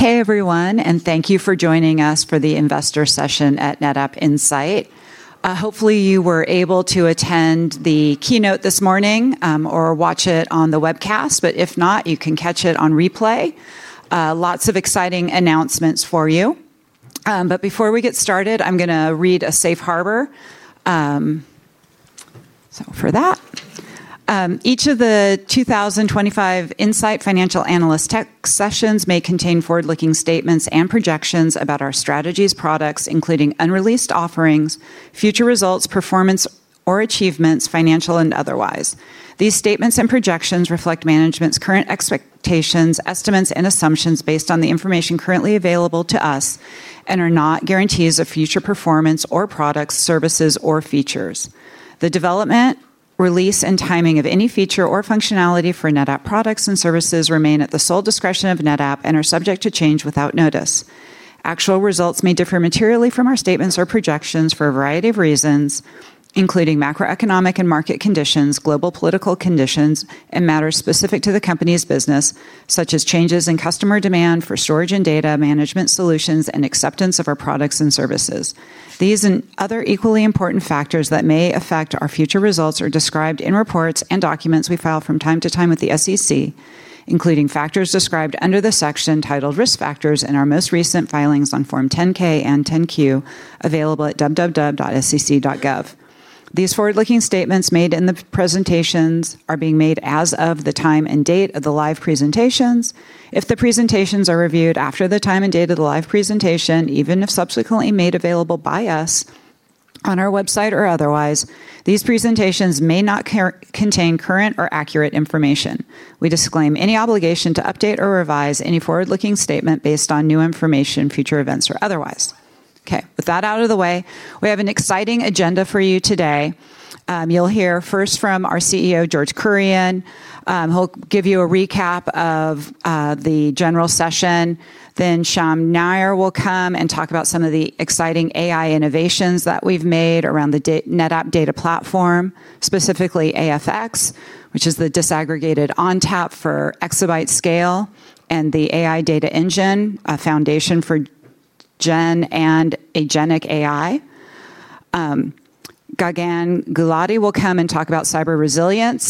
Hey, everyone, and thank you for joining us for the investor session at NetApp Insight. Hopefully, you were able to attend the keynote this morning or watch it on the webcast. If not, you can catch it on replay. Lots of exciting announcements for you. Before we get started, I'm going to read a safe harbor. For that, each of the 2025 Insight Financial Analyst Tech sessions may contain forward-looking statements and projections about our strategies, products, including unreleased offerings, future results, performance, or achievements, financial and otherwise. These statements and projections reflect management's current expectations, estimates, and assumptions based on the information currently available to us and are not guarantees of future performance or products, services, or features. The development, release, and timing of any feature or functionality for NetApp products and services remain at the sole discretion of NetApp and are subject to change without notice. Actual results may differ materially from our statements or projections for a variety of reasons, including macroeconomic and market conditions, global political conditions, and matters specific to the company's business, such as changes in customer demand for storage and data management solutions and acceptance of our products and services. These and other equally important factors that may affect our future results are described in reports and documents we file from time to time with the SEC, including factors described under the section titled Risk Factors in our most recent filings on Form 10-K and 10-Q available at www.sec.gov. These forward-looking statements made in the presentations are being made as of the time and date of the live presentations. If the presentations are reviewed after the time and date of the live presentation, even if subsequently made available by us on our website or otherwise, these presentations may not contain current or accurate information. We disclaim any obligation to update or revise any forward-looking statement based on new information, future events, or otherwise. OK, with that out of the way, we have an exciting agenda for you today. You'll hear first from our CEO, George Kurian. He'll give you a recap of the general session. Syam Nair will come and talk about some of the exciting AI innovations that we've made around the NetApp data platform, specifically NetApp AFX, which is the disaggregated ONTAP for exabyte-scale, and the AI Data Engine, a foundation for Gen and Agentic AI. Gagan Gulati will come and talk about cyber resilience.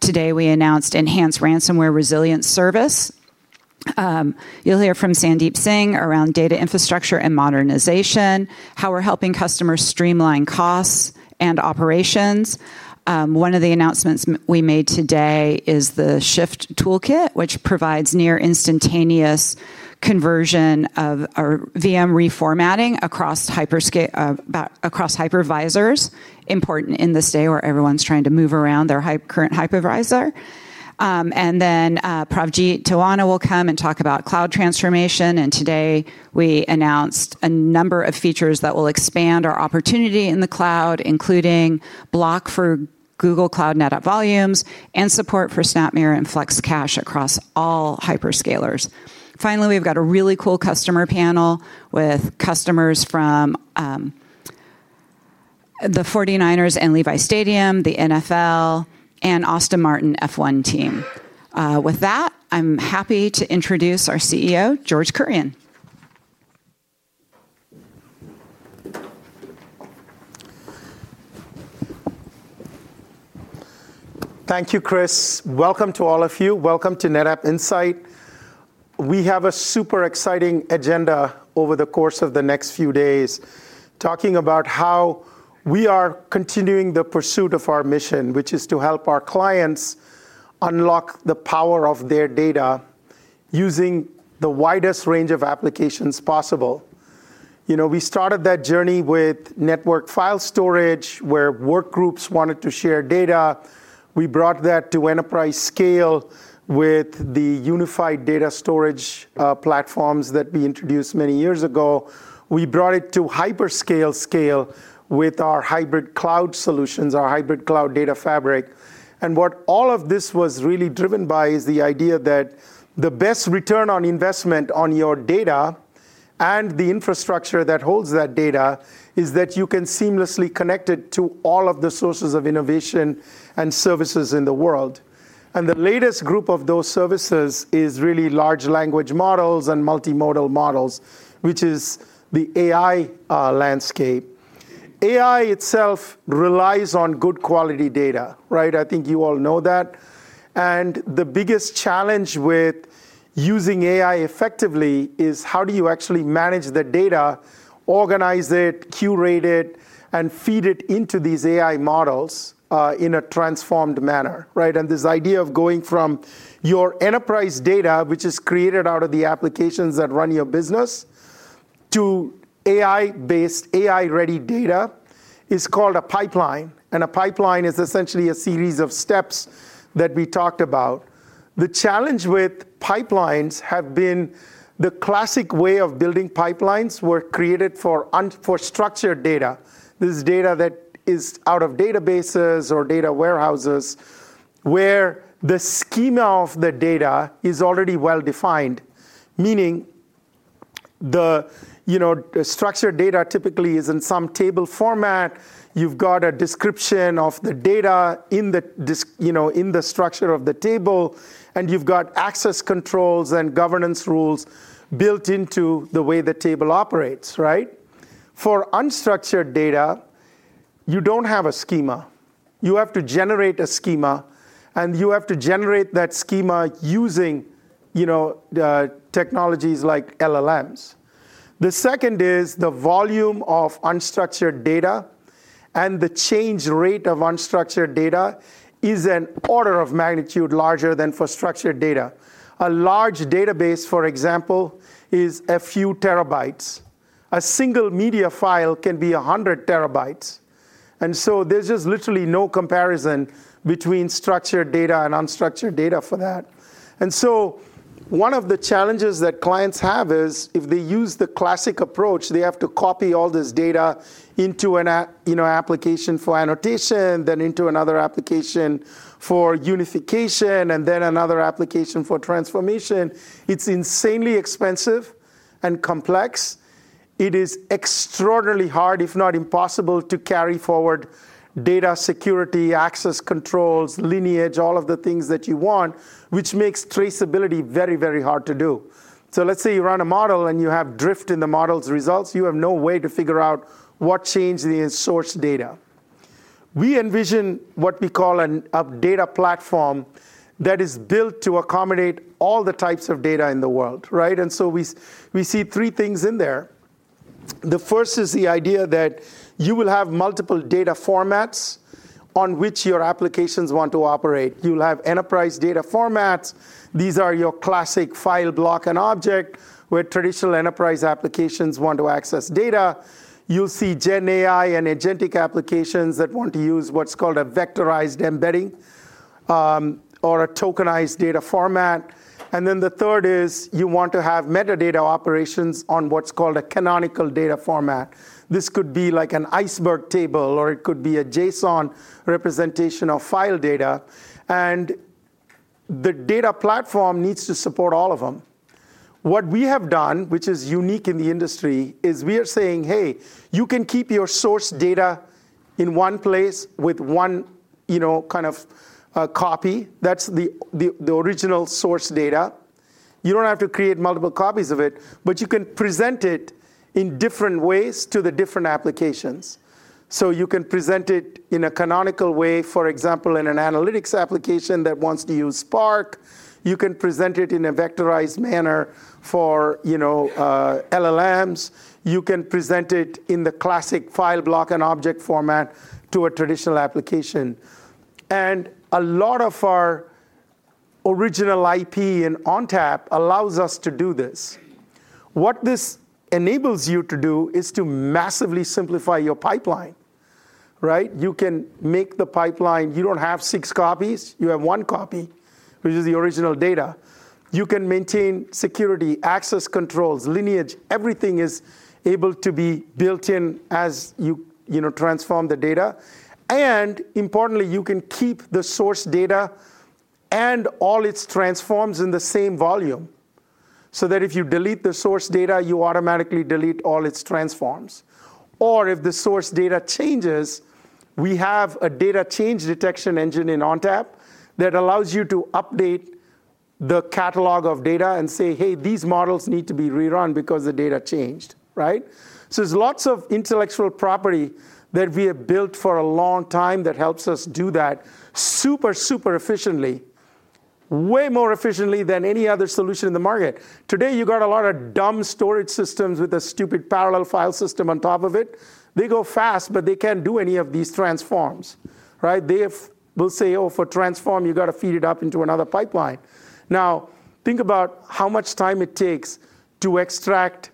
Today we announced Enhanced Ransomware Resilience Service. You'll hear from Sandeep Singh around data infrastructure and modernization, how we're helping customers streamline costs and operations. One of the announcements we made today is the Shift Toolkit, which provides near-instantaneous conversion of our VM reformatting across hypervisors, important in this day where everyone's trying to move around their current hypervisor. Pravjit Tuana will come and talk about cloud transformation. Today we announced a number of features that will expand our opportunity in the cloud, including block for Google Cloud NetApp Volumes and support for SnapMirror and FlexCache across all hyperscalers. Finally, we've got a really cool customer panel with customers from the San Francisco 49ers and Levi’s Stadium, the NFL, and Aston Martin F1 team. With that, I'm happy to introduce our CEO, George Kurian. Thank you, Kris. Welcome to all of you. Welcome to NetApp Insight. We have a super exciting agenda over the course of the next few days, talking about how we are continuing the pursuit of our mission, which is to help our clients unlock the power of their data using the widest range of applications possible. You know, we started that journey with network file storage, where workgroups wanted to share data. We brought that to enterprise scale with the unified data storage platforms that we introduced many years ago. We brought it to hyperscale scale with our hybrid cloud solutions, our hybrid cloud data fabric. What all of this was really driven by is the idea that the best return on investment on your data and the infrastructure that holds that data is that you can seamlessly connect it to all of the sources of innovation and services in the world. The latest group of those services is really large language models and multimodal models, which is the AI landscape. AI itself relies on good quality data. Right? I think you all know that. The biggest challenge with using AI effectively is how do you actually manage the data, organize it, curate it, and feed it into these AI models in a transformed manner. Right? This idea of going from your enterprise data, which is created out of the applications that run your business, to AI-based, AI-ready data is called a pipeline. A pipeline is essentially a series of steps that we talked about. The challenge with pipelines has been the classic way of building pipelines were created for unstructured data. This is data that is out of databases or data warehouses, where the schema of the data is already well defined, meaning the structured data typically is in some table format. You've got a description of the data in the structure of the table. You've got access controls and governance rules built into the way the table operates. Right? For unstructured data, you don't have a schema. You have to generate a schema. You have to generate that schema using technologies like LLMs. The second is the volume of unstructured data. The change rate of unstructured data is an order of magnitude larger than for structured data. A large database, for example, is a few TB. A single media file can be 100 TB. There's just literally no comparison between structured data and unstructured data for that. One of the challenges that clients have is if they use the classic approach, they have to copy all this data into an application for annotation, then into another application for unification, and then another application for transformation. It's insanely expensive and complex. It is extraordinarily hard, if not impossible, to carry forward data security, access controls, lineage, all of the things that you want, which makes traceability very, very hard to do. Let's say you run a model and you have drift in the model's results. You have no way to figure out what changed the source data. We envision what we call a data platform that is built to accommodate all the types of data in the world. Right? We see three things in there. The first is the idea that you will have multiple data formats on which your applications want to operate. You will have enterprise data formats. These are your classic file, block, and object, where traditional enterprise applications want to access data. You'll see Gen AI and Agentic applications that want to use what's called a vectorized embedding or a tokenized data format. The third is you want to have metadata operations on what's called a canonical data format. This could be like an iceberg table, or it could be a JSON representation of file data. The data platform needs to support all of them. What we have done, which is unique in the industry, is we are saying, hey, you can keep your source data in one place with one kind of copy. That's the original source data. You don't have to create multiple copies of it. You can present it in different ways to the different applications. You can present it in a canonical way, for example, in an analytics application that wants to use Spark. You can present it in a vectorized manner for LLMs. You can present it in the classic file, block, and object format to a traditional application. A lot of our original IP in ONTAP allows us to do this. What this enables you to do is to massively simplify your pipeline. You can make the pipeline. You don't have six copies. You have one copy, which is the original data. You can maintain security, access controls, lineage. Everything is able to be built in as you transform the data. Importantly, you can keep the source data and all its transforms in the same volume so that if you delete the source data, you automatically delete all its transforms. If the source data changes, we have a data change detection engine in ONTAP that allows you to update the catalog of data and say, hey, these models need to be rerun because the data changed. There is lots of intellectual property that we have built for a long time that helps us do that super, super efficiently, way more efficiently than any other solution in the market. Today, you've got a lot of dumb storage systems with a stupid parallel file system on top of it. They go fast, but they can't do any of these transforms. They will say, oh, for transform, you've got to feed it up into another pipeline. Now think about how much time it takes to extract,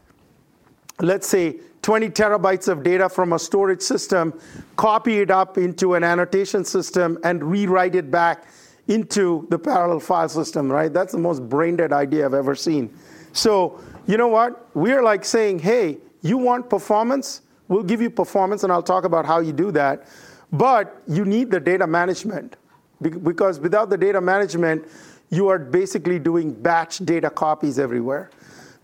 let's say, 20 TB of data from a storage system, copy it up into an annotation system, and rewrite it back into the parallel file system. That's the most braindead idea I've ever seen. You know what? We are like saying, hey, you want performance? We'll give you performance. I'll talk about how you do that. You need the data management. Because without the data management, you are basically doing batch data copies everywhere.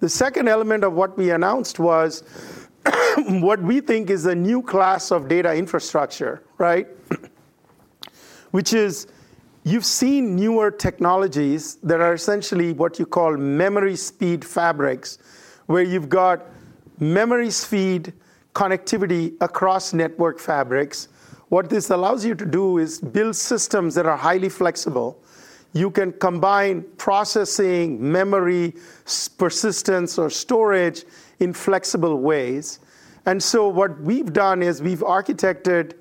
The second element of what we announced was what we think is a new class of data infrastructure, which is you've seen newer technologies that are essentially what you call memory speed fabrics, where you've got memory speed connectivity across network fabrics. What this allows you to do is build systems that are highly flexible. You can combine processing, memory, persistence, or storage in flexible ways. What we've done is we've architected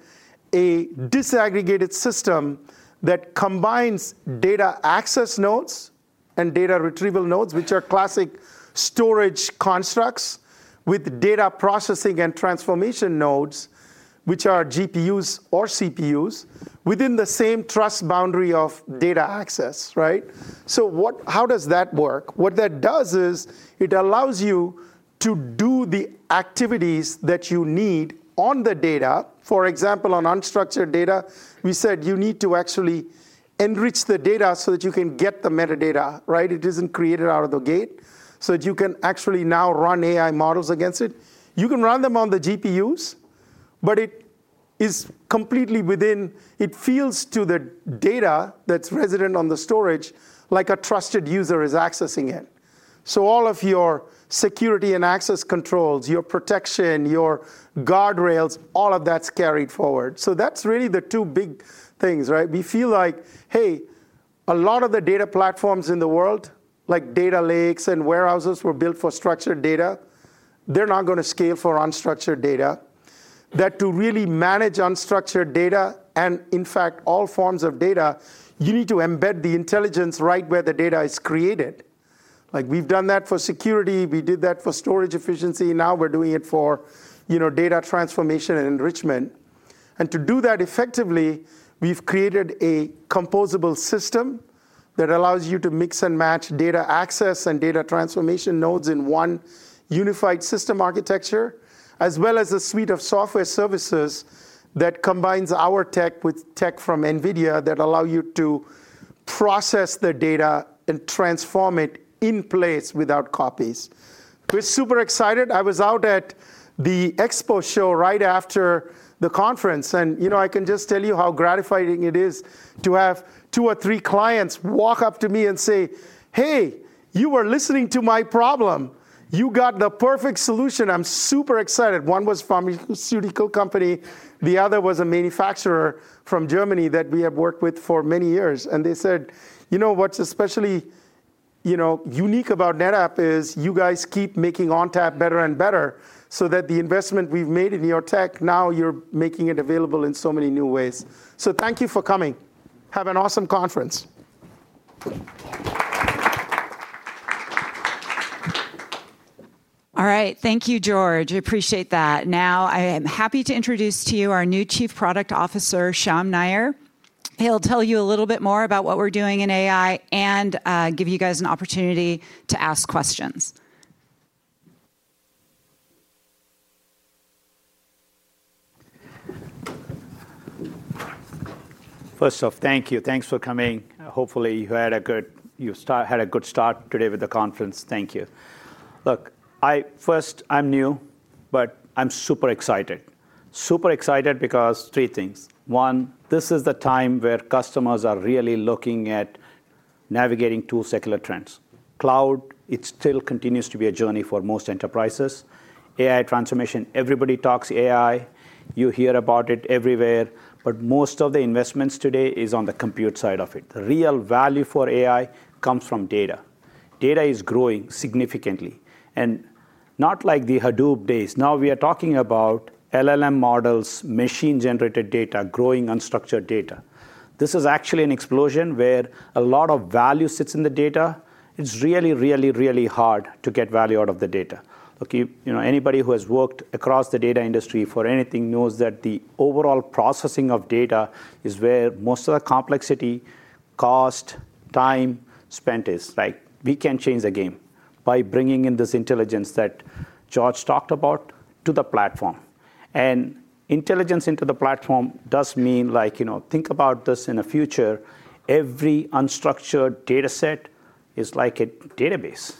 a disaggregated system that combines data access nodes and data retrieval nodes, which are classic storage constructs, with data processing and transformation nodes, which are GPUs or CPUs, within the same trust boundary of data access. How does that work? What that does is it allows you to do the activities that you need on the data. For example, on unstructured data, we said you need to actually enrich the data so that you can get the metadata. It isn't created out of the gate. You can actually now run AI models against it. You can run them on the GPUs. It is completely within, it feels to the data that's resident on the storage like a trusted user is accessing it. All of your security and access controls, your protection, your guardrails, all of that's carried forward. That's really the two big things. We feel like, hey, a lot of the data platforms in the world, like data lakes and warehouses, were built for structured data. They're not going to scale for unstructured data. To really manage unstructured data and, in fact, all forms of data, you need to embed the intelligence right where the data is created. We've done that for security. We did that for storage efficiency. Now we're doing it for data transformation and enrichment. To do that effectively, we've created a composable system that allows you to mix and match data access and data transformation nodes in one unified system architecture, as well as a suite of software services that combines our tech with tech from NVIDIA that allow you to process the data and transform it in place without copies. We're super excited. I was out at the Expo show right after the conference, and I can just tell you how gratifying it is to have two or three clients walk up to me and say, hey, you were listening to my problem. You got the perfect solution. I'm super excited. One was a pharmaceutical company. The other was a manufacturer from Germany that we have worked with for many years. They said, you know what's especially unique about NetApp is you guys keep making ONTAP better and better so that the investment we've made in your tech, now you're making it available in so many new ways. Thank you for coming. Have an awesome conference. All right. Thank you, George. I appreciate that. Now I am happy to introduce to you our new Chief Product Officer, Syam Nair. He'll tell you a little bit more about what we're doing in AI and give you guys an opportunity to ask questions. First off, thank you. Thanks for coming. Hopefully, you had a good start today with the conference. Thank you. Look, first, I'm new. I'm super excited, super excited because three things. One, this is the time where customers are really looking at navigating two secular trends. Cloud, it still continues to be a journey for most enterprises. AI transformation, everybody talks AI. You hear about it everywhere. Most of the investments today are on the compute side of it. The real value for AI comes from data. Data is growing significantly. Not like the Hadoop days. Now we are talking about LLM models, machine-generated data, growing unstructured data. This is actually an explosion where a lot of value sits in the data. It's really, really, really hard to get value out of the data. Anybody who has worked across the data industry for anything knows that the overall processing of data is where most of the complexity, cost, time spent is. Right? We can change the game by bringing in this intelligence that George talked about to the platform. Intelligence into the platform does mean, like, think about this in the future. Every unstructured data set is like a database.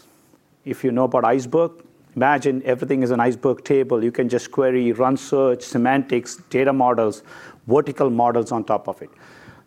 If you know about Iceberg, imagine everything is an Iceberg table. You can just query, run search, semantics, data models, vertical models on top of it.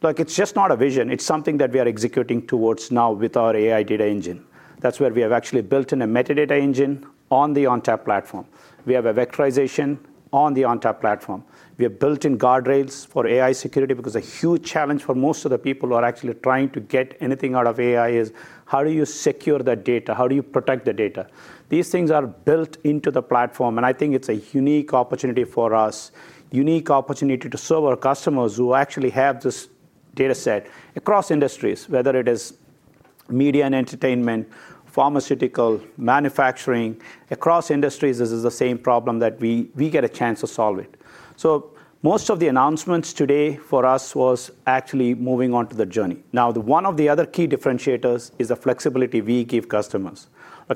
Look, it's just not a vision. It's something that we are executing towards now with our AI Data Engine (AIDE). That's where we have actually built in a metadata engine on the NetApp ONTAP platform. We have a vectorization on the NetApp ONTAP platform. We have built-in guardrails for AI security because a huge challenge for most of the people who are actually trying to get anything out of AI is how do you secure that data? How do you protect the data? These things are built into the platform. I think it's a unique opportunity for us, a unique opportunity to serve our customers who actually have this data set across industries, whether it is media and entertainment, pharmaceutical, manufacturing. Across industries, this is the same problem that we get a chance to solve. Most of the announcements today for us were actually moving on to the journey. One of the other key differentiators is the flexibility we give customers.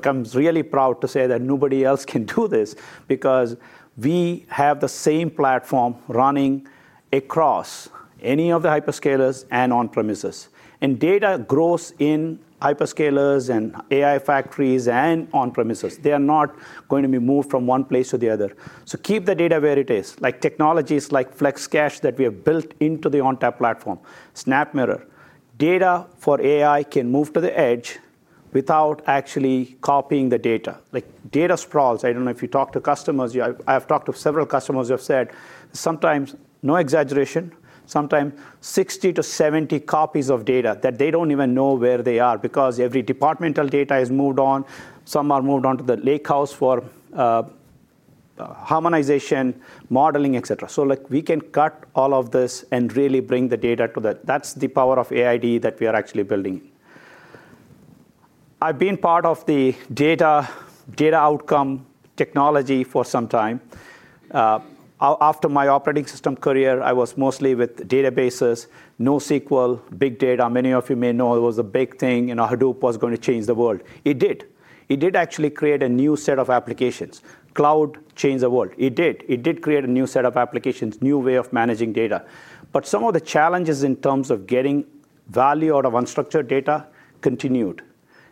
I'm really proud to say that nobody else can do this because we have the same platform running across any of the hyperscalers and on-premises. Data grows in hyperscalers and AI factories and on-premises. They are not going to be moved from one place to the other. Keep the data where it is, like technologies like FlexCache that we have built into the ONTAP platform, SnapMirror. Data for AI can move to the edge without actually copying the data, like data sprawls. I don't know if you talk to customers. I've talked to several customers who have said sometimes, no exaggeration, sometimes 60% to 70% copies of data that they don't even know where they are because every departmental data is moved on. Some are moved on to the lakehouse for harmonization, modeling, et cetera. We can cut all of this and really bring the data to that. That's the power of AIDE that we are actually building. I've been part of the data outcome technology for some time. After my operating system career, I was mostly with databases, NoSQL, big data. Many of you may know it was a big thing. You know Hadoop was going to change the world. It did. It did actually create a new set of applications. Cloud changed the world. It did. It did create a new set of applications, a new way of managing data. Some of the challenges in terms of getting value out of unstructured data continued.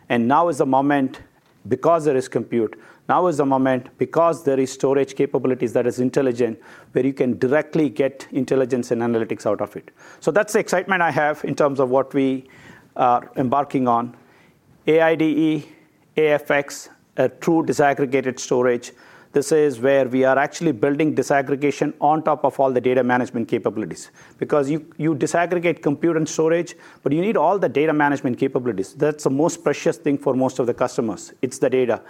Now is the moment because there is compute. Now is the moment because there are storage capabilities that are intelligent, where you can directly get intelligence and analytics out of it. That's the excitement I have in terms of what we are embarking on. AIDE, AFX, a true disaggregated storage. This is where we are actually building disaggregation on top of all the data management capabilities. You disaggregate compute and storage, but you need all the data management capabilities. That's the most precious thing for most of the customers. It's the data.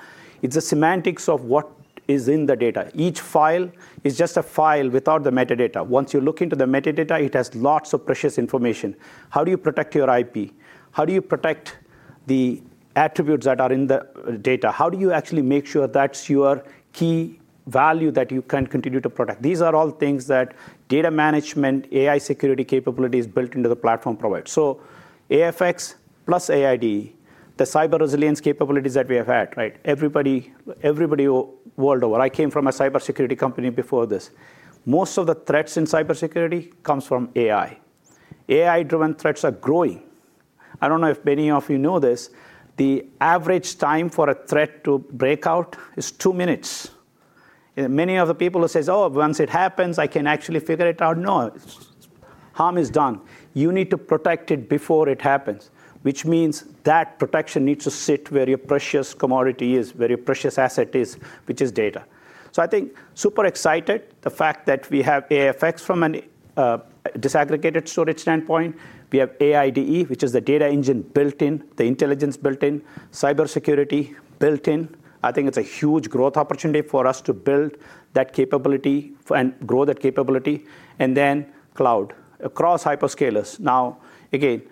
It's the semantics of what is in the data. Each file is just a file without the metadata. Once you look into the metadata, it has lots of precious information. How do you protect your IP? How do you protect the attributes that are in the data? How do you actually make sure that's your key value that you can continue to protect? These are all things that data management, AI security capabilities built into the platform provide. AFX plus AIDE, the cyber resilience capabilities that we have had, right, everybody world over. I came from a cybersecurity company before this. Most of the threats in cybersecurity come from AI. AI-driven threats are growing. I don't know if many of you know this. The average time for a threat to break out is two minutes. Many of the people who say, oh, once it happens, I can actually figure it out. No, harm is done. You need to protect it before it happens, which means that protection needs to sit where your precious commodity is, where your precious asset is, which is data. I think super excited, the fact that we have NetApp AFX from a disaggregated storage standpoint. We have AI Data Engine (AIDE), which is the data engine built in, the intelligence built in, cybersecurity built in. I think it's a huge growth opportunity for us to build that capability and grow that capability. Then cloud across hyperscalers. Now, again,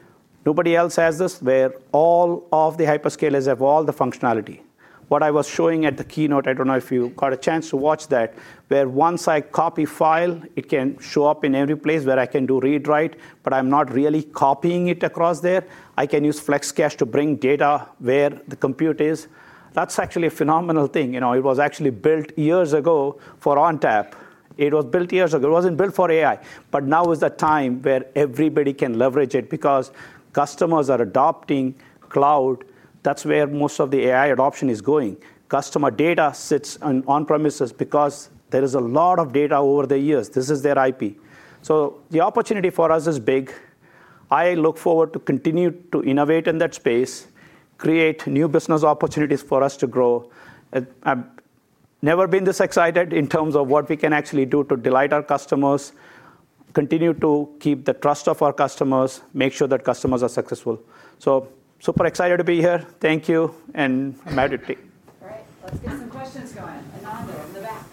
nobody else has this, where all of the hyperscalers have all the functionality. What I was showing at the keynote, I don't know if you got a chance to watch that, where once I copy file, it can show up in every place where I can do read, write, but I'm not really copying it across there. I can use FlexCache to bring data where the compute is. That's actually a phenomenal thing. It was actually built years ago for NetApp ONTAP. It was built years ago. It wasn't built for AI. Now is the time where everybody can leverage it because customers are adopting cloud. That's where most of the AI adoption is going. Customer data sits on premises because there is a lot of data over the years. This is their IP. The opportunity for us is big. I look forward to continue to innovate in that space, create new business opportunities for us to grow. I've never been this excited in terms of what we can actually do to delight our customers, continue to keep the trust of our customers, make sure that customers are successful. Super excited to be here. Thank you. I'm happy to. All right. Let's get some questions going. Ananda in the back.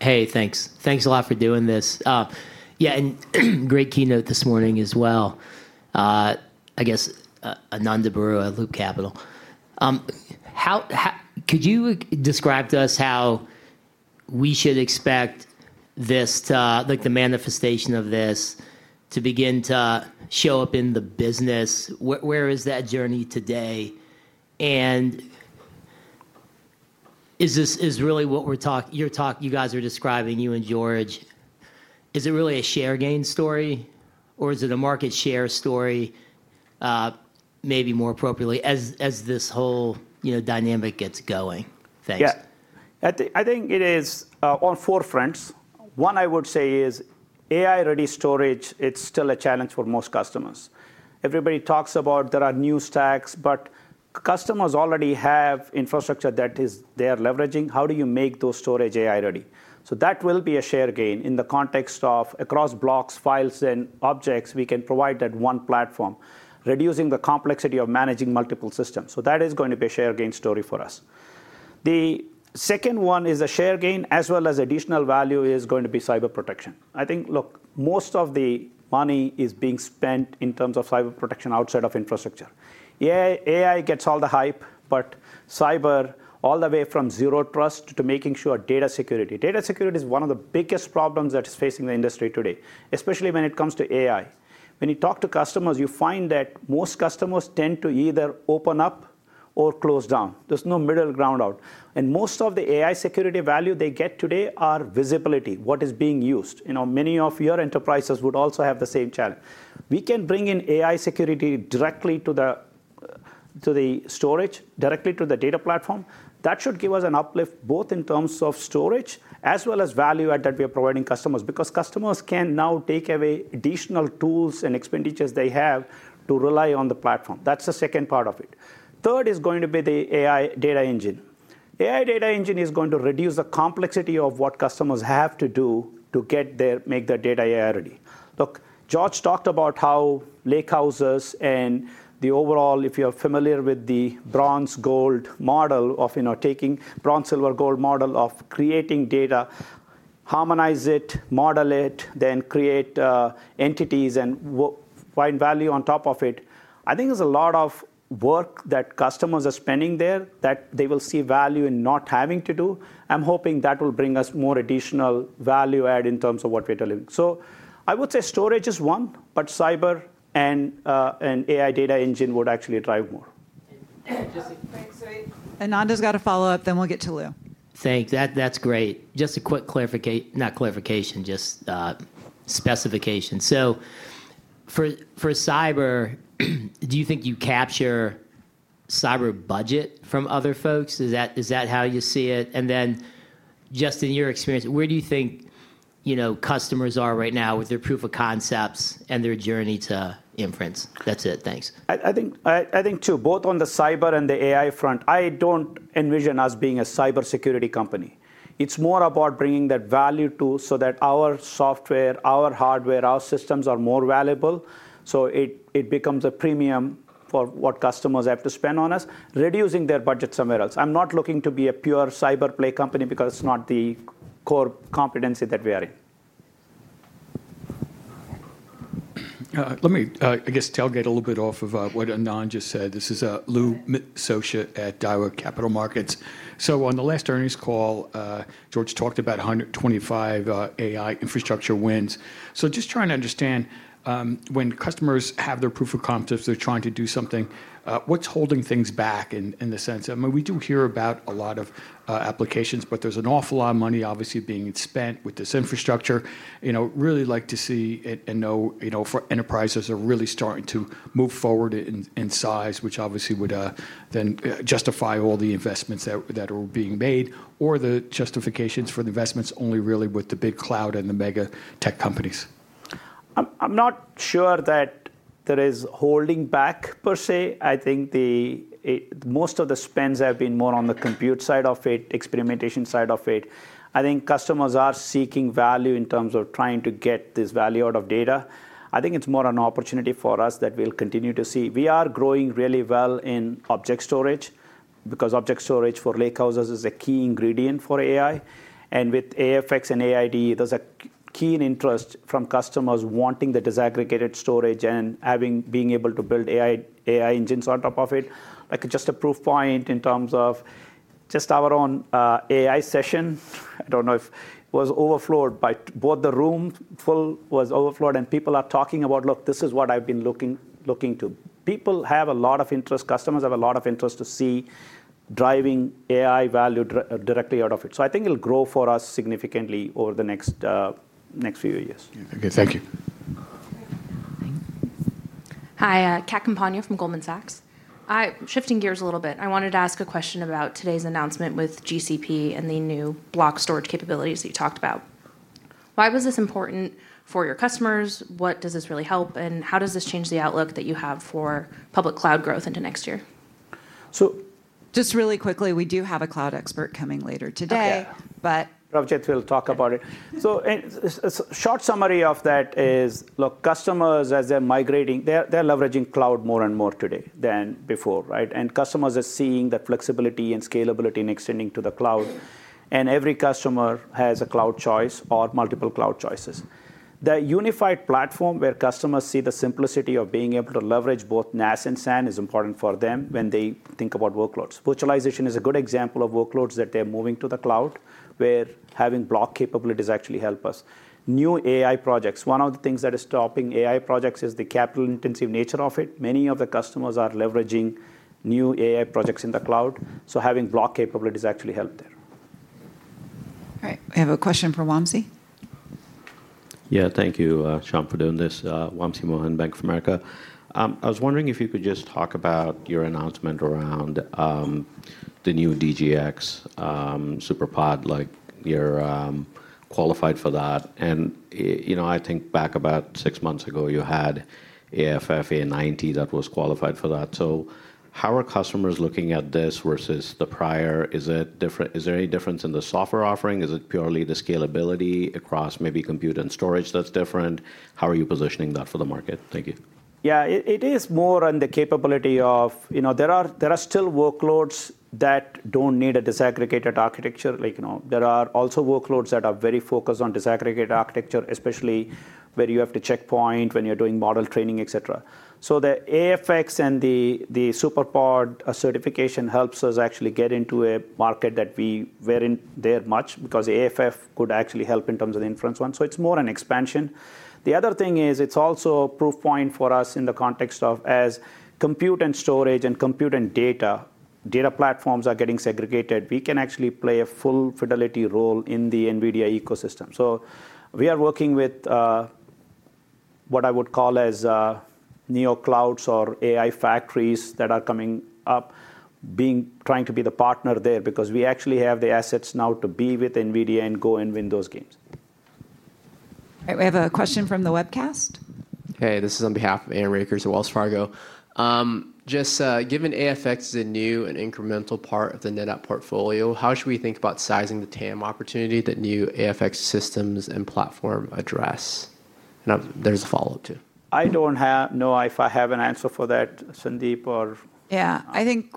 Hey, thanks. Thanks a lot for doing this. Yeah, and great keynote this morning as well. I guess Ananda Baruah of Loop Capital. Could you describe to us how we should expect this, like the manifestation of this, to begin to show up in the business? Where is that journey today? Is this really what we're talking you guys are describing, you and George? Is it really a share gain story? Or is it a market share story, maybe more appropriately, as this whole dynamic gets going? Thanks. Yeah. I think it is on four fronts. One I would say is AI-ready storage, it's still a challenge for most customers. Everybody talks about there are new stacks, but customers already have infrastructure that they are leveraging. How do you make those storage AI-ready? That will be a share gain in the context of across blocks, files, and objects. We can provide that one platform, reducing the complexity of managing multiple systems. That is going to be a share gain story for us. The second one is a share gain, as well as additional value, is going to be cyber protection. I think most of the money is being spent in terms of cyber protection outside of infrastructure. AI gets all the hype, but cyber, all the way from zero trust to making sure data security. Data security is one of the biggest problems that is facing the industry today, especially when it comes to AI. When you talk to customers, you find that most customers tend to either open up or close down. There's no middle ground out. Most of the AI security value they get today is visibility, what is being used. Many of your enterprises would also have the same challenge. We can bring in AI security directly to the storage, directly to the data platform. That should give us an uplift, both in terms of storage as well as value add that we are providing customers, because customers can now take away additional tools and expenditures they have to rely on the platform. That's the second part of it. Third is going to be the AI Data Engine. AI Data Engine is going to reduce the complexity of what customers have to do to make their data AI-ready. George talked about how lakehouses and the overall, if you are familiar with the bronze, silver, gold model of creating data, harmonize it, model it, then create entities and find value on top of it. I think there's a lot of work that customers are spending there that they will see value in not having to do. I'm hoping that will bring us more additional value add in terms of what we're delivering. I would say storage is one, but cyber and AI Data Engine would actually drive more. Ananda's got a follow-up. We'll get to Lou. Thanks. That's great. Just a quick specification. For cyber, do you think you capture cyber budget from other folks? Is that how you see it? In your experience, where do you think customers are right now with their proof of concepts and their journey to inference? That's it. Thanks. I think two, both on the cyber and the AI front. I don't envision us being a cybersecurity company. It's more about bringing that value so that our software, our hardware, our systems are more valuable. It becomes a premium for what customers have to spend on us, reducing their budget somewhere else. I'm not looking to be a pure cyber play company because it's not the core competency that we are in. Let me delegate a little bit off of what Ananda just said. This is Lou Miscioscia at Daiwa Capital Markets. On the last earnings call, George talked about 125 AI infrastructure wins. I'm just trying to understand when customers have their proof of concepts, they're trying to do something, what's holding things back in the sense of, I mean, we do hear about a lot of applications. There's an awful lot of money, obviously, being spent with this infrastructure. I'd really like to see and know for enterprises that are really starting to move forward in size, which obviously would then justify all the investments that are being made or the justifications for the investments only really with the big cloud and the mega tech companies. I'm not sure that there is holding back per se. I think most of the spends have been more on the compute side of it, experimentation side of it. I think customers are seeking value in terms of trying to get this value out of data. I think it's more an opportunity for us that we'll continue to see. We are growing really well in object storage because object storage for lakehouses is a key ingredient for AI. With AFX and AI Data Engine (AIDE), there's a keen interest from customers wanting the disaggregated storage and being able to build AI engines on top of it. Just a proof point in terms of our own AI session, I don't know if it was overflowed, but the room was overflowed. People are talking about, look, this is what I've been looking to. People have a lot of interest. Customers have a lot of interest to see driving AI value directly out of it. I think it'll grow for us significantly over the next few years. OK, thank you. Hi. Kat Campagna from Goldman Sachs. Shifting gears a little bit, I wanted to ask a question about today's announcement with Google Cloud and the new block storage capabilities that you talked about. Why was this important for your customers? What does this really help? How does this change the outlook that you have for public cloud growth into next year? We do have a cloud expert coming later today. Pravjit will talk about it. A short summary of that is, look, customers, as they're migrating, they're leveraging cloud more and more today than before. Customers are seeing that flexibility and scalability extending to the cloud. Every customer has a cloud choice or multiple cloud choices. The unified platform where customers see the simplicity of being able to leverage both NAS and SAN is important for them when they think about workloads. Virtualization is a good example of workloads that they're moving to the cloud, where having block capabilities actually helps us. New AI projects, one of the things that is stopping AI projects is the capital-intensive nature of it. Many of the customers are leveraging new AI projects in the cloud. Having block capabilities actually helps there. All right. We have a question from Wamsi. Thank you, Syam, for doing this. Wamsi Mohan, Bank of America. I was wondering if you could just talk about your announcement around the new DGX SuperPOD, like you're qualified for that. I think back about six months ago, you had AFF A90 that was qualified for that. How are customers looking at this versus the prior? Is there any difference in the software offering? Is it purely the scalability across maybe compute and storage that's different? How are you positioning that for the market? Thank you. Yeah. It is more on the capability of there are still workloads that don't need a disaggregated architecture. There are also workloads that are very focused on disaggregated architecture, especially where you have to checkpoint when you're doing model training, et cetera. The NetApp AFX and the DGX SuperPOD certification helps us actually get into a market that we weren't there much because NetApp AFF could actually help in terms of the inference one. It's more an expansion. The other thing is it's also a proof point for us in the context of as compute and storage and compute and data platforms are getting segregated, we can actually play a full fidelity role in the NVIDIA ecosystem. We are working with what I would call as neoclouds or AI factories that are coming up, trying to be the partner there because we actually have the assets now to be with NVIDIA and go and win those games. All right, we have a question from the webcast. This is on behalf of Aaron Rakers at Wells Fargo. Just given AFX is a new and incremental part of the NetApp portfolio, how should we think about sizing the TAM opportunity that new AFX systems and platform address? There's a follow-up too. I don't know if I have an answer for that, Sandeep or? I think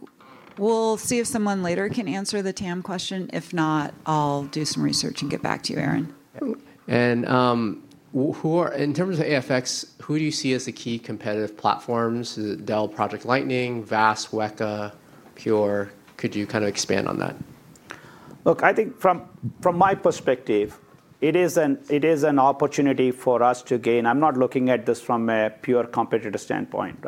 we'll see if someone later can answer the TAM question. If not, I'll do some research and get back to you, Aaron. In terms of NetApp AFX, who do you see as the key competitive platforms? Is it Dell, Project Lightning, VAST, Weka, Pure? Could you kind of expand on that? I think from my perspective, it is an opportunity for us to gain. I'm not looking at this from a pure competitive standpoint.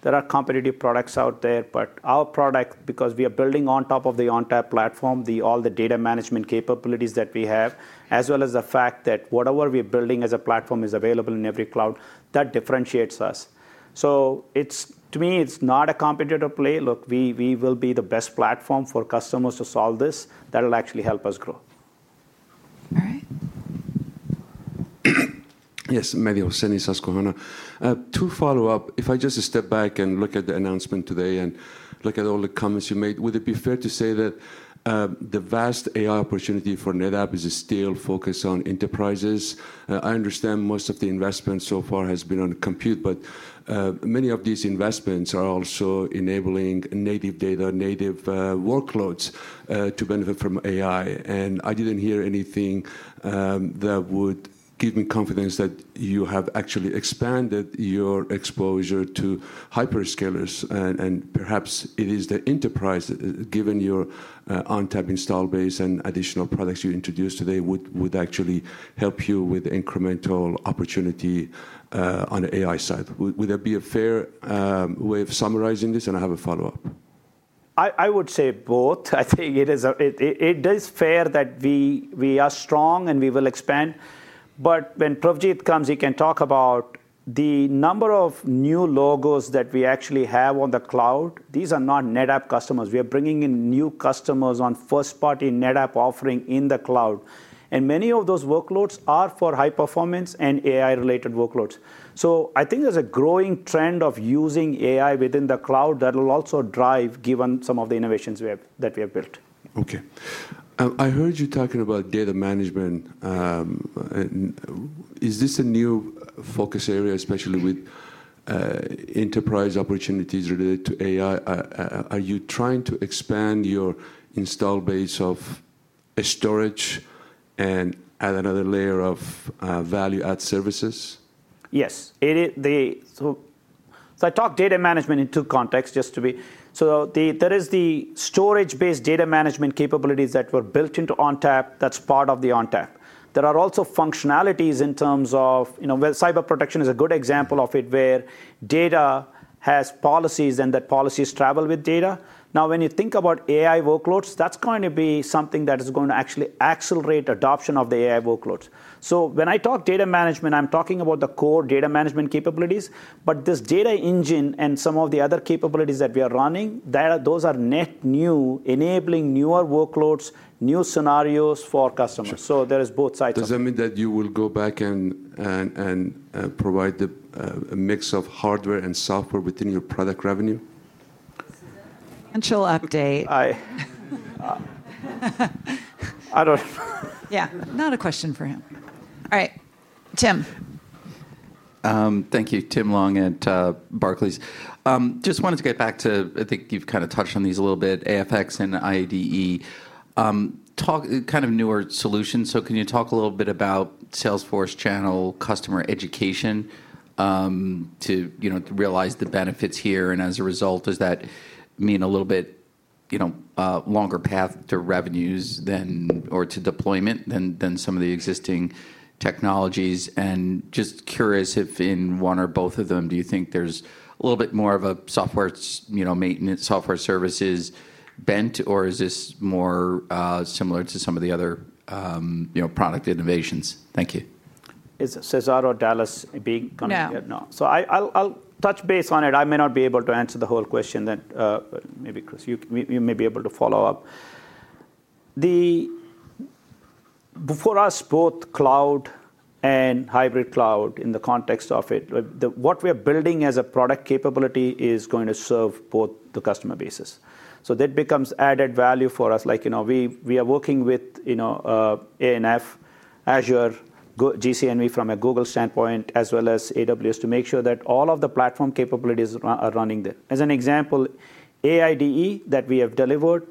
There are competitive products out there, but our product, because we are building on top of the ONTAP platform, all the data management capabilities that we have, as well as the fact that whatever we're building as a platform is available in every cloud, that differentiates us. To me, it's not a competitive play. We will be the best platform for customers to solve this. That will actually help us grow. Yes. Mehdi Hosseini, Susquehanna. Two follow-up. If I just step back and look at the announcement today and look at all the comments you made, would it be fair to say that the vast AI opportunity for NetApp is still focused on enterprises? I understand most of the investment so far has been on compute. Many of these investments are also enabling native data, native workloads to benefit from AI. I didn't hear anything that would give me confidence that you have actually expanded your exposure to hyperscalers. Perhaps it is the enterprise, given your ONTAP install base and additional products you introduced today, that would actually help you with the incremental opportunity on the AI side. Would that be a fair way of summarizing this? I have a follow-up. I would say both. I think it is fair that we are strong and we will expand. When Pravjit comes, he can talk about the number of new logos that we actually have on the cloud. These are not NetApp customers. We are bringing in new customers on first-party NetApp offering in the cloud, and many of those workloads are for high-performance and AI-related workloads. I think there's a growing trend of using AI within the cloud that will also drive, given some of the innovations that we have built. OK. I heard you talking about data management. Is this a new focus area, especially with enterprise opportunities related to AI? Are you trying to expand your install base of storage and add another layer of value-add services? Yes. I talk data management in two contexts, just to be. There is the storage-based data management capabilities that were built into ONTAP. That's part of the ONTAP. There are also functionalities in terms of cyber protection, which is a good example of it, where data has policies and those policies travel with data. Now, when you think about AI workloads, that's going to be something that is going to actually accelerate adoption of the AI workloads. When I talk data management, I'm talking about the core data management capabilities. This data engine and some of the other capabilities that we are running, those are net new, enabling newer workloads, new scenarios for customers. There is both sides of it. Does that mean that you will go back and provide a mix of hardware and software within your product revenue? Essential update. I don't know. Yeah. Not a question for him. All right, Tim. Thank you. Tim Long at Barclays. Just wanted to get back to, I think you've kind of touched on these a little bit, NetApp AFX and AI Data Engine. Kind of newer solutions. Can you talk a little bit about Salesforce channel customer education to realize the benefits here? As a result, does that mean a little bit longer path to revenues or to deployment than some of the existing technologies? I'm just curious if in one or both of them, do you think there's a little bit more of a software maintenance, software services bent? Or is this more similar to some of the other product innovations? Thank you. Is Cesar or Dallas being on? No. I'll touch base on it. I may not be able to answer the whole question. Chris, you may be able to follow up. For us, both cloud and hybrid cloud in the context of it, what we are building as a product capability is going to serve both the customer bases. That becomes added value for us. We are working with ANF, Azure, Google Cloud NetApp Volumes from a Google standpoint, as well as AWS to make sure that all of the platform capabilities are running there. As an example, AI Data Engine (AIDE) that we have delivered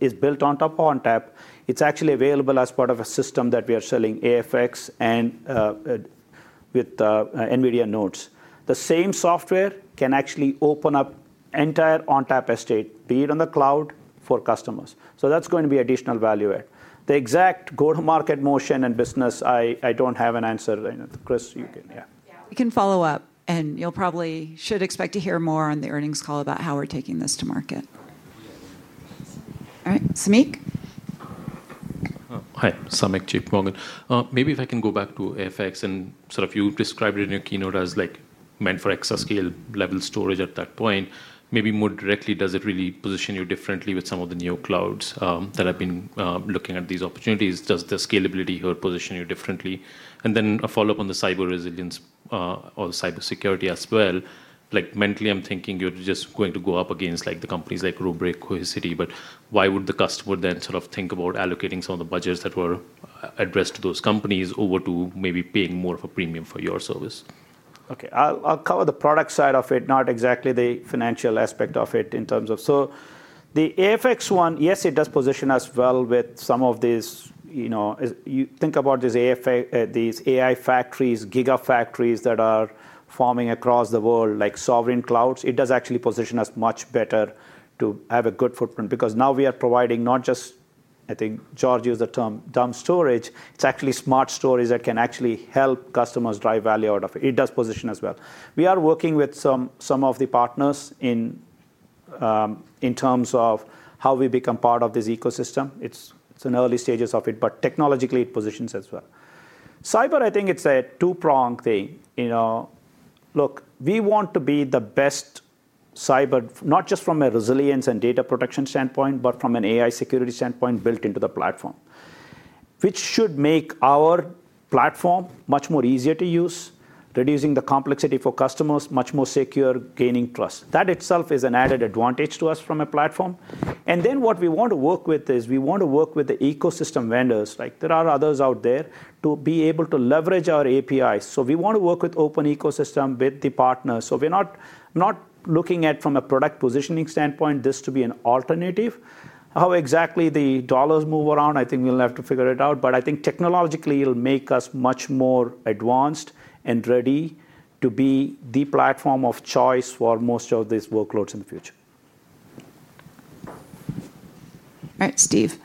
is built on top of NetApp ONTAP. It's actually available as part of a system that we are selling, NetApp AFX, and with NVIDIA nodes. The same software can actually open up the entire ONTAP estate, be it on the cloud, for customers. That's going to be additional value add. The exact go-to-market motion and business, I don't have an answer. Chris, you can. Yeah, we can follow up. You probably should expect to hear more on the earnings call about how we're taking this to market. All right. Samik. Hi. Samik Chatterjee, JPMorgan. Maybe if I can go back to NetApp AFX. You described it in your keynote as meant for exabyte-scale level storage at that point. More directly, does it really position you differently with some of the new clouds that have been looking at these opportunities? Does the scalability here position you differently? A follow-up on the cyber resilience or cybersecurity as well. Mentally, I'm thinking you're just going to go up against companies like Rubrik, Cohesity. Why would the customer then think about allocating some of the budgets that were addressed to those companies over to maybe paying more of a premium for your service? OK. I'll cover the product side of it, not exactly the financial aspect of it in terms of, so the NetApp AFX one, yes, it does position us well with some of these. You think about these AI factories, giga factories that are forming across the world, like sovereign clouds. It does actually position us much better to have a good footprint, because now we are providing not just, I think George used the term dumb storage, it's actually smart storage that can actually help customers drive value out of it. It does position us well. We are working with some of the partners in terms of how we become part of this ecosystem. It's in early stages of it, but technologically, it positions us well. Cyber, I think it's a two-prong thing. Look, we want to be the best cyber, not just from a resilience and data protection standpoint, but from an AI security standpoint built into the platform, which should make our platform much more easier to use, reducing the complexity for customers, much more secure, gaining trust. That itself is an added advantage to us from a platform. What we want to work with is we want to work with the ecosystem vendors. There are others out there to be able to leverage our APIs. We want to work with open ecosystem with the partners. We're not looking at, from a product positioning standpoint, this to be an alternative. How exactly the dollars move around, I think we'll have to figure it out. I think technologically, it'll make us much more advanced and ready to be the platform of choice for most of these workloads in the future. All right, Steve.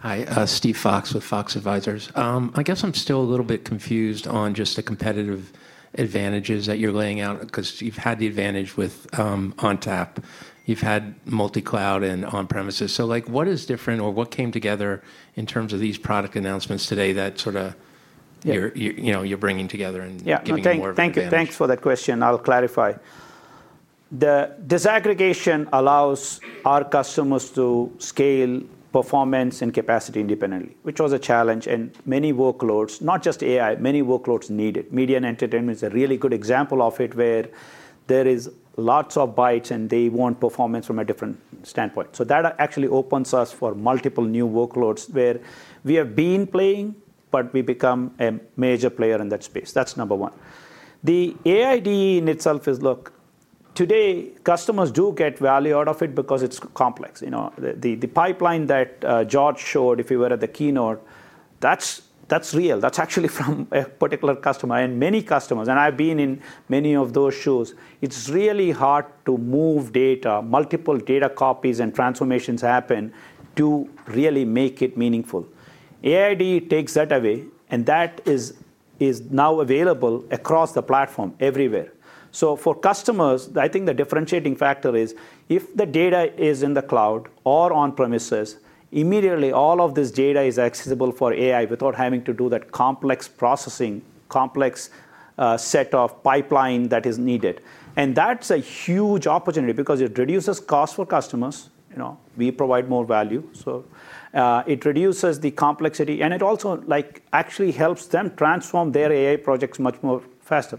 Hi. Steve Fox with Fox Advisors. I guess I'm still a little bit confused on just the competitive advantages that you're laying out. You've had the advantage with ONTAP. You've had multi-cloud and on-premises. What is different or what came together in terms of these product announcements today that you're bringing together and giving more? Yeah. Thanks for that question. I'll clarify. The disaggregation allows our customers to scale performance and capacity independently, which was a challenge. Many workloads, not just AI, need it. Media and entertainment is a really good example of it, where there are lots of bytes, and they want performance from a different standpoint. That actually opens us for multiple new workloads where we have been playing, but we become a major player in that space. That's number one. The AI Data Engine (AIDE) in itself is, look, today, customers do get value out of it because it's complex. The pipeline that George showed, if you were at the keynote, that's real. That's actually from a particular customer and many customers. I've been in many of those shoes. It's really hard to move data. Multiple data copies and transformations happen to really make it meaningful. AIDE takes that away, and that is now available across the platform everywhere. For customers, I think the differentiating factor is if the data is in the cloud or on-premises, immediately, all of this data is accessible for AI without having to do that complex processing, complex set of pipeline that is needed. That's a huge opportunity because it reduces costs for customers. We provide more value. It reduces the complexity, and it also actually helps them transform their AI projects much more faster.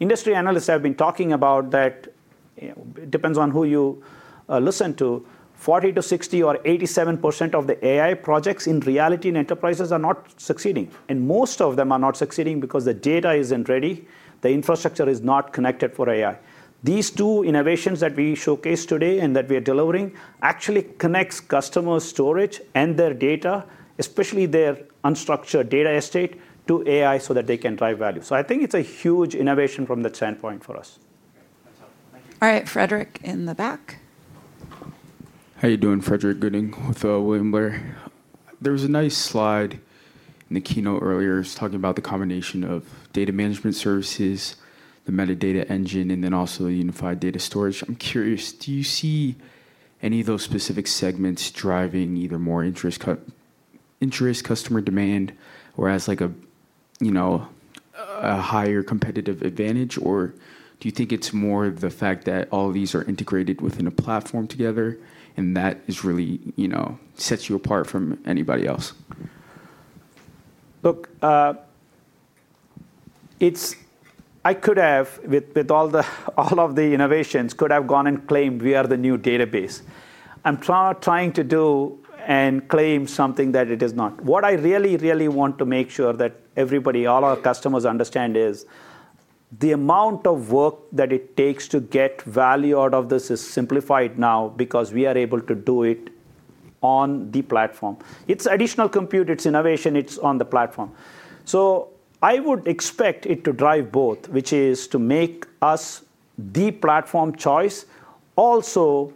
Industry analysts have been talking about that. It depends on who you listen to. 40-60% or 87% of the AI projects in reality in enterprises are not succeeding. Most of them are not succeeding because the data isn't ready. The infrastructure is not connected for AI. These two innovations that we showcased today and that we are delivering actually connect customer storage and their data, especially their unstructured data estate, to AI so that they can drive value. I think it's a huge innovation from that standpoint for us. All right. Frederick in the back. How are you doing, Frederick Gooding with William Blair. There was a nice slide in the keynote earlier. It was talking about the combination of data management services, the metadata engine, and then also unified data storage. I'm curious, do you see any of those specific segments driving either more interest, customer demand, or as a higher competitive advantage? Do you think it's more the fact that all of these are integrated within a platform together and that really sets you apart from anybody else? I could have, with all of the innovations, gone and claimed we are the new database. I'm trying to do and claim something that it is not. What I really, really want to make sure that everybody, all our customers, understand is the amount of work that it takes to get value out of this is simplified now because we are able to do it on the platform. It's additional compute. It's innovation. It's on the platform. I would expect it to drive both, which is to make us the platform choice, also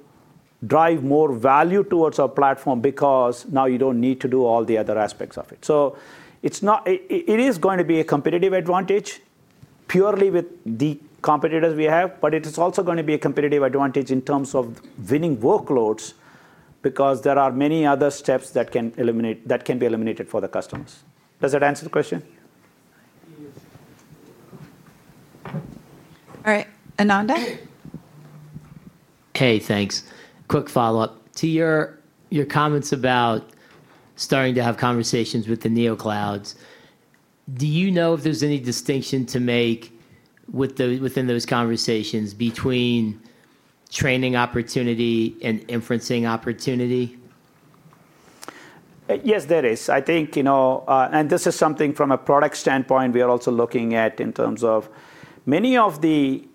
drive more value towards our platform because now you don't need to do all the other aspects of it. It is going to be a competitive advantage purely with the competitors we have. It is also going to be a competitive advantage in terms of winning workloads because there are many other steps that can be eliminated for the customers. Does that answer the question? Yes. All right, Ananda. Hey, thanks. Quick follow-up. To your comments about starting to have conversations with the neoclouds, do you know if there's any distinction to make within those conversations between training opportunity and inferencing opportunity? Yes, there is. I think, and this is something from a product standpoint we are also looking at in terms of many of the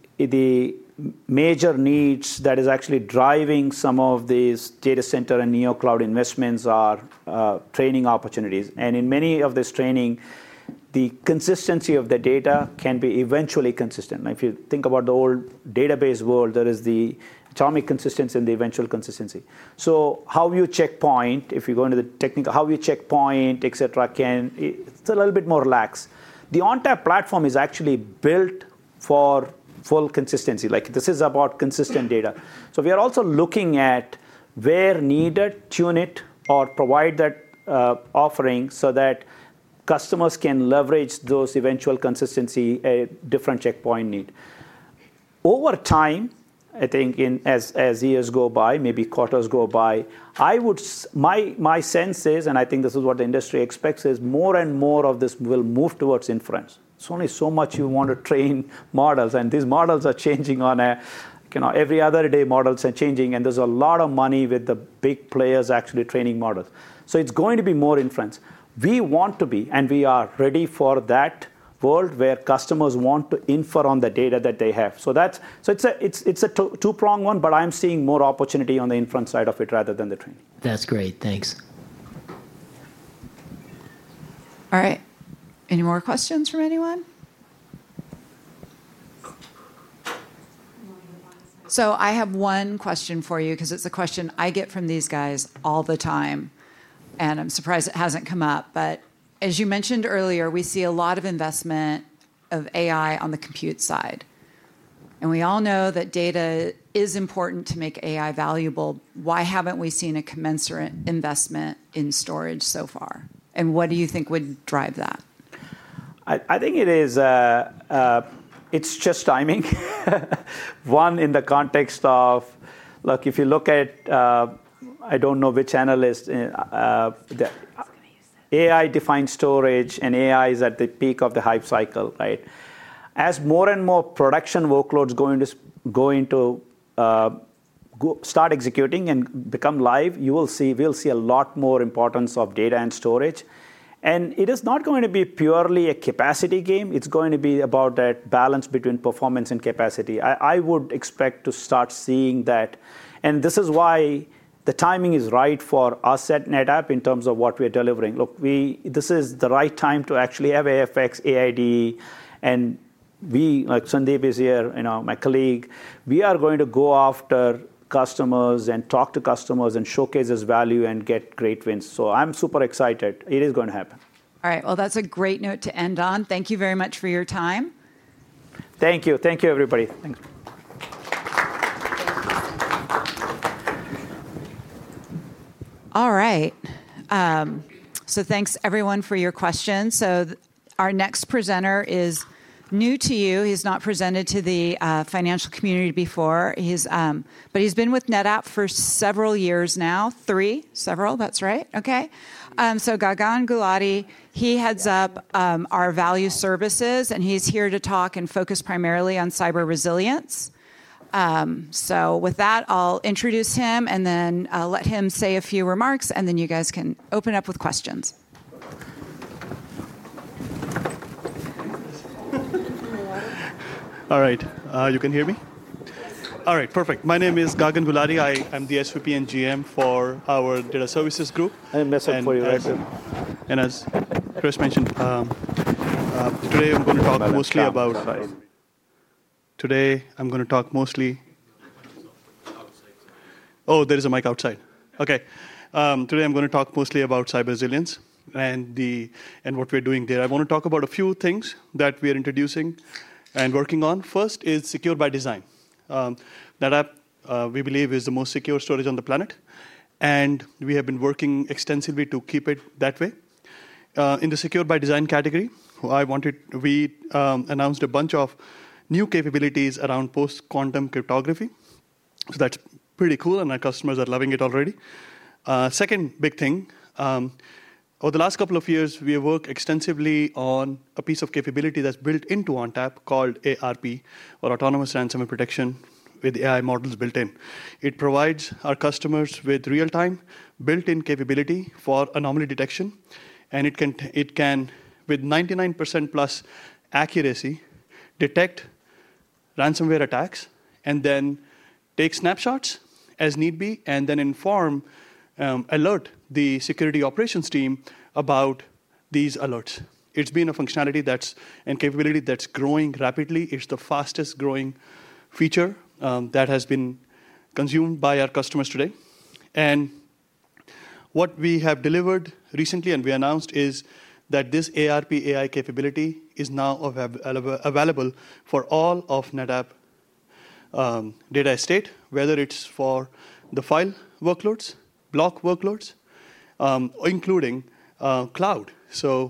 major needs that are actually driving some of these data center and neocloud investments are training opportunities. In many of this training, the consistency of the data can be eventually consistent. If you think about the old database world, there is the atomic consistency and the eventual consistency. How you checkpoint, if you go into the technical, how you checkpoint, et cetera, it's a little bit more lax. The ONTAP platform is actually built for full consistency. This is about consistent data. We are also looking at where needed, tune it or provide that offering so that customers can leverage those eventual consistency at different checkpoint needs. Over time, I think as years go by, maybe quarters go by, my sense is, and I think this is what the industry expects, more and more of this will move towards inference. It's only so much you want to train models. These models are changing on every other day. Models are changing. There's a lot of money with the big players actually training models. It's going to be more inference. We want to be, and we are ready for that world where customers want to infer on the data that they have. It's a two-prong one. I'm seeing more opportunity on the inference side of it rather than the training. That's great. Thanks. All right. Any more questions from anyone? I have one question for you because it's a question I get from these guys all the time. I'm surprised it hasn't come up. As you mentioned earlier, we see a lot of investment of AI on the compute side, and we all know that data is important to make AI valuable. Why haven't we seen a commensurate investment in storage so far, and what do you think would drive that? I think it's just timing. One, in the context of, look, if you look at, I don't know which analyst. AI-defined storage and AI is at the peak of the hype cycle. Right? As more and more production workloads start executing and become live, we will see a lot more importance of data and storage. It is not going to be purely a capacity game. It's going to be about that balance between performance and capacity. I would expect to start seeing that. This is why the timing is right for us at NetApp in terms of what we are delivering. Look, this is the right time to actually have NetApp AFX, AI Data Engine. We, like Sandeep is here, my colleague, are going to go after customers and talk to customers and showcase this value and get great wins. I'm super excited. It is going to happen. All right. That's a great note to end on. Thank you very much for your time. Thank you. Thank you, everybody. All right. Thanks, everyone, for your questions. Our next presenter is new to you. He's not presented to the financial community before, but he's been with NetApp for several years now, three, several. That's right. Gagan Gulati heads up our value services, and he's here to talk and focus primarily on cyber resilience. With that, I'll introduce him and then let him say a few remarks. Then you guys can open up with questions. All right. You can hear me? All right. Perfect. My name is Gagan Gulati. I'm the SVP and GM for our Data Services group. As Chris mentioned, today I'm going to talk mostly about. Oh, there is a mic outside. OK. Today I'm going to talk mostly about cyber resilience and what we're doing there. I want to talk about a few things that we are introducing and working on. First is secure by design. NetApp, we believe, is the most secure storage on the planet. We have been working extensively to keep it that way. In the secure by design category, we announced a bunch of new capabilities around post-quantum cryptography. That's pretty cool. Our customers are loving it already. Second big thing, over the last couple of years, we have worked extensively on a piece of capability that's built into ONTAP called ARP, or Autonomous Ransomware Protection, with AI models built in. It provides our customers with real-time built-in capability for anomaly detection. It can, with 99%+ accuracy, detect ransomware attacks and then take snapshots as need be, and then inform, alert the security operations team about these alerts. It's been a functionality and capability that's growing rapidly. It's the fastest growing feature that has been consumed by our customers today. What we have delivered recently and we announced is that this ARP AI capability is now available for all of NetApp data estate, whether it's for the file workloads, block workloads, including cloud.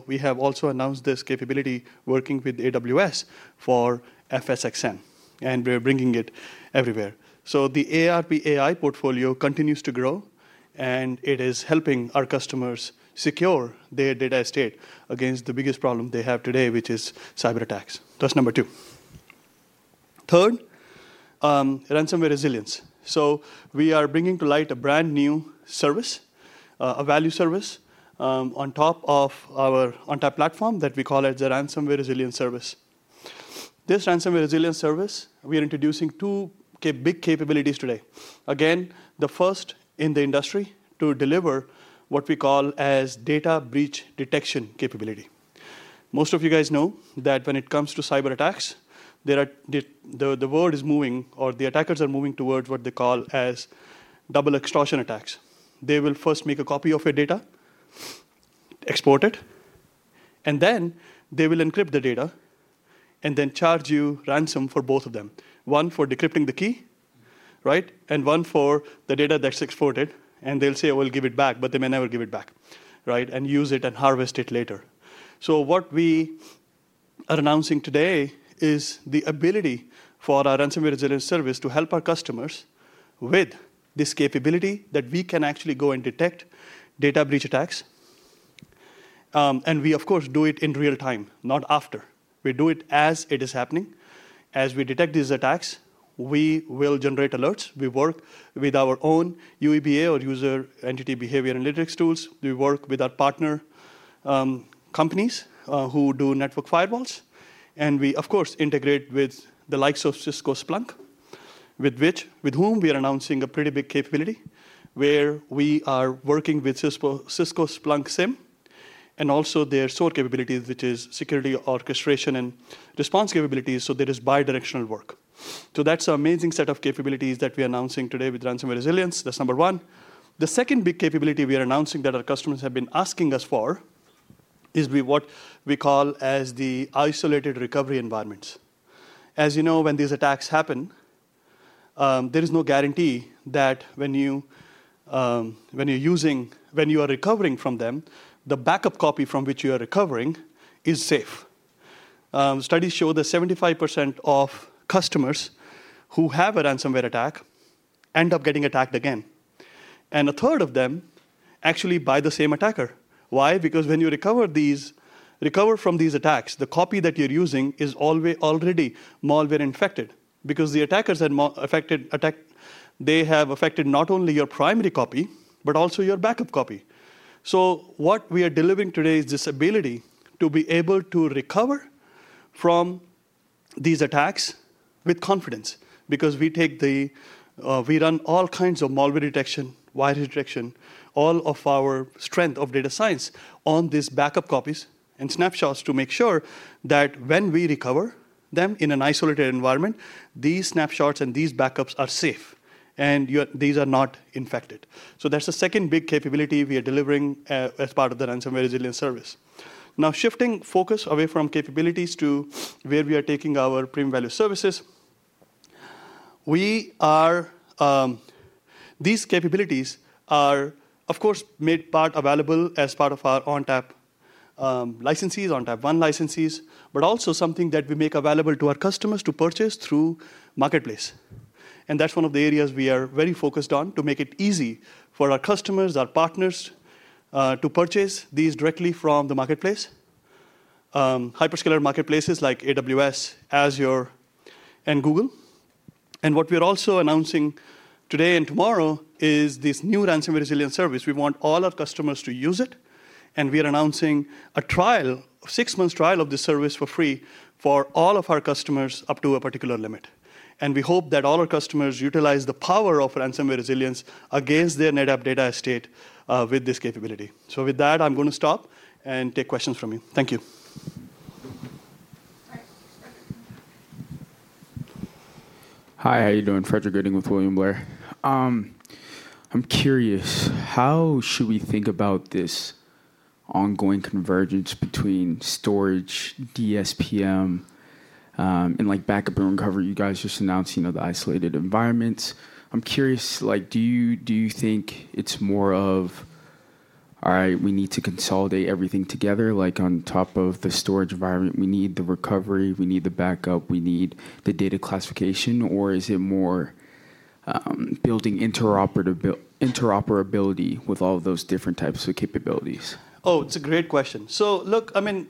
We have also announced this capability working with AWS for Amazon FSx for NetApp ONTAP. We're bringing it everywhere. The ARP AI portfolio continues to grow. It is helping our customers secure their data estate against the biggest problem they have today, which is cyber attacks. That's number two. Third, ransomware resilience. We are bringing to light a brand new service, a value service on top of our ONTAP platform that we call the Ransomware Resilience Service. This Ransomware Resilience Service, we are introducing two big capabilities today. Again, the first in the industry to deliver what we call data breach detection capability. Most of you guys know that when it comes to cyber attacks, the world is moving or the attackers are moving towards what they call double extortion attacks. They will first make a copy of your data, export it, and then they will encrypt the data and then charge you ransom for both of them, one for decrypting the key and one for the data that's exported. They'll say, I will give it back. They may never give it back and use it and harvest it later. What we are announcing today is the ability for our Ransomware Resilience Service to help our customers with this capability that we can actually go and detect data breach attacks. We, of course, do it in real time, not after. We do it as it is happening. As we detect these attacks, we will generate alerts. We work with our own UEBA, or user entity behavior analytics tools. We work with our partner companies who do network firewalls. We, of course, integrate with the likes of Cisco, Splunk, with whom we are announcing a pretty big capability, where we are working with Cisco, Splunk SIEM, and also their SOAR capabilities, which is security orchestration and response capabilities. There is bi-directional work. That is an amazing set of capabilities that we are announcing today with Ransomware Resilience. That's number one. The second big capability we are announcing that our customers have been asking us for is what we call the isolated recovery environments. As you know, when these attacks happen, there is no guarantee that when you are recovering from them, the backup copy from which you are recovering is safe. Studies show that 75% of customers who have a ransomware attack end up getting attacked again, and a third of them actually by the same attacker. Why? Because when you recover from these attacks, the copy that you're using is already malware infected, because the attackers have affected not only your primary copy, but also your backup copy. What we are delivering today is this ability to be able to recover from these attacks with confidence, because we run all kinds of malware detection, wiring detection, all of our strength of data science on these backup copies and snapshots to make sure that when we recover them in an isolated environment, these snapshots and these backups are safe, and these are not infected. That is the second big capability we are delivering as part of the Ransomware Resilience Service. Now, shifting focus away from capabilities to where we are taking our premium value services, these capabilities are, of course, made available as part of our ONTAP licenses, ONTAP One licenses, but also something that we make available to our customers to purchase through Marketplace. That is one of the areas we are very focused on to make it easy for our customers, our partners to purchase these directly from the Marketplace, hyperscaler marketplaces like AWS, Azure, and Google. We are also announcing today and tomorrow this new Ransomware Resilience Service. We want all our customers to use it. We are announcing a six-month trial of this service for free for all of our customers up to a particular limit. We hope that all our customers utilize the power of Ransomware Resilience against their NetApp data estate with this capability. With that, I'm going to stop and take questions from you. Thank you. Hi. How are you doing? Frederick Gooding with William Blair. I'm curious, how should we think about this ongoing convergence between storage, DSPM, and backup and recovery? You guys just announced the isolated environments. I'm curious, do you think it's more of, all right, we need to consolidate everything together? Like on top of the storage environment, we need the recovery, we need the backup, we need the data classification? Or is it more building interoperability with all of those different types of capabilities? Oh, it's a great question. Look, I mean,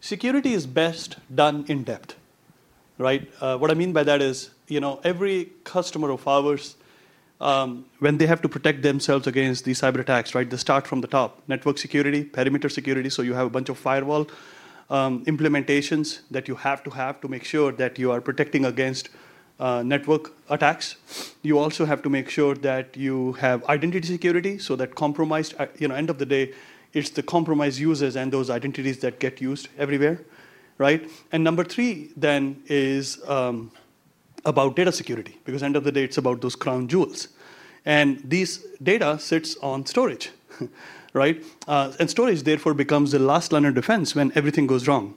security is best done in depth. What I mean by that is every customer of ours, when they have to protect themselves against these cyber attacks, they start from the top, network security, perimeter security. You have a bunch of firewall implementations that you have to have to make sure that you are protecting against network attacks. You also have to make sure that you have identity security so that, end of the day, it's the compromised users and those identities that get used everywhere. Number three then is about data security. At the end of the day, it's about those crown jewels. This data sits on storage. Storage, therefore, becomes the last line of defense when everything goes wrong.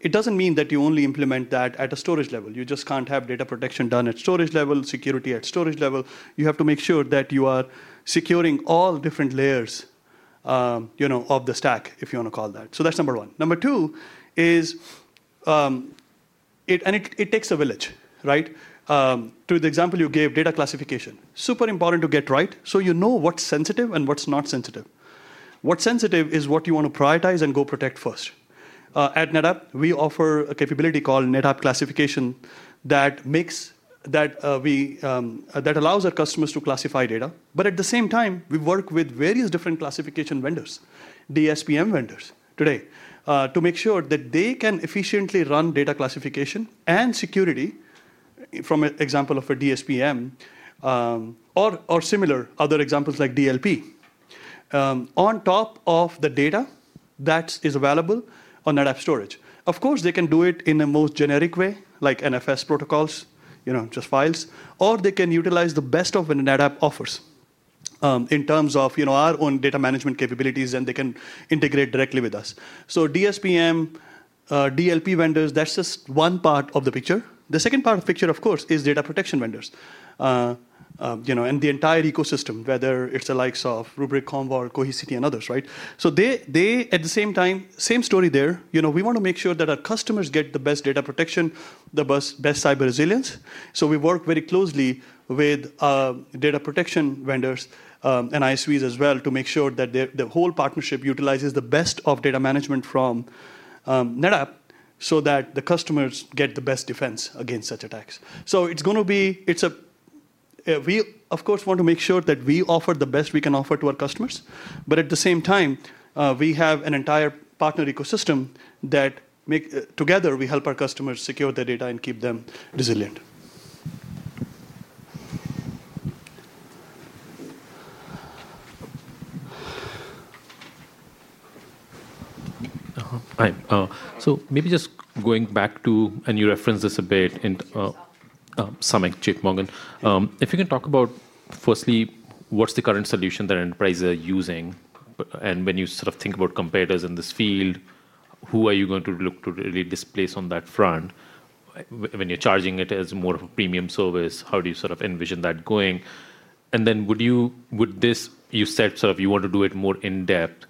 It doesn't mean that you only implement that at a storage level. You just can't have data protection done at storage level, security at storage level. You have to make sure that you are securing all different layers of the stack, if you want to call that. That's number one. Number two is, it takes a village. To the example you gave, data classification is super important to get right so you know what's sensitive and what's not sensitive. What's sensitive is what you want to prioritize and go protect first. At NetApp, we offer a capability called NetApp Classification that allows our customers to classify data. At the same time, we work with various different classification vendors, DSPM vendors today, to make sure that they can efficiently run data classification and security from an example of a DSPM or similar other examples like DLP on top of the data that is available on NetApp Storage. Of course, they can do it in the most generic way, like NFS protocols, just files. Or they can utilize the best of what NetApp offers in terms of our own data management capabilities. They can integrate directly with us. DSPM, DLP vendors, that's just one part of the picture. The second part of the picture, of course, is data protection vendors and the entire ecosystem, whether it's the likes of Rubrik, Commvault, Cohesity, and others. They, at the same time, same story there. We want to make sure that our customers get the best data protection, the best cyber resilience. We work very closely with data protection vendors and ISVs as well to make sure that the whole partnership utilizes the best of data management from NetApp so that the customers get the best defense against such attacks. We want to make sure that we offer the best we can offer to our customers. At the same time, we have an entire partner ecosystem that together we help our customers secure their data and keep them resilient. Hi. Maybe just going back to, and you referenced this a bit, and Samik Chaterjee, JPMorgan, if you can talk about, firstly, what's the current solution that enterprises are using? When you sort of think about competitors in this field, who are you going to look to really displace on that front? When you're charging it as more of a premium service, how do you sort of envision that going? Would you, would this, you said sort of you want to do it more in depth.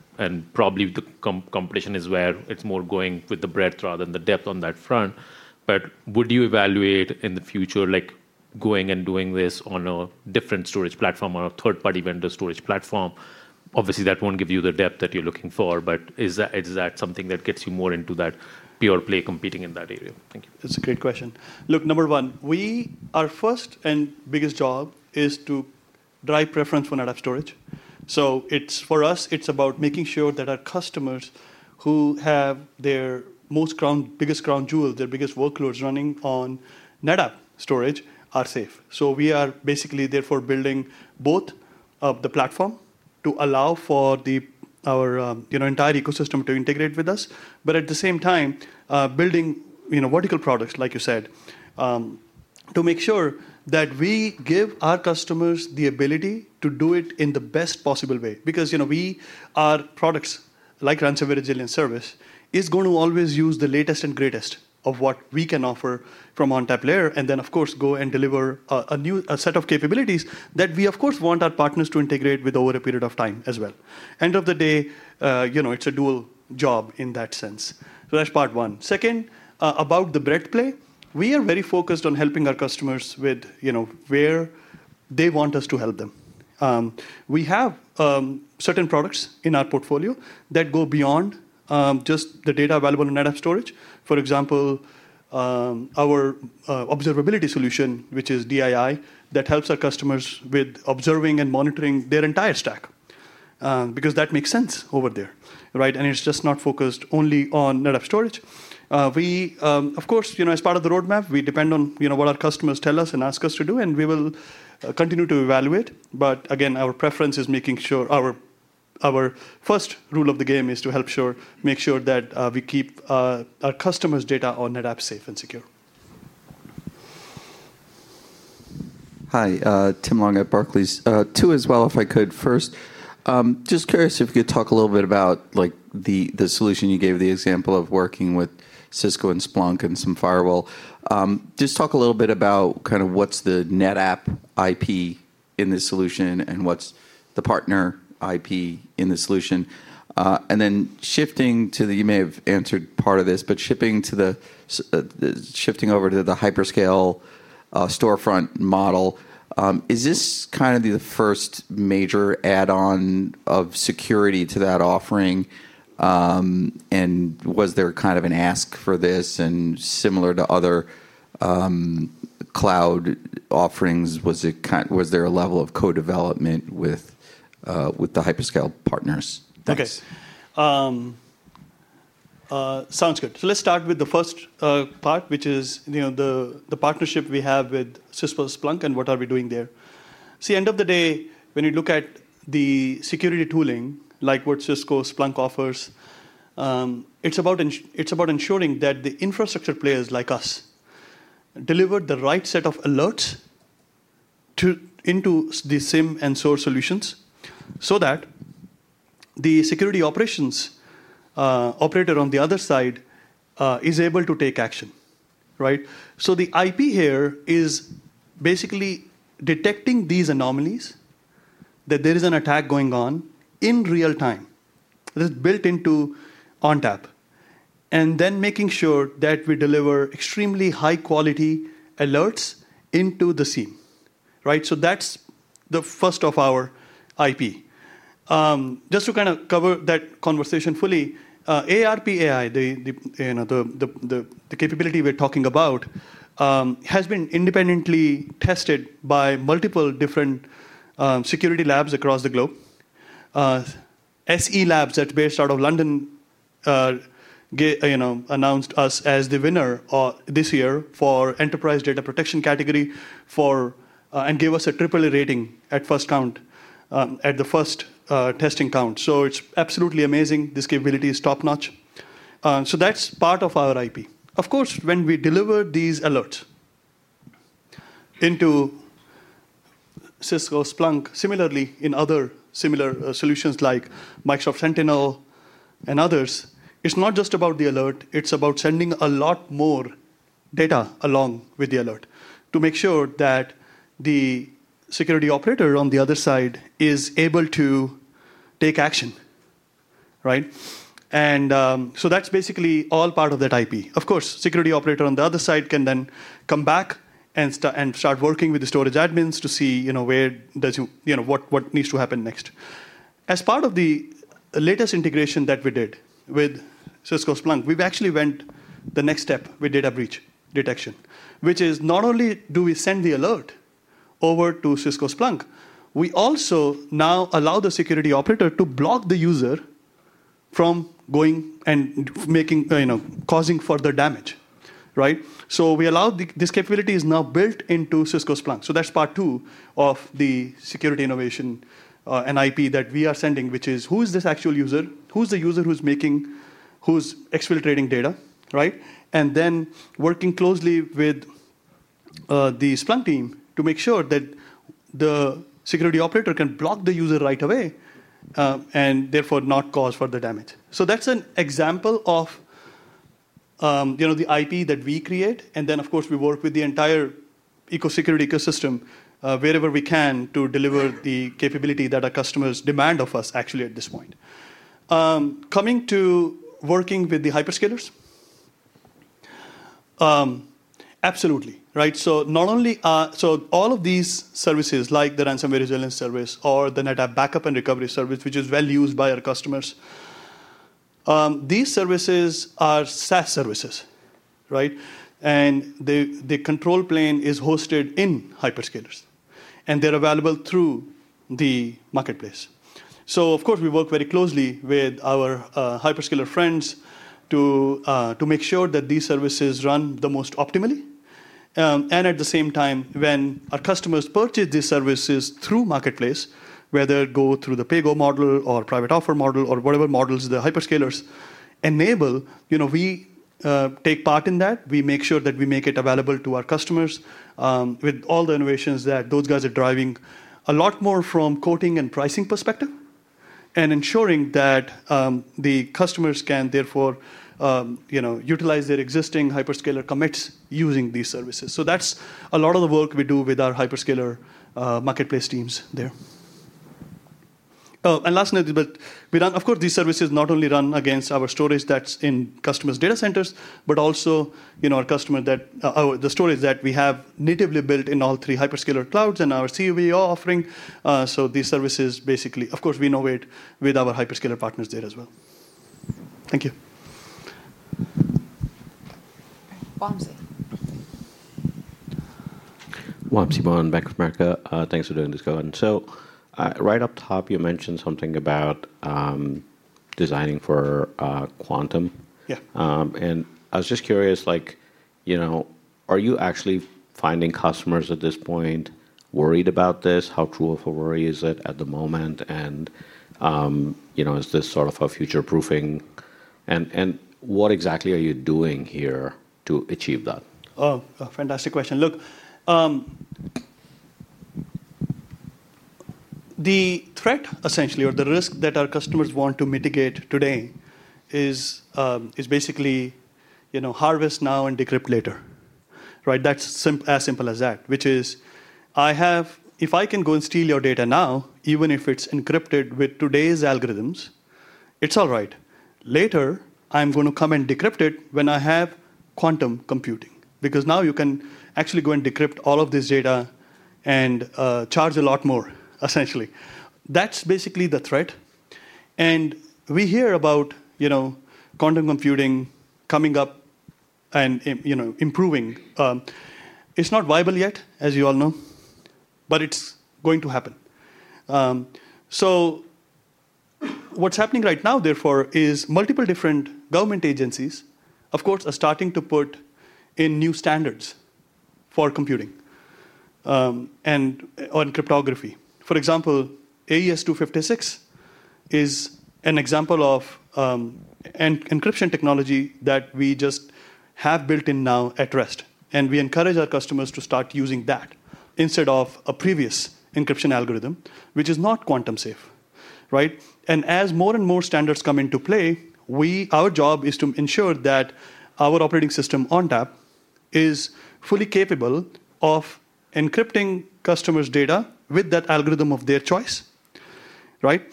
Probably the competition is where it's more going with the breadth rather than the depth on that front. Would you evaluate in the future going and doing this on a different storage platform or a third-party vendor storage platform? Obviously, that won't give you the depth that you're looking for. Is that something that gets you more into that pure play competing in that area? That's a great question. Number one, our first and biggest job is to drive preference for NetApp Storage. For us, it's about making sure that our customers who have their biggest crown jewels, their biggest workloads running on NetApp Storage are safe. We are basically, therefore, building both the platform to allow for our entire ecosystem to integrate with us, but at the same time, building vertical products, like you said, to make sure that we give our customers the ability to do it in the best possible way. Our products, like Enhanced Ransomware Resilience Service, are going to always use the latest and greatest of what we can offer from the ONTAP layer. Of course, we go and deliver a new set of capabilities that we want our partners to integrate with over a period of time as well. End of the day, it's a dual job in that sense. That's part one. Second, about the breadth play, we are very focused on helping our customers with where they want us to help them. We have certain products in our portfolio that go beyond just the data available on NetApp Storage. For example, our observability solution, which is DII, helps our customers with observing and monitoring their entire stack because that makes sense over there, right? It's just not focused only on NetApp Storage. As part of the roadmap, we depend on what our customers tell us and ask us to do, and we will continue to evaluate. Again, our preference is making sure our first rule of the game is to make sure that we keep our customers' data on NetApp safe and secure. Hi. Tim Long at Barclays. Two as well, if I could. First, just curious if you could talk a little bit about the solution you gave, the example of working with Cisco and Splunk and some firewall. Just talk a little bit about kind of what's the NetApp IP in this solution and what's the partner IP in the solution. Then shifting to the, you may have answered part of this, but shifting over to the hyperscale storefront model, is this kind of the first major add-on of security to that offering? Was there kind of an ask for this? Similar to other cloud offerings, was there a level of co-development with the hyperscale partners? OK. Sounds good. Let's start with the first part, which is the partnership we have with Cisco, Splunk, and what we are doing there. At the end of the day, when you look at the security tooling, like what Cisco, Splunk offers, it's about ensuring that the infrastructure players like us deliver the right set of alerts into the SIEM and SOAR solutions so that the security operations operator on the other side is able to take action. Right? The IP here is basically detecting these anomalies, that there is an attack going on in real time. It is built into ONTAP, and then making sure that we deliver extremely high-quality alerts into the SIEM. Right? That's the first of our IP. Just to cover that conversation fully, ARP AI, the capability we're talking about, has been independently tested by multiple different security labs across the globe. SE Labs, based out of London, announced us as the winner this year for enterprise data protection category and gave us a triple rating at first count, at the first testing count. It's absolutely amazing. This capability is top-notch. That's part of our IP. Of course, when we deliver these alerts into Cisco, Splunk, similarly in other similar solutions like Microsoft Sentinel and others, it's not just about the alert. It's about sending a lot more data along with the alert to make sure that the security operator on the other side is able to take action. Right? That's basically all part of that IP. Of course, the security operator on the other side can then come back and start working with the storage admins to see what needs to happen next. As part of the latest integration that we did with Cisco, Splunk, we actually went the next step with data breach detection, which is not only do we send the alert over to Cisco, Splunk, we also now allow the security operator to block the user from going and causing further damage. Right? This capability is now built into Cisco, Splunk. That's part two of the security innovation and IP that we are sending, which is who is this actual user? Who's the user who's exfiltrating data? Right? Then working closely with the Splunk team to make sure that the security operator can block the user right away and therefore not cause further damage. That's an example of the IP that we create. Of course, we work with the entire security ecosystem wherever we can to deliver the capability that our customers demand of us, actually, at this point. Coming to working with the hyperscalers, absolutely. All of these services, like the Enhanced Ransomware Resilience Service or the NetApp Backup and Recovery Service, which is well used by our customers, these services are SaaS-based services. The control plane is hosted in hyperscalers, and they're available through the Marketplace. We work very closely with our hyperscaler friends to make sure that these services run the most optimally. At the same time, when our customers purchase these services through Marketplace, whether it goes through the paygo model. Private offer model or whatever models the hyperscalers enable, you know, we take part in that. We make sure that we make it available to our customers with all the innovations that those guys are driving, a lot more from coding and pricing perspective, and ensuring that the customers can therefore utilize their existing hyperscaler commits using these services. That's a lot of the work we do with our hyperscaler marketplace teams there. Oh, and last note, but of course, these services not only run against our storage that's in customers' data centers, but also, you know, our customer that the storage that we have natively built in all three hyperscaler clouds and our CUV offering. These services basically, of course, we innovate with our hyperscaler partners there as well. Thank you. Wamsi. Wamsi Mohan, Bank of America. Thanks for doing this, Gohan. Right up top, you mentioned something about designing for Quantum. Yeah. I was just curious, you know, are you actually finding customers at this point worried about this? How true of a worry is it at the moment? Is this sort of a future-proofing? What exactly are you doing here to achieve that? Oh, fantastic question. Look, the threat essentially, or the risk that our customers want to mitigate today is basically, you know, harvest now and decrypt later, right? That's as simple as that, which is I have, if I can go and steal your data now, even if it's encrypted with today's algorithms, it's all right. Later, I'm going to come and decrypt it when I have quantum computing because now you can actually go and decrypt all of this data and charge a lot more, essentially. That's basically the threat. We hear about, you know, quantum computing coming up and, you know, improving. It's not viable yet, as you all know, but it's going to happen. What's happening right now, therefore, is multiple different government agencies, of course, are starting to put in new standards for computing and cryptography. For example, AES-256 is an example of encryption technology that we just have built in now at rest, and we encourage our customers to start using that instead of a previous encryption algorithm, which is not quantum safe, right? As more and more standards come into play, our job is to ensure that our operating system ONTAP is fully capable of encrypting customers' data with that algorithm of their choice, right?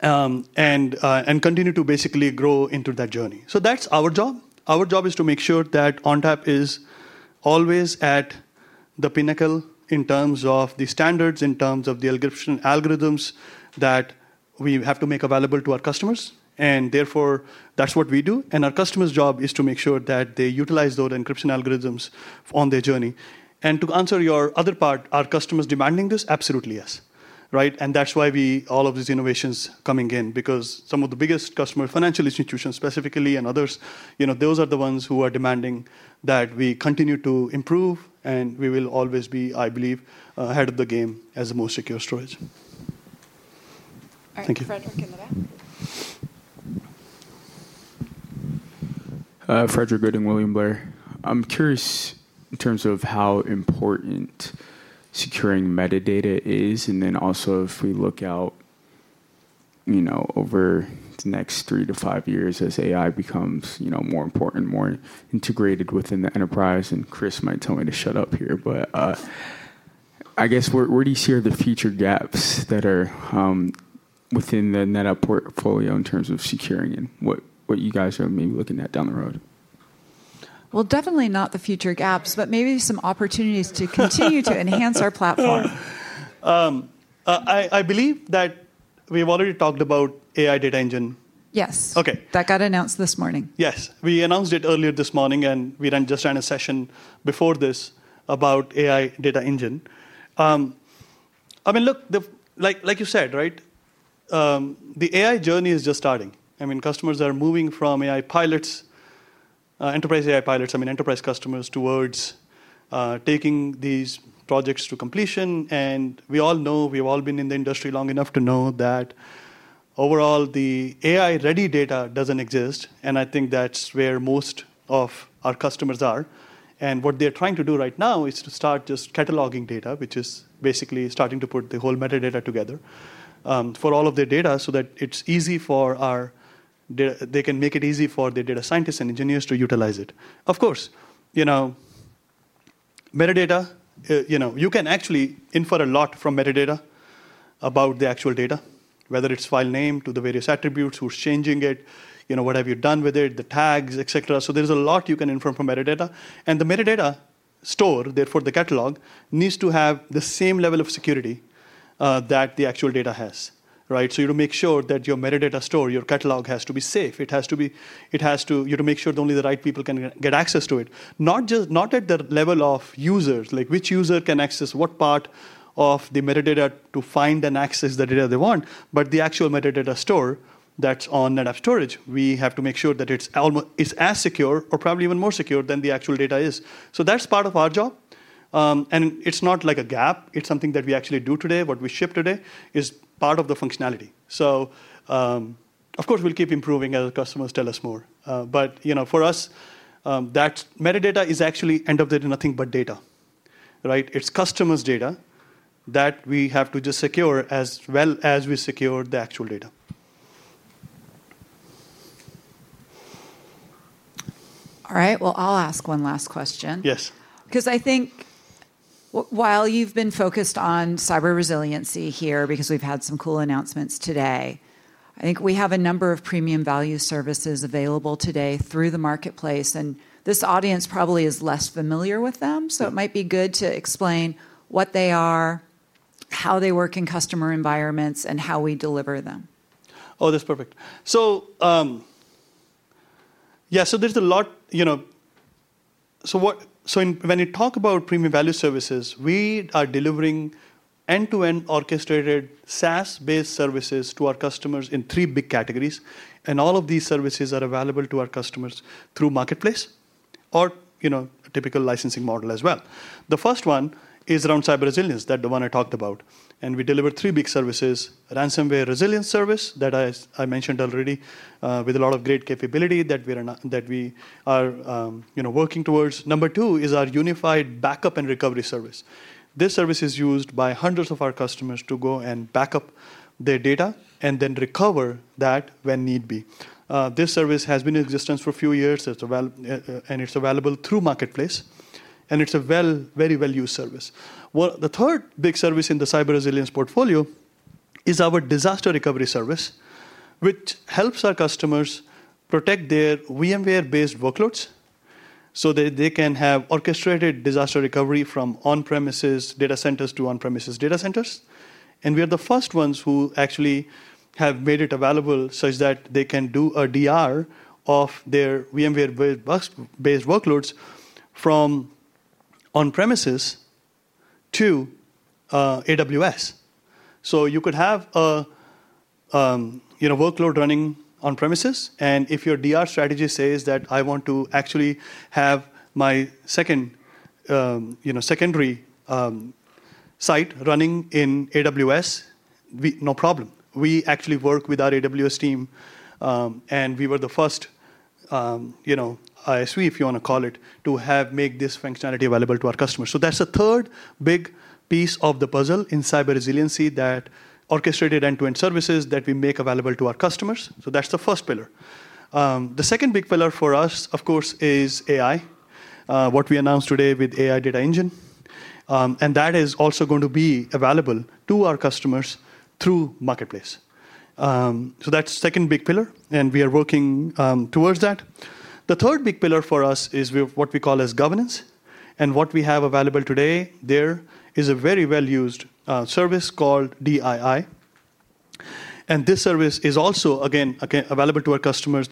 Continue to basically grow into that journey. That's our job. Our job is to make sure that ONTAP is always at the pinnacle in terms of the standards, in terms of the encryption algorithms that we have to make available to our customers. Therefore, that's what we do. Our customers' job is to make sure that they utilize those encryption algorithms on their journey. To answer your other part, are customers demanding this? Absolutely, yes, right? That's why we have all of these innovations coming in because some of the biggest customers, financial institutions specifically, and others, you know, those are the ones who are demanding that we continue to improve. We will always be, I believe, ahead of the game as the most secure storage. Thank you. Frederick in the back. Frederick Gooding, William Blair. I'm curious in terms of how important securing metadata is, and then also if we look out over the next three to five years as AI becomes more important, more integrated within the enterprise. Chris might tell me to shut up here, but I guess where do you see the future gaps that are within the NetApp portfolio in terms of securing and what you guys are maybe looking at down the road? Definitely not the future gaps, but maybe some opportunities to continue to enhance our platform. I believe that we've already talked about AI Data Engine. Yes. OK. That got announced this morning. Yes, we announced it earlier this morning, and we just ran a session before this about AI Data Engine. I mean, look, like you said, right, the AI journey is just starting. Customers are moving from AI pilots, enterprise AI pilots, I mean enterprise customers, towards taking these projects to completion. We all know, we've all been in the industry long enough to know that overall the AI-ready data doesn't exist. I think that's where most of our customers are. What they're trying to do right now is to start just cataloging data, which is basically starting to put the whole metadata together for all of their data so that it's easy for our data. They can make it easy for their data scientists and engineers to utilize it. Of course, you know, metadata, you know, you can actually infer a lot from metadata about the actual data, whether it's file name, to the various attributes, who's changing it, what have you done with it, the tags, et cetera. There's a lot you can infer from metadata. The metadata store, therefore the catalog, needs to have the same level of security that the actual data has, right? You make sure that your metadata store, your catalog, has to be safe. You have to make sure that only the right people can get access to it, not just not at the level of users, like which user can access what part of the metadata to find and access the data they want, but the actual metadata store that's on NetApp Storage. We have to make sure that it's as secure or probably even more secure than the actual data is. That's part of our job. It's not like a gap. It's something that we actually do today. What we ship today is part of the functionality. Of course, we'll keep improving as customers tell us more. For us, that metadata is actually end of the day, nothing but data, right? It's customers' data that we have to just secure as well as we secure the actual data. All right, I'll ask one last question. Yes. Because I think while you've been focused on cyber resiliency here because we've had some cool announcements today, I think we have a number of premium value services available today through the marketplace. This audience probably is less familiar with them. It might be good to explain what they are, how they work in customer environments, and how we deliver them. Oh, that's perfect. There's a lot, you know, when you talk about premium value services, we are delivering end-to-end orchestrated SaaS-based services to our customers in three big categories. All of these services are available to our customers through marketplace or a typical licensing model as well. The first one is around cyber resilience, the one I talked about. We deliver three big services: ransomware resilience service that I mentioned already with a lot of great capability that we are working towards. Number two is our unified backup and recovery service. This service is used by hundreds of our customers to go and back up their data and then recover that when need be. This service has been in existence for a few years, and it's available through marketplace. It's a very well-used service. The third big service in the cyber resilience portfolio is our disaster recovery service, which helps our customers protect their VMware-based workloads so that they can have orchestrated disaster recovery from on-premises data centers to on-premises data centers. We are the first ones who actually have made it available such that they can do a DR of their VMware-based workloads from on-premises to AWS. You could have a workload running on-premises, and if your DR strategy says that I want to actually have my secondary site running in AWS, no problem. We actually work with our AWS team, and we were the first ISV, if you want to call it, to have made this functionality available to our customers. That's the third big piece of the puzzle in cyber resiliency, the orchestrated end-to-end services that we make available to our customers. That's the first pillar. The second big pillar for us, of course, is AI, what we announced today with AI Data Engine. That is also going to be available to our customers through marketplace. That's the second big pillar, and we are working towards that. The third big pillar for us is what we call governance. What we have available today there is a very well-used service called DII. This service is also, again, available to our customers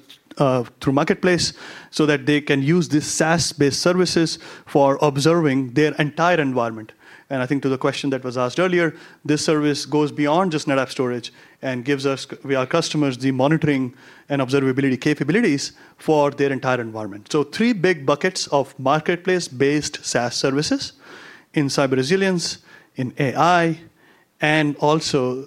through marketplace so that they can use these SaaS-based services for observing their entire environment. I think to the question that was asked earlier, this service goes beyond just NetApp Storage and gives our customers the monitoring and observability capabilities for their entire environment. Three big buckets of marketplace-based SaaS services in cyber resilience, in AI, and also,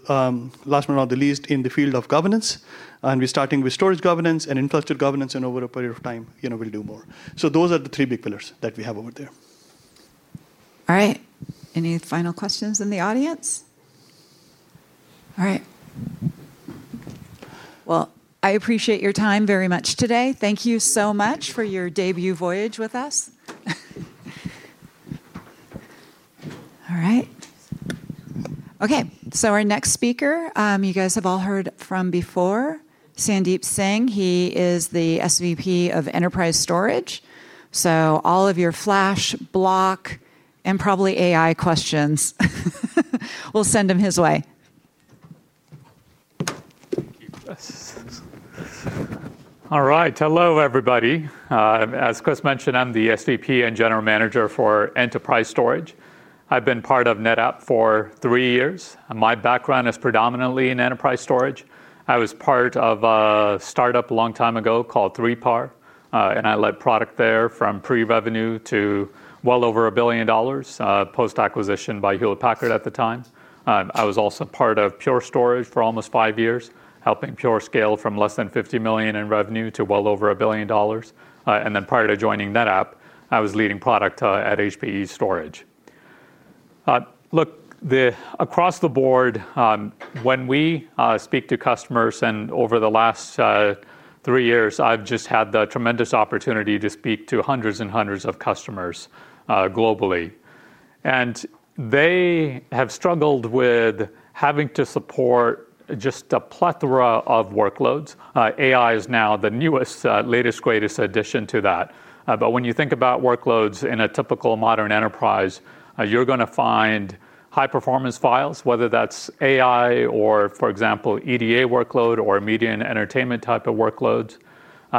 last but not the least, in the field of governance. We're starting with storage governance and infrastructure governance, and over a period of time, we'll do more. Those are the three big pillars that we have over there. All right, any final questions in the audience? All right. I appreciate your time very much today. Thank you so much for your debut voyage with us. OK, our next speaker, you guys have all heard from before, Sandeep Singh. He is the SVP of Enterprise Storage. All of your Flash, Block, and probably AI questions, we'll send him his way. All right, hello, everybody. As Chris mentioned, I'm the SVP and General Manager for Enterprise Storage. I've been part of NetApp for three years. My background is predominantly in Enterprise Storage. I was part of a startup a long time ago called 3PAR, and I led product there from pre-revenue to well over $1 billion post-acquisition by Hewlett Packard at the time. I was also part of Pure Storage for almost five years, helping Pure scale from less than $50 million in revenue to well over $1 billion. Prior to joining NetApp, I was leading product at HPE Storage. Across the board, when we speak to customers and over the last three years, I've had the tremendous opportunity to speak to hundreds and hundreds of customers globally. They have struggled with having to support just a plethora of workloads. AI is now the newest, latest, greatest addition to that. When you think about workloads in a typical modern enterprise, you're going to find high-performance files, whether that's AI or, for example, EDA workload or media and entertainment type of workloads.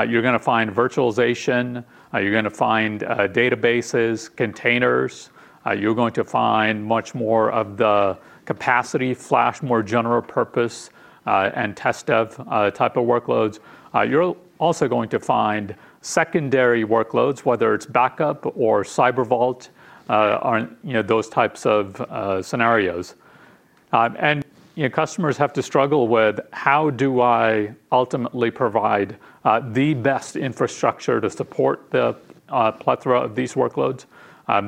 You're going to find virtualization. You're going to find databases, containers. You're going to find much more of the capacity flash, more general purpose and test dev type of workloads. You're also going to find secondary workloads, whether it's backup or Cyber Vault or those types of scenarios. Customers have to struggle with how do I ultimately provide the best infrastructure to support the plethora of these workloads.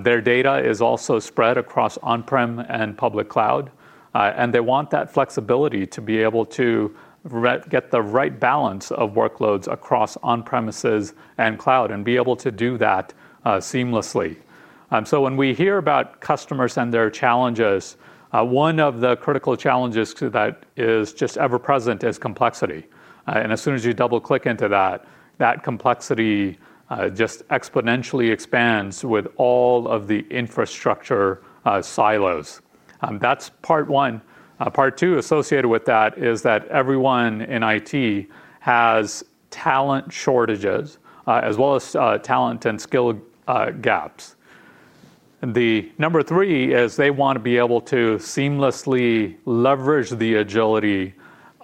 Their data is also spread across on-prem and public cloud. They want that flexibility to be able to get the right balance of workloads across on-premises and cloud and be able to do that seamlessly. When we hear about customers and their challenges, one of the critical challenges that is ever present is complexity. As soon as you double click into that, that complexity just exponentially expands with all of the infrastructure silos. That's part one. Part two associated with that is that everyone in IT has talent shortages as well as talent and skill gaps. Number three is they want to be able to seamlessly leverage the agility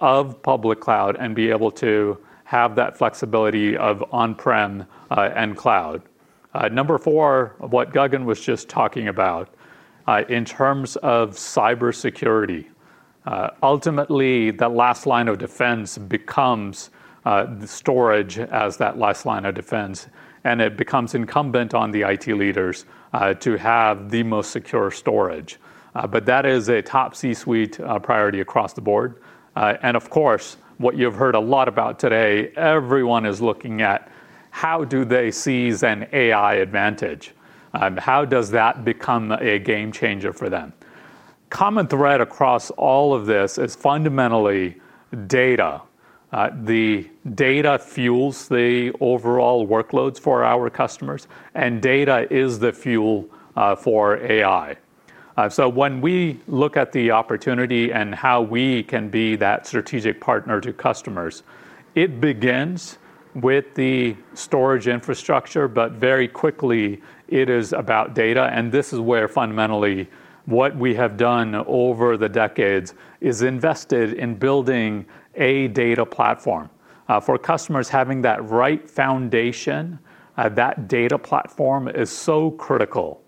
of public cloud and be able to have that flexibility of on-prem and cloud. Number four, what Gagan was just talking about in terms of cybersecurity, ultimately, that last line of defense becomes the storage as that last line of defense. It becomes incumbent on the IT leaders to have the most secure storage. That is a top C-suite priority across the board. Of course, what you've heard a lot about today, everyone is looking at how do they seize an AI advantage? How does that become a game changer for them? The common thread across all of this is fundamentally data. The data fuels the overall workloads for our customers, and data is the fuel for AI. When we look at the opportunity and how we can be that strategic partner to customers, it begins with the storage infrastructure. Very quickly, it is about data. This is where fundamentally what we have done over the decades is invested in building a data platform. For customers, having that right foundation, that data platform is so critical.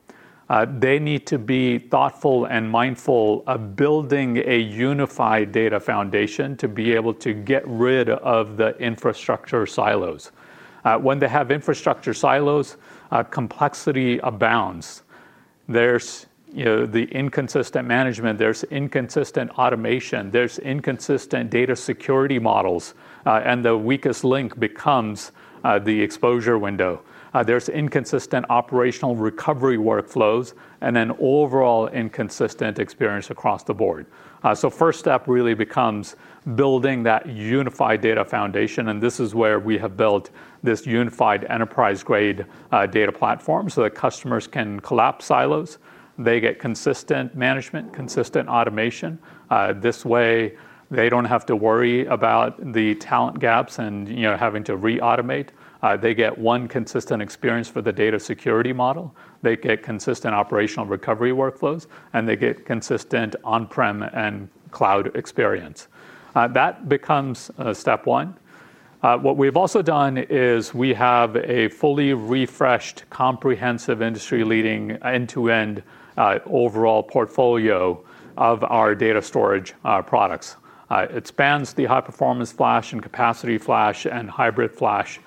They need to be thoughtful and mindful of building a unified data foundation to be able to get rid of the infrastructure silos. When they have infrastructure silos, complexity abounds. There's the inconsistent management. There's inconsistent automation. There's inconsistent data security models. The weakest link becomes the exposure window. There's inconsistent operational recovery workflows and an overall inconsistent experience across the board. The first step really becomes building that unified data foundation. This is where we have built this unified enterprise-grade data platform so that customers can collapse silos. They get consistent management, consistent automation. This way, they don't have to worry about the talent gaps and having to re-automate. They get one consistent experience for the data security model. They get consistent operational recovery workflows. They get consistent on-prem and cloud experience. That becomes step one. What we've also done is we have a fully refreshed, comprehensive, industry-leading end-to-end overall portfolio of our data storage products. It spans the high-performance flash and capacity flash and hybrid flash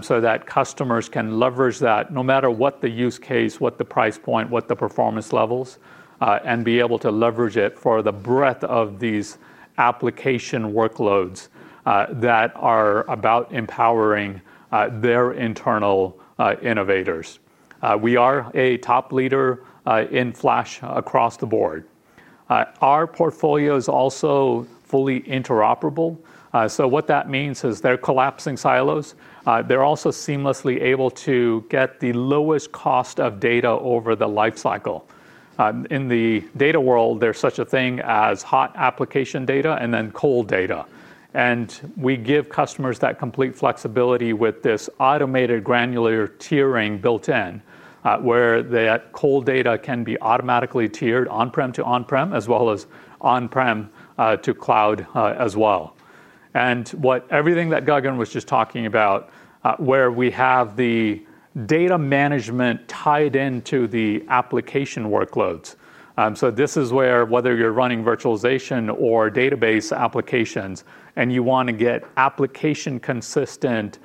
so that customers can leverage that no matter what the use case, what the price point, what the performance levels, and be able to leverage it for the breadth of these application workloads that are about empowering their internal innovators. We are a top leader in flash across the board. Our portfolio is also fully interoperable. What that means is they're collapsing silos. They're also seamlessly able to get the lowest cost of data over the lifecycle. In the data world, there's such a thing as hot application data and then cold data. We give customers that complete flexibility with this automated granular tiering built in, where that cold data can be automatically tiered on-prem to on-prem as well as on-prem to cloud as well. With everything that Gagan was just talking about, we have the data management tied into the application workloads. This is where, whether you're running virtualization or database applications and you want to get application-consistent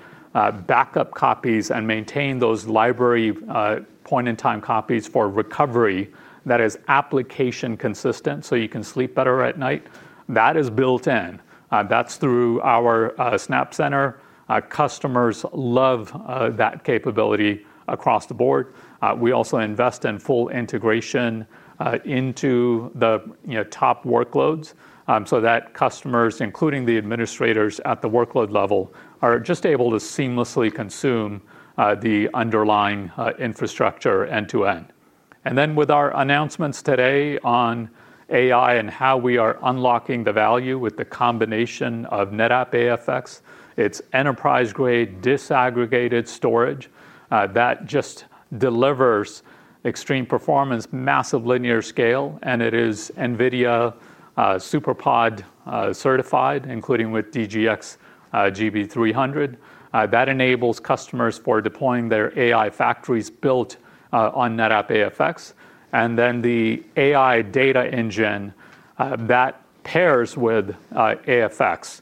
backup copies and maintain those library point-in-time copies for recovery, that is application-consistent so you can sleep better at night, that is built in. That's through our Snap Center. Customers love that capability across the board. We also invest in full integration into the top workloads so that customers, including the administrators at the workload level, are just able to seamlessly consume the underlying infrastructure end to end. With our announcements today on AI and how we are unlocking the value with the combination of NetApp AFX, it's enterprise-grade disaggregated storage that just delivers extreme performance, massive linear scale. It is NVIDIA DGX SuperPOD certified, including with DGX GB300. That enables customers for deploying their AI factories built on NetApp AFX. The AI Data Engine that pairs with AFX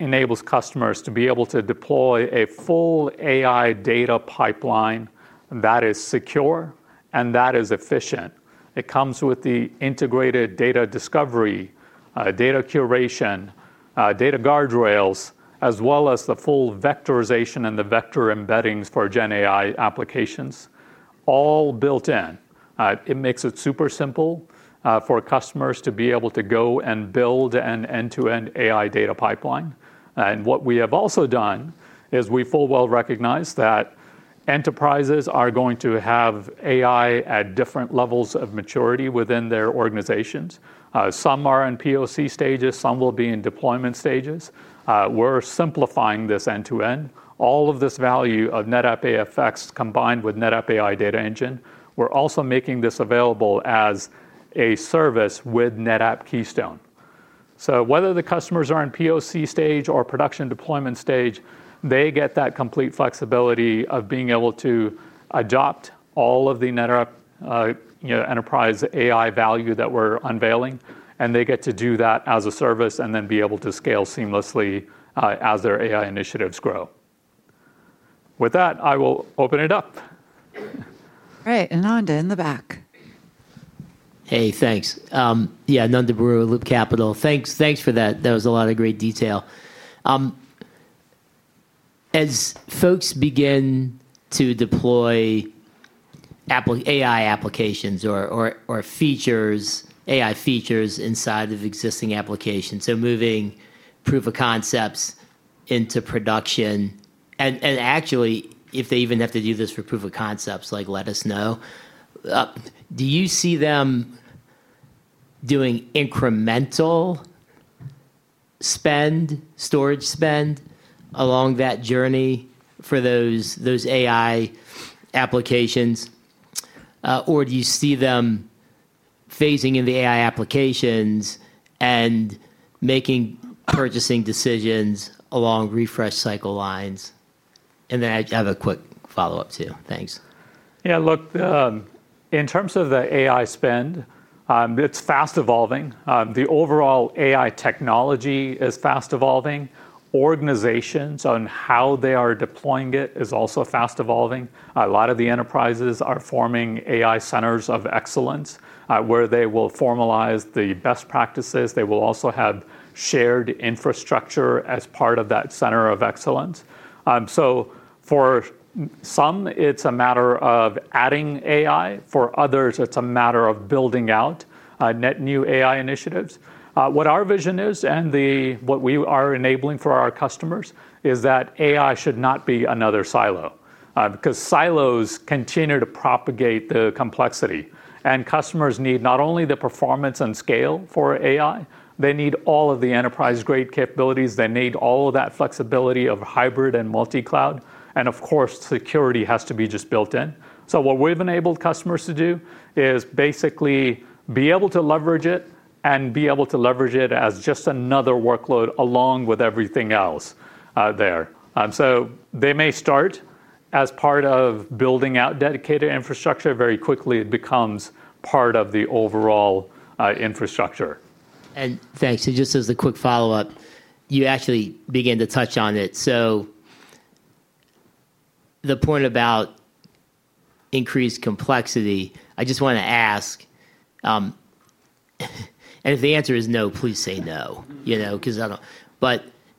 enables customers to be able to deploy a full AI data pipeline that is secure and that is efficient. It comes with the integrated data discovery, data curation, data guardrails, as well as the full vectorization and the vector embeddings for GenAI applications, all built in. It makes it super simple for customers to be able to go and build an end-to-end AI data pipeline. We have also done is we full well recognize that enterprises are going to have AI at different levels of maturity within their organizations. Some are in POC stages. Some will be in deployment stages. We're simplifying this end to end. All of this value of NetApp AFX combined with NetApp AI Data Engine, we're also making this available as a service with NetApp Keystone. Whether the customers are in POC stage or production deployment stage, they get that complete flexibility of being able to adopt all of the NetApp enterprise AI value that we're unveiling. They get to do that as a service and then be able to scale seamlessly as their AI initiatives grow. With that, I will open it up. Right, Ananda in the back. Hey, thanks. Yeah, Ananda Baruah with Loop Capital. Thanks for that. That was a lot of great detail. As folks begin to deploy AI applications or features, AI features inside of existing applications, moving proof of concepts into production, and actually, if they even have to do this for proof of concepts, let us know, do you see them doing incremental spend, storage spend along that journey for those AI applications? Do you see them phasing in the AI applications and making purchasing decisions along refresh cycle lines? I have a quick follow-up too. Thanks. In terms of the AI spend, it's fast evolving. The overall AI technology is fast evolving. Organizations on how they are deploying it is also fast evolving. A lot of the enterprises are forming AI centers of excellence where they will formalize the best practices. They will also have shared infrastructure as part of that center of excellence. For some, it's a matter of adding AI. For others, it's a matter of building out net new AI initiatives. What our vision is and what we are enabling for our customers is that AI should not be another silo because silos continue to propagate the complexity. Customers need not only the performance and scale for AI, they need all of the enterprise-grade capabilities. They need all of that flexibility of hybrid and multi-cloud. Of course, security has to be just built in. What we've enabled customers to do is basically be able to leverage it and be able to leverage it as just another workload along with everything else there. They may start as part of building out dedicated infrastructure. Very quickly, it becomes part of the overall infrastructure. Thanks. Just as a quick follow-up, you actually began to touch on it. The point about increased complexity, I just want to ask, and if the answer is no, please say no, because I don't.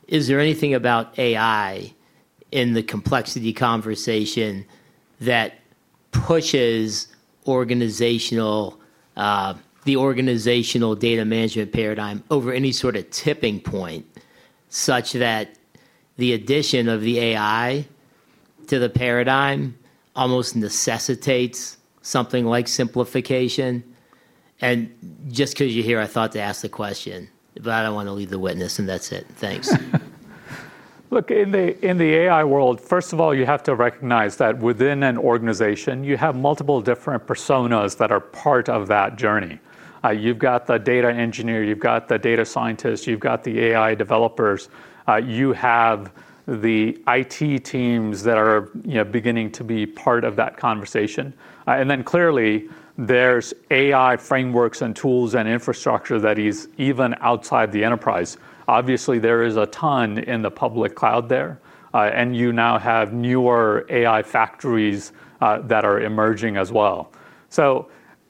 Is there anything about AI in the complexity conversation that pushes the organizational data management paradigm over any sort of tipping point such that the addition of the AI to the paradigm almost necessitates something like simplification? Just because you're here, I thought to ask the question, but I don't want to lead the witness, and that's it. Thanks. Look, in the AI world, first of all, you have to recognize that within an organization, you have multiple different personas that are part of that journey. You've got the data engineer. You've got the data scientists. You've got the AI developers. You have the IT teams that are beginning to be part of that conversation. Clearly, there's AI frameworks and tools and infrastructure that is even outside the enterprise. Obviously, there is a ton in the public cloud there. You now have newer AI factories that are emerging as well.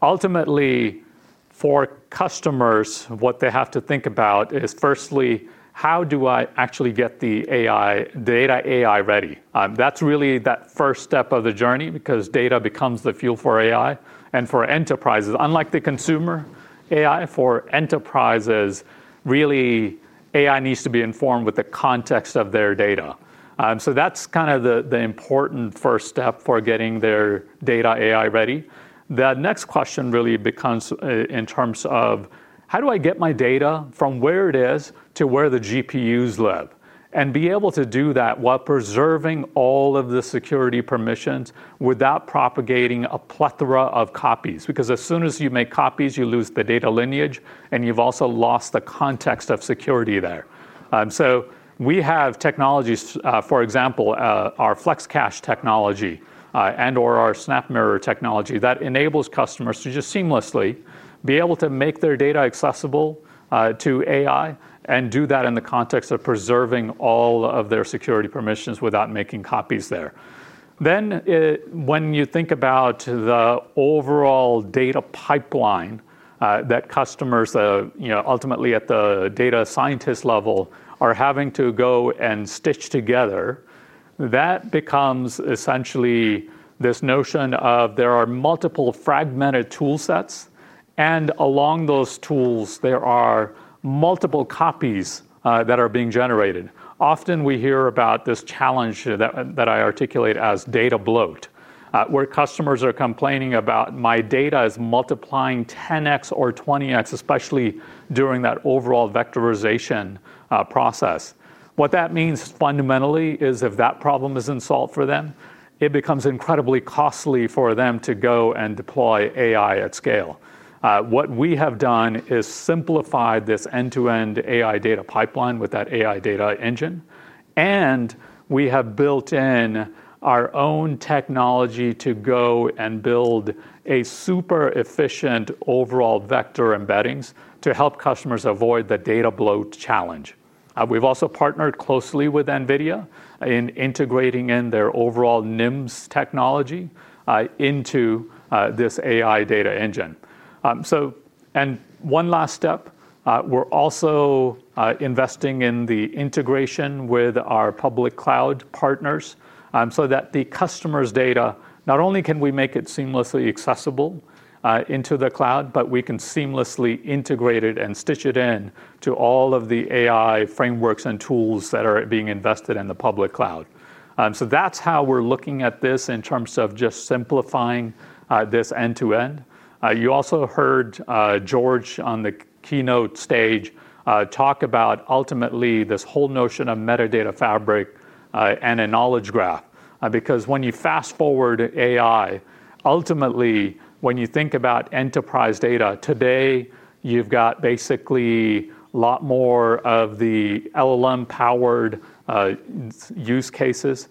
Ultimately, for customers, what they have to think about is firstly, how do I actually get the AI, the AI ready? That's really that first step of the journey because data becomes the fuel for AI. For enterprises, unlike the consumer AI, for enterprises, really, AI needs to be informed with the context of their data. That's kind of the important first step for getting their data AI ready. The next question really becomes in terms of how do I get my data from where it is to where the GPUs live and be able to do that while preserving all of the security permissions without propagating a plethora of copies? As soon as you make copies, you lose the data lineage. You've also lost the context of security there. We have technologies, for example, our FlexCache technology and/or our SnapMirror technology that enables customers to just seamlessly be able to make their data accessible to AI and do that in the context of preserving all of their security permissions without making copies there. When you think about the overall data pipeline that customers ultimately at the data scientist level are having to go and stitch together, that becomes essentially this notion of there are multiple fragmented tool sets. Along those tools, there are multiple copies that are being generated. Often, we hear about this challenge that I articulate as data bloat where customers are complaining about my data is multiplying 10x or 20x, especially during that overall vectorization process. What that means fundamentally is if that problem isn't solved for them, it becomes incredibly costly for them to go and deploy AI at scale. What we have done is simplified this end-to-end AI data pipeline with that AI Data Engine. We have built in our own technology to go and build a super efficient overall vector embeddings to help customers avoid the data bloat challenge. We've also partnered closely with NVIDIA in integrating in their overall NIMS technology into this AI Data Engine. One last step, we're also investing in the integration with our public cloud partners so that the customer's data, not only can we make it seamlessly accessible into the cloud, but we can seamlessly integrate it and stitch it in to all of the AI frameworks and tools that are being invested in the public cloud. That's how we're looking at this in terms of just simplifying this end to end. You also heard George on the keynote stage talk about ultimately this whole notion of metadata fabric and a knowledge graph because when you fast forward AI, ultimately, when you think about enterprise data today, you've got basically a lot more of the LLM-powered use cases.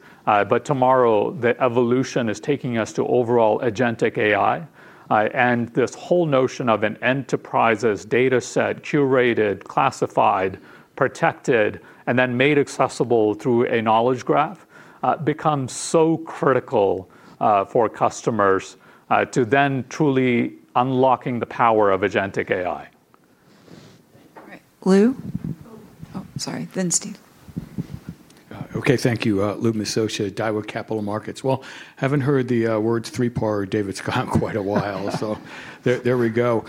Tomorrow, the evolution is taking us to overall agentic AI. This whole notion of an enterprise's data set curated, classified, protected, and then made accessible through a knowledge graph becomes so critical for customers to then truly unlocking the power of agentic AI. All right, Lou. Sorry. Steve. OK, thank you. Lou Miscioscia, Daiwa Capital Markets. I haven't heard the words 3PAR or David Scott in quite a while. There we go.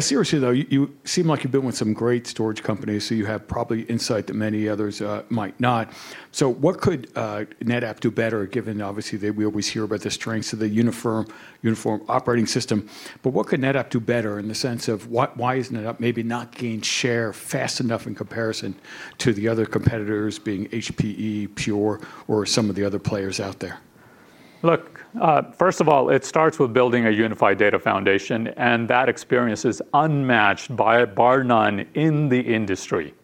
Seriously, though, you seem like you've been with some great storage companies. You have probably insight that many others might not. What could NetApp do better, given obviously we always hear about the strengths of the uniform operating system? What could NetApp do better in the sense of why isn't it maybe not gaining share fast enough in comparison to the other competitors, being HPE, Pure, or some of the other players out there? Look, first of all, it starts with building a unified data foundation. That experience is unmatched, bar none, in the industry.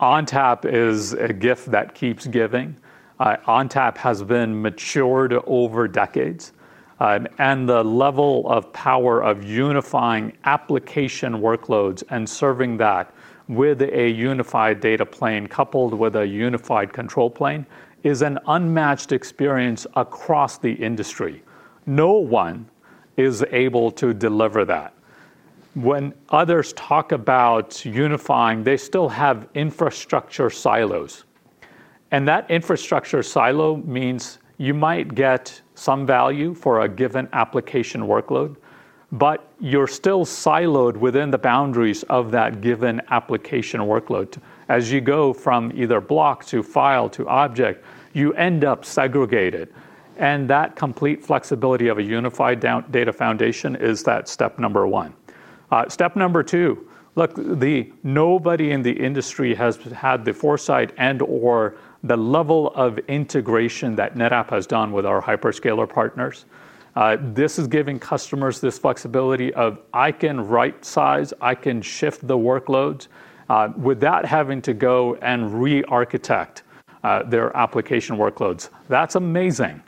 ONTAP is a gift that keeps giving. ONTAP has been matured over decades. The level of power of unifying application workloads and serving that with a unified data plane, coupled with a unified control plane, is an unmatched experience across the industry. No one is able to deliver that. When others talk about unifying, they still have infrastructure silos. That infrastructure silo means you might get some value for a given application workload, but you're still siloed within the boundaries of that given application workload. As you go from either block to file to object, you end up segregated. That complete flexibility of a unified data foundation is step number one. Step number two, nobody in the industry has had the foresight or the level of integration that NetApp has done with our hyperscaler partners. This is giving customers this flexibility of, I can right size. I can shift the workloads without having to go and re-architect their application workloads. That's amazing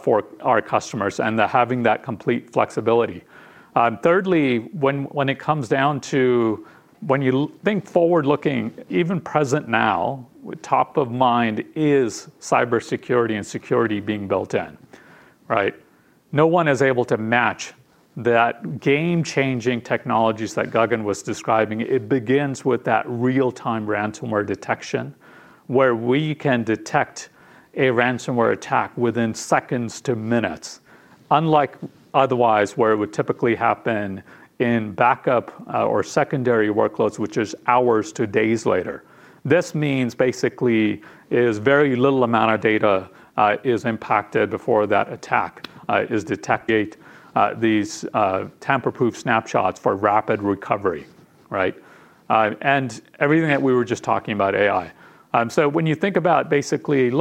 for our customers and having that complete flexibility. Thirdly, when you think forward-looking, even present now, top of mind is cybersecurity and security being built in, right? No one is able to match those game-changing technologies that Gagan was describing. It begins with that real-time ransomware detection where we can detect a ransomware attack within seconds to minutes, unlike otherwise where it would typically happen in backup or secondary workloads, which is hours to days later. This means basically a very little amount of data is impacted before that attack is detected. Create these tamper-proof snapshots for rapid recovery, right? Everything that we were just talking about, AI. When you think about basically,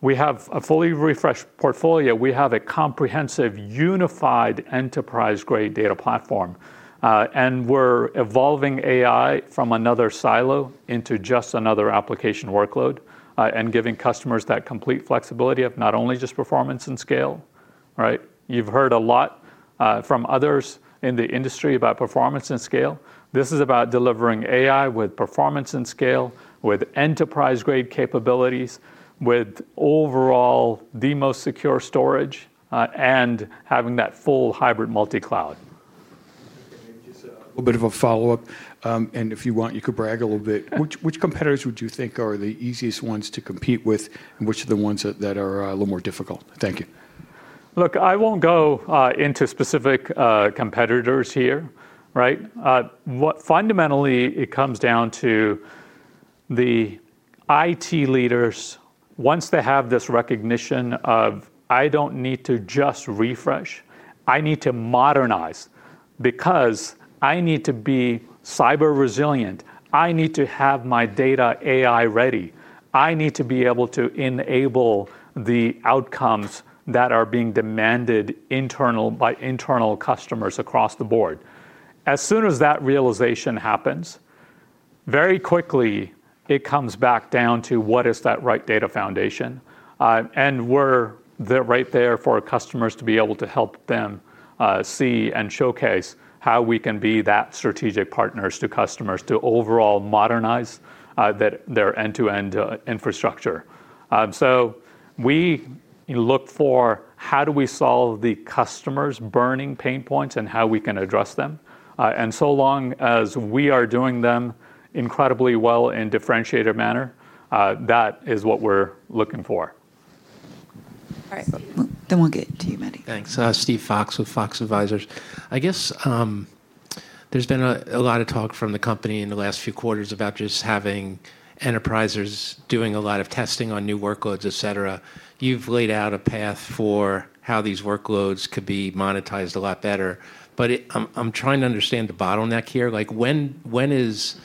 we have a fully refreshed portfolio. We have a comprehensive unified enterprise-grade data platform. We're evolving AI from another silo into just another application workload and giving customers that complete flexibility of not only just performance and scale, right? You've heard a lot from others in the industry about performance and scale. This is about delivering AI with performance and scale, with enterprise-grade capabilities, with overall the most secure storage, and having that full hybrid multi-cloud. A little bit of a follow-up. If you want, you could brag a little bit. Which competitors would you think are the easiest ones to compete with? Which are the ones that are a little more difficult? Thank you. Look, I won't go into specific competitors here, right? What fundamentally it comes down to, the IT leaders, once they have this recognition of I don't need to just refresh. I need to modernize because I need to be cyber resilient. I need to have my data AI ready. I need to be able to enable the outcomes that are being demanded by internal customers across the board. As soon as that realization happens, very quickly, it comes back down to what is that right data foundation? We're right there for customers to be able to help them see and showcase how we can be that strategic partners to customers to overall modernize their end-to-end infrastructure. We look for how do we solve the customer's burning pain points and how we can address them. As long as we are doing them incredibly well in a differentiated manner, that is what we're looking for. All right, Steve then we will get to you, Matty. Thanks. Steve Fox with Fox Advisors. I guess there's been a lot of talk from the company in the last few quarters about just having enterprises doing a lot of testing on new workloads, et cetera. You've laid out a path for how these workloads could be monetized a lot better. I'm trying to understand the bottleneck here. When is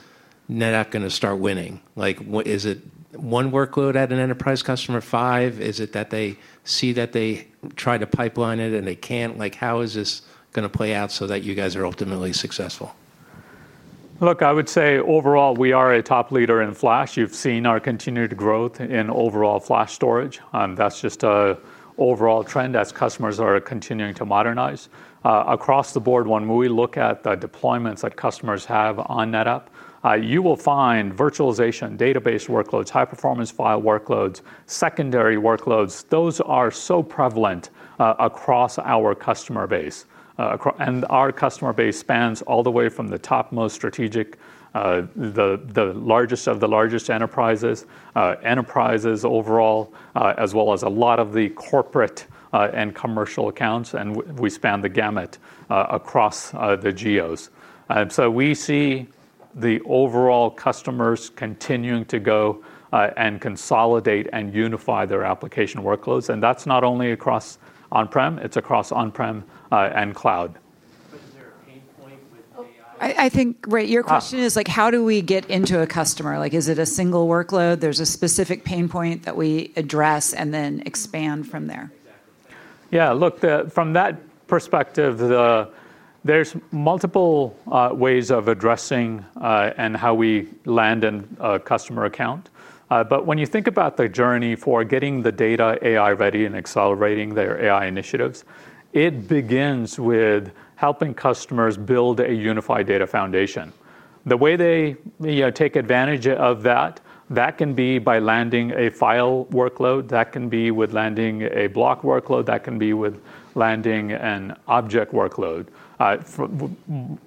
NetApp going to start winning? Is it one workload at an enterprise customer, five? Is it that they see that they try to pipeline it and they can't? How is this going to play out so that you guys are ultimately successful? Look, I would say overall, we are a top leader in flash. You've seen our continued growth in overall flash storage. That's just an overall trend as customers are continuing to modernize. Across the board, when we look at the deployments that customers have on NetApp, you will find virtualization, database workloads, high-performance file workloads, secondary workloads. Those are so prevalent across our customer base. Our customer base spans all the way from the topmost strategic, the largest of the largest enterprises, enterprises overall, as well as a lot of the corporate and commercial accounts. We span the gamut across the geos. We see the overall customers continuing to go and consolidate and unify their application workloads. That's not only across on-prem. It's across on-prem and cloud. I think your question is like how do we get into a customer? Like is it a single workload? There's a specific pain point that we address and then expand from there? Yeah, look from that perspective, there's multiple ways of addressing and how we land in a customer account. When you think about the journey for getting the data AI ready and accelerating their AI initiatives, it begins with helping customers build a unified data foundation. The way they take advantage of that can be by landing a file workload, landing a block workload, or landing an object workload,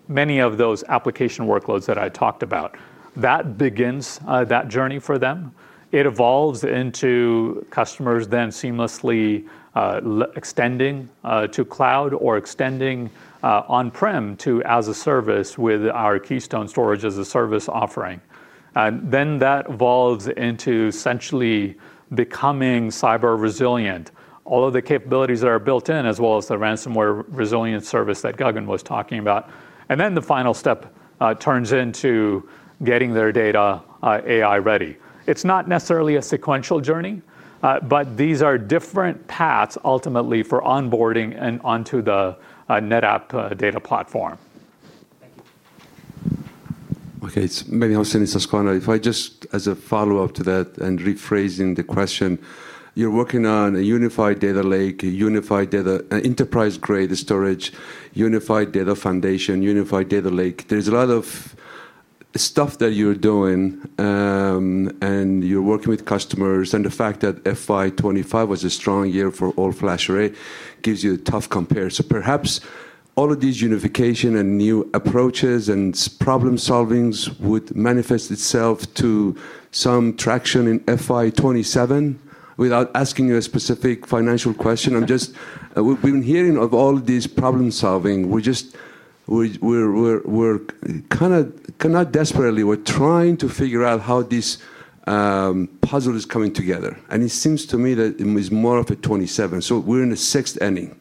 many of those application workloads that I talked about. That begins that journey for them. It evolves into customers then seamlessly extending to cloud or extending on-prem to as a service with our Keystone Storage as a Service offering. It evolves into essentially becoming cyber resilient, all of the capabilities that are built in, as well as the ransomware resilience service that Gagan was talking about. The final step turns into getting their data AI ready. It's not necessarily a sequential journey, but these are different paths ultimately for onboarding and onto the NetApp data platform. OK, it's Mehdi Hosseini, Susquehanna. If I just, as a follow-up to that and rephrasing the question, you're working on a unified data lake, unified data enterprise-grade storage, unified data foundation, unified data lake. There's a lot of stuff that you're doing. You're working with customers. The fact that FI25 was a strong year for all-flash array gives you a tough comparison. Perhaps all of these unification and new approaches and problem solvings would manifest itself to some traction in FI27 without asking you a specific financial question. We've been hearing of all of these problem solving. We're trying to figure out how this puzzle is coming together. It seems to me that it was more of a 27. We're in the sixth inning.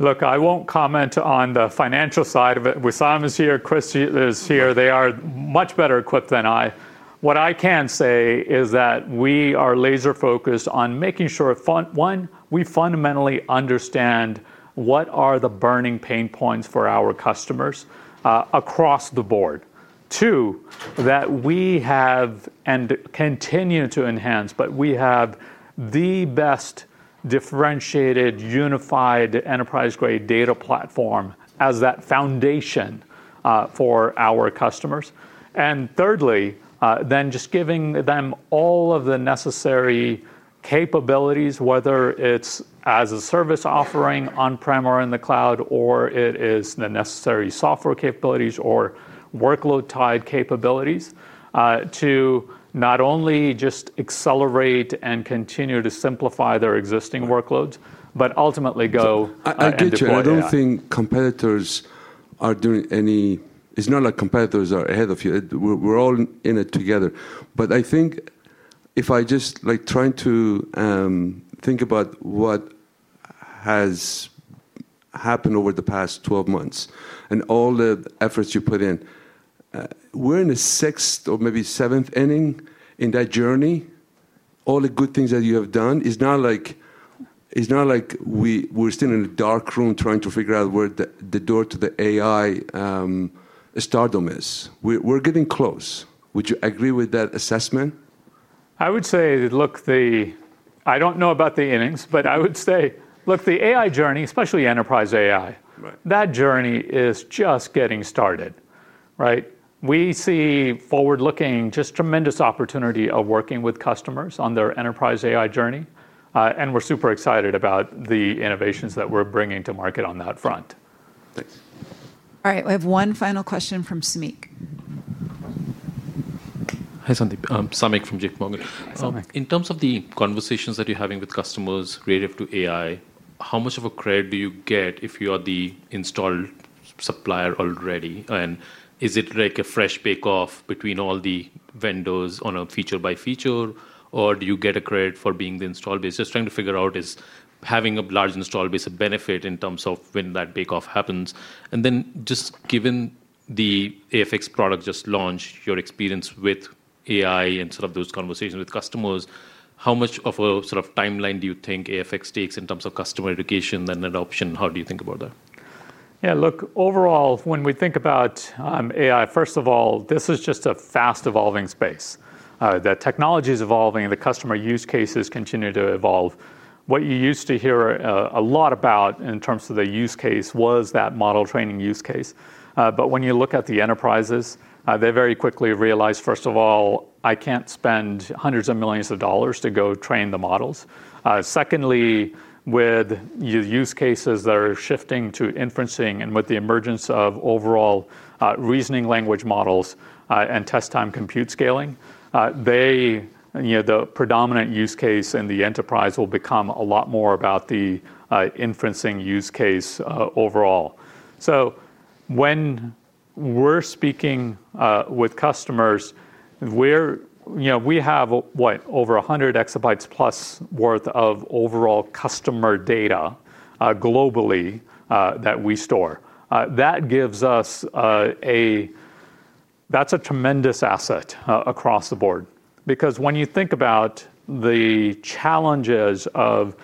Look, I won't comment on the financial side of it. Wissam is here. Chris is here. They are much better equipped than I. What I can say is that we are laser-focused on making sure, one, we fundamentally understand what are the burning pain points for our customers across the board. Two, that we have and continue to enhance, but we have the best differentiated unified enterprise-grade data platform as that foundation for our customers. Thirdly, just giving them all of the necessary capabilities, whether it's as a service offering on-prem or in the cloud, or it is the necessary software capabilities or workload-tied capabilities to not only just accelerate and continue to simplify their existing workloads, but ultimately go. I don't think competitors are doing any, it's not like competitors are ahead of you. We're all in it together. I think if I just like trying to think about what has happened over the past 12 months and all the efforts you put in, we're in the sixth or maybe seventh inning in that journey, all the good things that you have done. It's not like we're still in a dark room trying to figure out where the door to the AI stardom is. We're getting close. Would you agree with that assessment? I would say, look, I don't know about the innings, but I would say, look, the AI journey, especially enterprise AI, that journey is just getting started, right? We see forward-looking just tremendous opportunity of working with customers on their enterprise AI journey. We're super excited about the innovations that we're bringing to market on that front. Thanks. All right, we have one final question from Samik. Hi, Sandeep. Samik from JPMorgan. In terms of the conversations that you're having with customers relative to AI, how much of a credit do you get if you are the installed supplier already? Is it like a fresh bake-off between all the vendors on a feature by feature? Do you get a credit for being the install base? Just trying to figure out is having a large install base a benefit in terms of when that bake-off happens. Given the AFX product just launched, your experience with AI and sort of those conversations with customers, how much of a sort of timeline do you think AFX takes in terms of customer education and adoption? How do you think about that? Yeah, look, overall, when we think about AI, first of all, this is just a fast-evolving space. The technology is evolving. The customer use cases continue to evolve. What you used to hear a lot about in terms of the use case was that model training use case. When you look at the enterprises, they very quickly realized, first of all, I can't spend hundreds of millions of dollars to go train the models. Secondly, with the use cases that are shifting to inferencing and with the emergence of overall reasoning language models and test time compute scaling, the predominant use case in the enterprise will become a lot more about the inferencing use case overall. When we're speaking with customers, we have, what, over 100 exabytes plus worth of overall customer data globally that we store. That gives us a tremendous asset across the board because when you think about the challenges of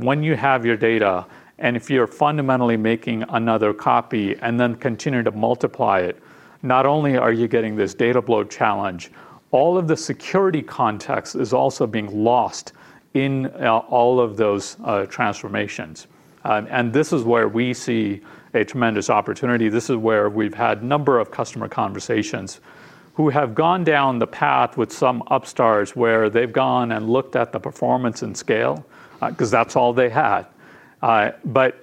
when you have your data and if you're fundamentally making another copy and then continue to multiply it, not only are you getting this data bloat challenge, all of the security context is also being lost in all of those transformations. This is where we see a tremendous opportunity. We've had a number of customer conversations who have gone down the path with some upstarts where they've gone and looked at the performance and scale because that's all they had.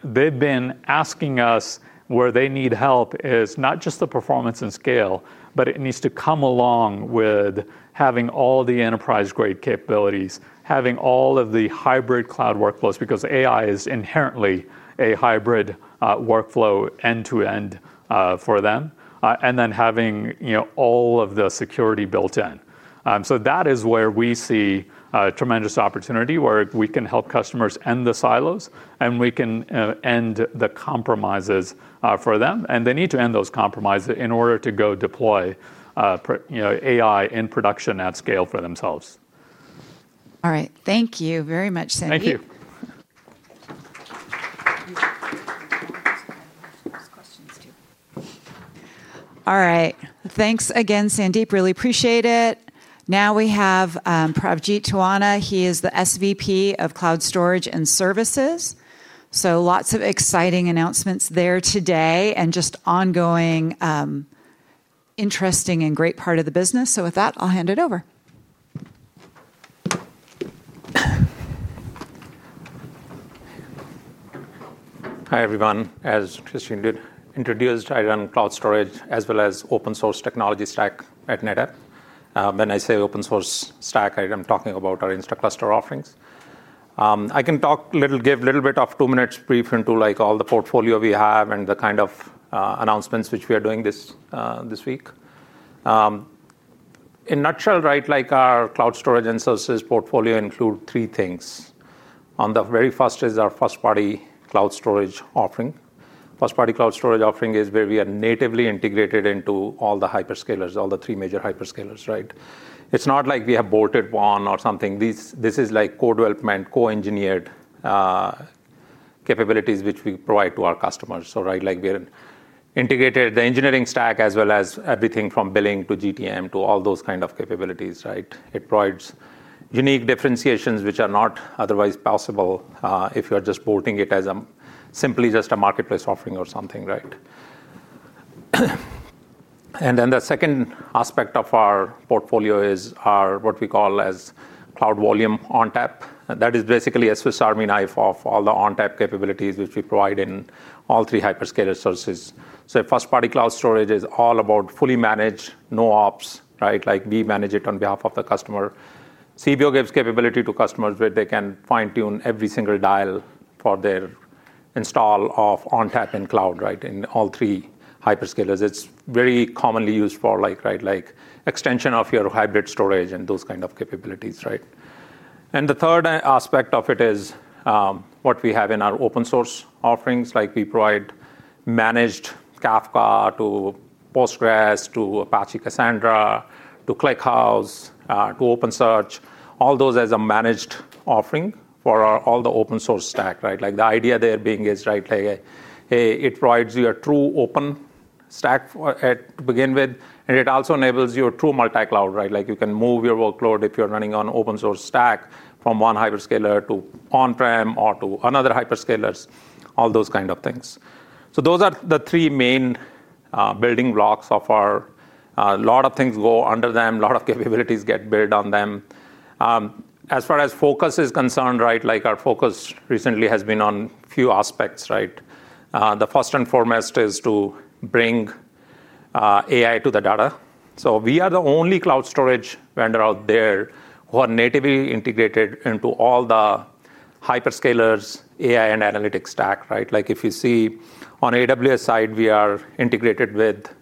They've been asking us where they need help is not just the performance and scale, but it needs to come along with having all the enterprise-grade capabilities, having all of the hybrid cloud workflows because AI is inherently a hybrid workflow end to end for them, and then having all of the security built in. That is where we see a tremendous opportunity where we can help customers end the silos. We can end the compromises for them. They need to end those compromises in order to go deploy AI in production at scale for themselves. All right, thank you very much, Sandeep. Thank you. All right, thanks again, Sandeep. Really appreciate it. Now we have Pravjit Tuana. He is the SVP of Cloud Storage and Services. Lots of exciting announcements there today and just ongoing interesting and great part of the business. With that, I'll hand it over. Hi, everyone. As Christine introduced, I run Cloud Storage as well as open source technology stack at NetApp. When I say open source stack, I am talking about our InstaCluster offerings. I can give a little bit of two minutes brief into all the portfolio we have and the kind of announcements which we are doing this week. In a nutshell, our Cloud Storage and Services portfolio includes three things. The very first is our first-party Cloud Storage offering. First-party Cloud Storage offering is where we are natively integrated into all the hyperscalers, all the three major hyperscalers. It's not like we have bolted one or something. This is co-development, co-engineered capabilities which we provide to our customers. We are integrated, the engineering stack as well as everything from billing to GTM to all those kinds of capabilities. It provides unique differentiations which are not otherwise possible if you are just bolting it as simply just a marketplace offering or something. The second aspect of our portfolio is what we call as Cloud Volume ONTAP. That is basically a Swiss Army knife of all the ONTAP capabilities which we provide in all three hyperscaler services. First-party Cloud Storage is all about fully managed, no ops. We manage it on behalf of the customer. CVO gives capability to customers where they can fine-tune every single dial for their install of ONTAP in cloud in all three hyperscalers. It's very commonly used for extension of your hybrid storage and those kinds of capabilities. The third aspect of it is what we have in our open source offerings. We provide managed Kafka to Postgres, to Apache Cassandra, to ClickHouse, to OpenSearch, all those as a managed offering for all the open source stack. The idea there being is it provides you a true open stack to begin with. It also enables you a true multi-cloud. You can move your workload if you're running on open source stack from one hyperscaler to on-prem or to another hyperscaler, all those kinds of things. Those are the three main building blocks. A lot of things go under them. A lot of capabilities get built on them. As far as focus is concerned, our focus recently has been on a few aspects. The first and foremost is to bring AI to the data. We are the only cloud storage vendor out there who are natively integrated into all the hyperscalers' AI and analytics stack, right? If you see on AWS side, we are integrated with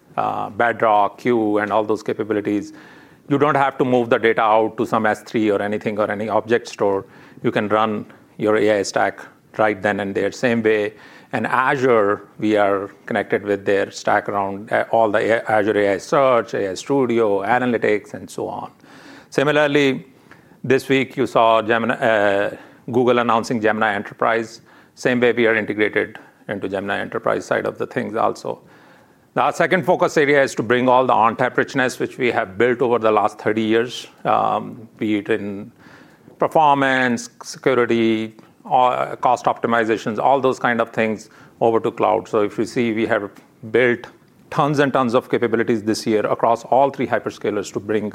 Bedrock, Q, and all those capabilities. You don't have to move the data out to some S3 or anything or any object store. You can run your AI stack right then and there, same way. In Azure, we are connected with their stack around all the Azure AI Search, AI Studio, analytics, and so on. This week you saw Google announcing Gemini Enterprise. Same way, we are integrated into Gemini Enterprise side of the things also. The second focus area is to bring all the ONTAP richness, which we have built over the last 30 years, be it in performance, security, cost optimizations, all those kinds of things over to cloud. If you see, we have built tons and tons of capabilities this year across all three hyperscalers to bring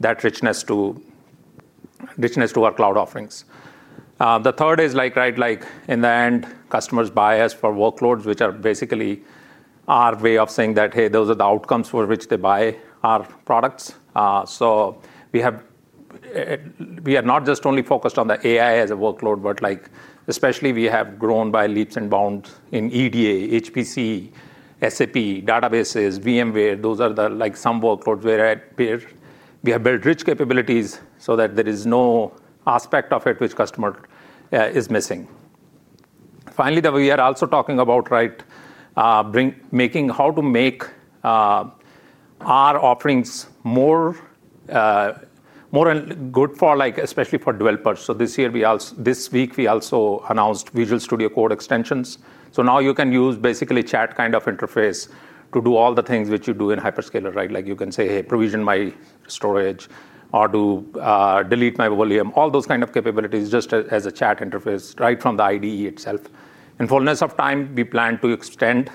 that richness to our cloud offerings. The third is, in the end, customers buy us for workloads, which are basically our way of saying that, hey, those are the outcomes for which they buy our products. We are not just only focused on the AI as a workload, but especially we have grown by leaps and bounds in EDA, HPC, SAP, databases, VMware. Those are some workloads where we have built rich capabilities so that there is no aspect of it which customer is missing. Finally, we are also talking about making how to make our offerings more good for, like especially for developers. This year, this week we also announced Visual Studio Code extensions. Now you can use basically chat kind of interface to do all the things which you do in hyperscaler, right? You can say, hey, provision my storage or delete my volume, all those kinds of capabilities just as a chat interface right from the IDE itself. In fullness of time, we plan to extend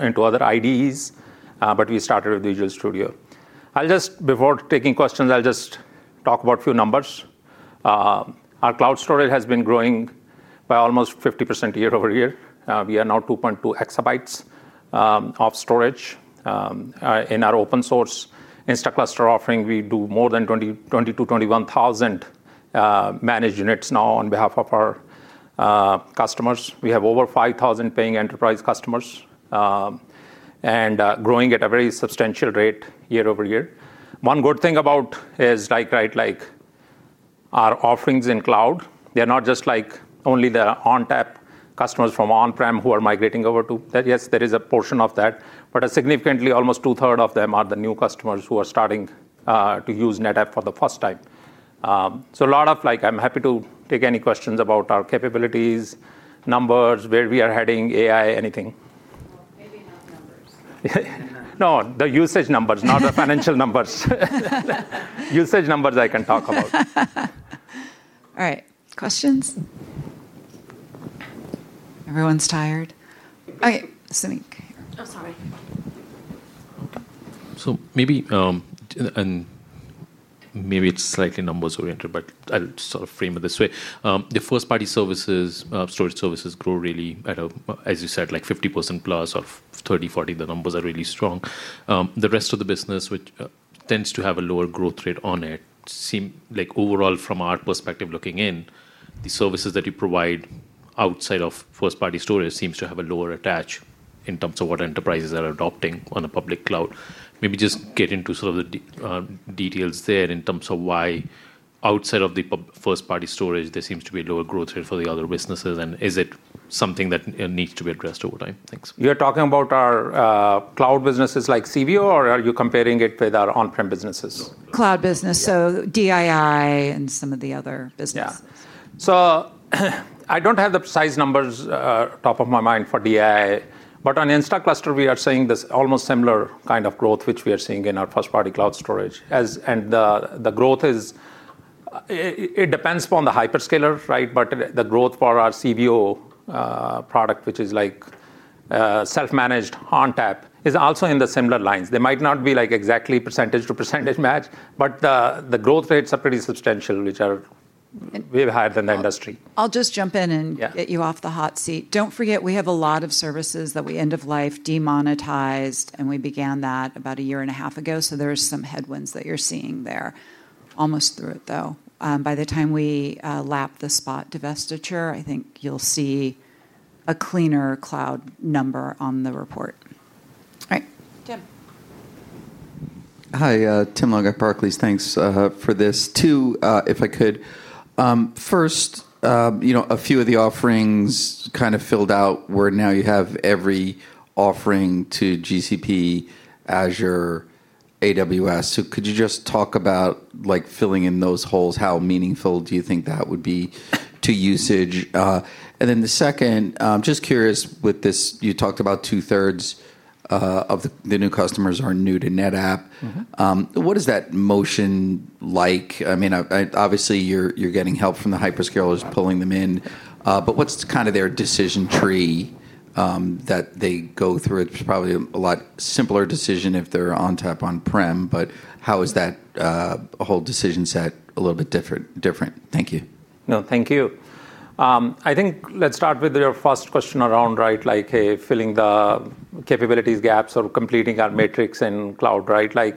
into other IDEs. We started with Visual Studio. Before taking questions, I'll just talk about a few numbers. Our cloud storage has been growing by almost 50% year-over-year. We are now 2.2 EB of storage. In our open source InstaCluster offering, we do more than 22,000-21,000 managed units now on behalf of our customers. We have over 5,000 paying enterprise customers and growing at a very substantial rate year-over-year. One good thing about it is, right, like our offerings in cloud, they're not just like only the ONTAP customers from on-prem who are migrating over too. Yes, there is a portion of that, but significantly, almost 2/3 of them are the new customers who are starting to use NetApp for the first time. I'm happy to take any questions about our capabilities, numbers, where we are heading, AI, anything. No, the usage numbers, not the financial numbers. Usage numbers I can talk about. All right, questions? Everyone's tired. OK, Samik. Oh, sorry. Maybe it's slightly numbers-oriented, but I'll sort of frame it this way. The first-party storage services grow really at a, as you said, like 50%+ or 30, 40%. The numbers are really strong. The rest of the business, which tends to have a lower growth rate on it, seem like overall from our perspective looking in, the services that you provide outside of first-party storage seem to have a lower attach in terms of what enterprises are adopting on the public cloud. Maybe just get into sort of the details there in terms of why outside of the first-party storage, there seems to be a lower growth rate for the other businesses. Is it something that needs to be addressed over time? Thanks. You are talking about our cloud businesses like CBO, or are you comparing it with our on-prem businesses? Cloud business. DII and some of the other businesses. Yeah. I don't have the precise numbers top of my mind for DII. On InstaCluster, we are seeing this almost similar kind of growth, which we are seeing in our first-party cloud storage. The growth depends upon the hyperscaler, right? The growth for our CBO product, which is like self-managed ONTAP, is also in similar lines. They might not be exactly percentage to percentage match. The growth rates are pretty substantial, which are way higher than the industry. I'll just jump in and get you off the hot seat. Don't forget, we have a lot of services that we end of life, demonetized, and we began that about a year and a half ago. There are some headwinds that you're seeing there, almost through it though. By the time we lap the Spot divestiture, I think you'll see a cleaner cloud number on the report. All right, Tim. Hi, Tim Long at Barclays. Thanks for this. Two, if I could. First, you know a few of the offerings kind of filled out where now you have every offering to Google Cloud, Azure, AWS. Could you just talk about filling in those holes? How meaningful do you think that would be to usage? The second, I'm just curious, with this, you talked about 2/3 of the new customers are new to NetApp. What is that motion like? Obviously, you're getting help from the hyperscalers pulling them in. What's kind of their decision tree that they go through? It's probably a lot simpler decision if they're ONTAP on-prem. How is that whole decision set a little bit different? Thank you. No, thank you. I think let's start with your first question around, right, like filling the capabilities gaps or completing our metrics in cloud, right?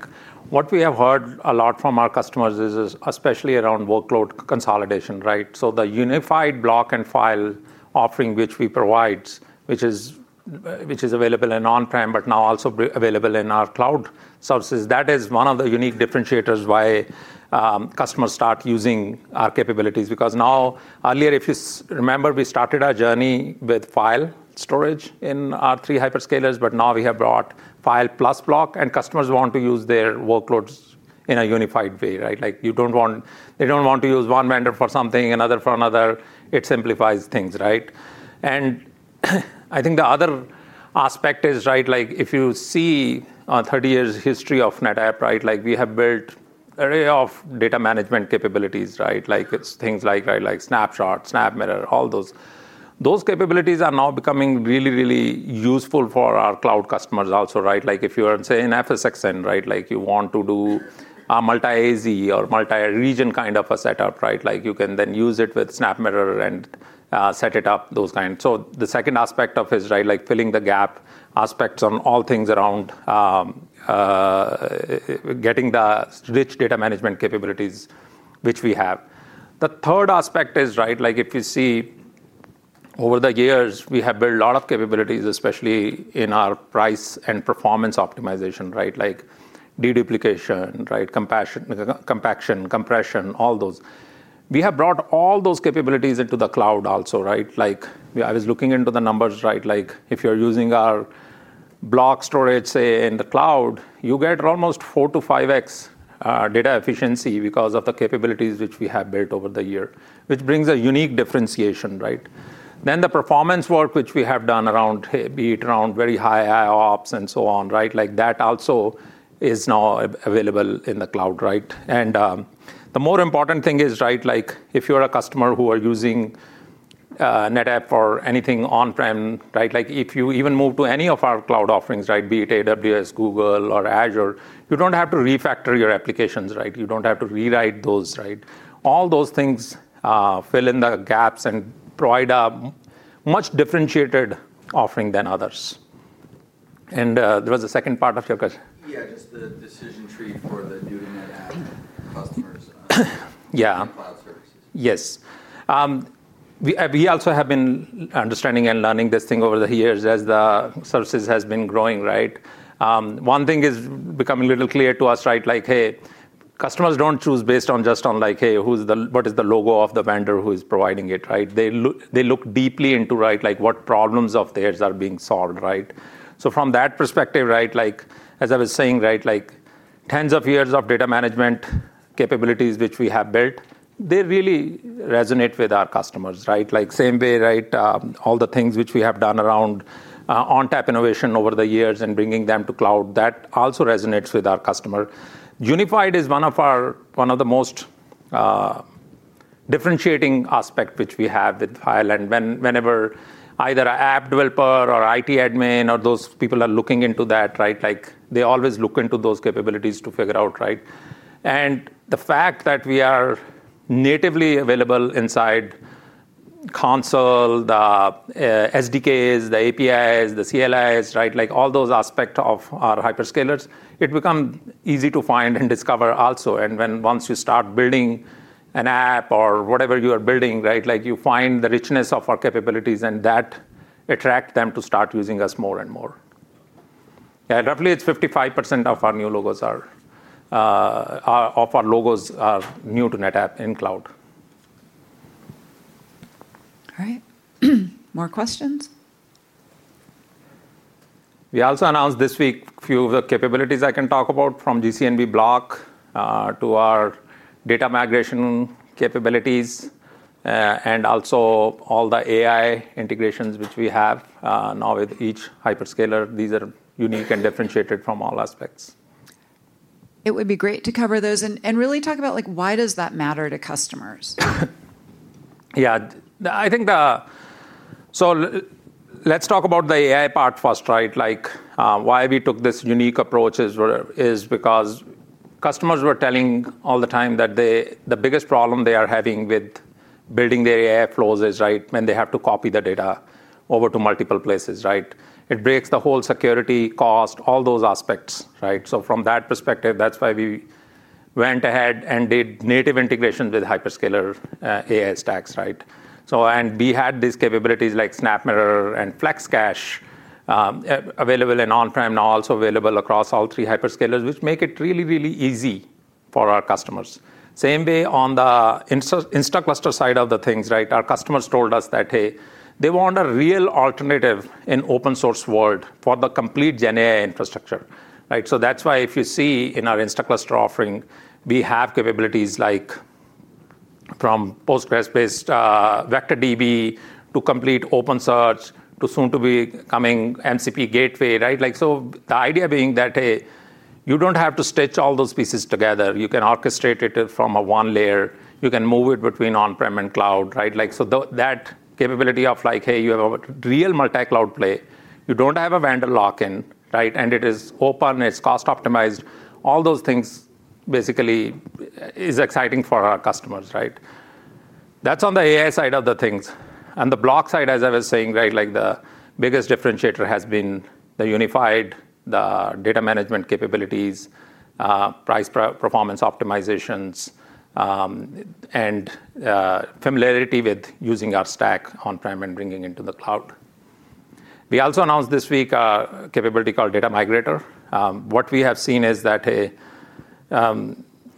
What we have heard a lot from our customers is especially around workload consolidation, right? The unified block and file offering which we provide, which is available in on-prem, but now also available in our cloud services, that is one of the unique differentiators why customers start using our capabilities. Because now, earlier, if you remember, we started our journey with file storage in our three hyperscalers. Now we have brought file plus block. Customers want to use their workloads in a unified way, right? They don't want to use one vendor for something, another for another. It simplifies things, right? I think the other aspect is, right, like if you see a 30-year history of NetApp, right, like we have built an array of data management capabilities, right? Things like Snapshot, SnapMirror, all those. Those capabilities are now becoming really, really useful for our cloud customers also, right? If you are saying Amazon FSx for NetApp ONTAP, right, like you want to do a multi-AZ or multi-region kind of a setup, right? You can then use it with SnapMirror and set it up, those kinds. The second aspect of it is, right, like filling the gap aspects on all things around getting the rich data management capabilities, which we have. The third aspect is, right, like if you see over the years, we have built a lot of capabilities, especially in our price and performance optimization, right? Deduplication, compaction, compression, all those. We have brought all those capabilities into the cloud also, right? I was looking into the numbers, right? If you're using our block storage, say, in the cloud, you get almost 4 to 5x data efficiency because of the capabilities which we have built over the year, which brings a unique differentiation, right? The performance work, which we have done around, be it around very high IOPS and so on, right? That also is now available in the cloud, right? The more important thing is, right, like if you're a customer who are using NetApp or anything on-prem, right? If you even move to any of our cloud offerings, right, be it AWS, Google Cloud, or Microsoft Azure, you don't have to refactor your applications, right? You don't have to rewrite those, right? All those things fill in the gaps and provide a much differentiated offering than others. There was a second part of your question. Yeah, just the decision tree for the new NetApp customers on cloud services. Yes. We also have been understanding and learning this thing over the years as the services have been growing, right? One thing is becoming a little clear to us, right? Like, hey, customers don't choose based on just on like, hey, what is the logo of the vendor who is providing it, right? They look deeply into, right, like what problems of theirs are being solved, right? From that perspective, like as I was saying, tens of years of data management capabilities which we have built, they really resonate with our customers, right? Same way, all the things which we have done around ONTAP innovation over the years and bringing them to cloud, that also resonates with our customer. Unified is one of the most differentiating aspects which we have with file. Whenever either an app developer or IT admin or those people are looking into that, they always look into those capabilities to figure out, right? The fact that we are natively available inside console, the SDKs, the APIs, the CLIs, all those aspects of our hyperscalers, it becomes easy to find and discover also. Once you start building an app or whatever you are building, you find the richness of our capabilities. That attracts them to start using us more and more. Yeah, roughly it's 55% of our new logos are new to NetApp in cloud. All right, more questions? We also announced this week a few of the capabilities I can talk about, from GCNB Block to our data migration capabilities, and also all the AI integrations which we have now with each hyperscaler. These are unique and differentiated from all aspects. It would be great to cover those and really talk about why does that matter to customers? Yeah, I think the so let's talk about the AI part first, right? Like why we took this unique approach is because customers were telling all the time that the biggest problem they are having with building their AI flows is, right, when they have to copy the data over to multiple places, right? It breaks the whole security, cost, all those aspects, right? From that perspective, that's why we went ahead and did native integration with hyperscaler AI stacks, right? We had these capabilities like SnapMirror and FlexCache available in on-prem, now also available across all three hyperscalers, which make it really, really easy for our customers. Same way on the InstaCluster side of the things, right? Our customers told us that, hey, they want a real alternative in open source world for the complete Gen AI infrastructure, right? If you see in our InstaCluster offering, we have capabilities like from Postgres-based VectorDB to complete OpenSearch to soon to be coming MCP Gateway, right? The idea being that, hey, you don't have to stitch all those pieces together. You can orchestrate it from a one layer. You can move it between on-prem and cloud, right? That capability of like, hey, you have a real multi-cloud play. You don't have a vendor lock-in, right? It is open. It's cost optimized. All those things basically are exciting for our customers, right? That's on the AI side of the things. On the block side, as I was saying, right, like the biggest differentiator has been the unified, the data management capabilities, price performance optimizations, and familiarity with using our stack on-prem and bringing into the cloud. We also announced this week a capability called Data Migrator. What we have seen is that, hey,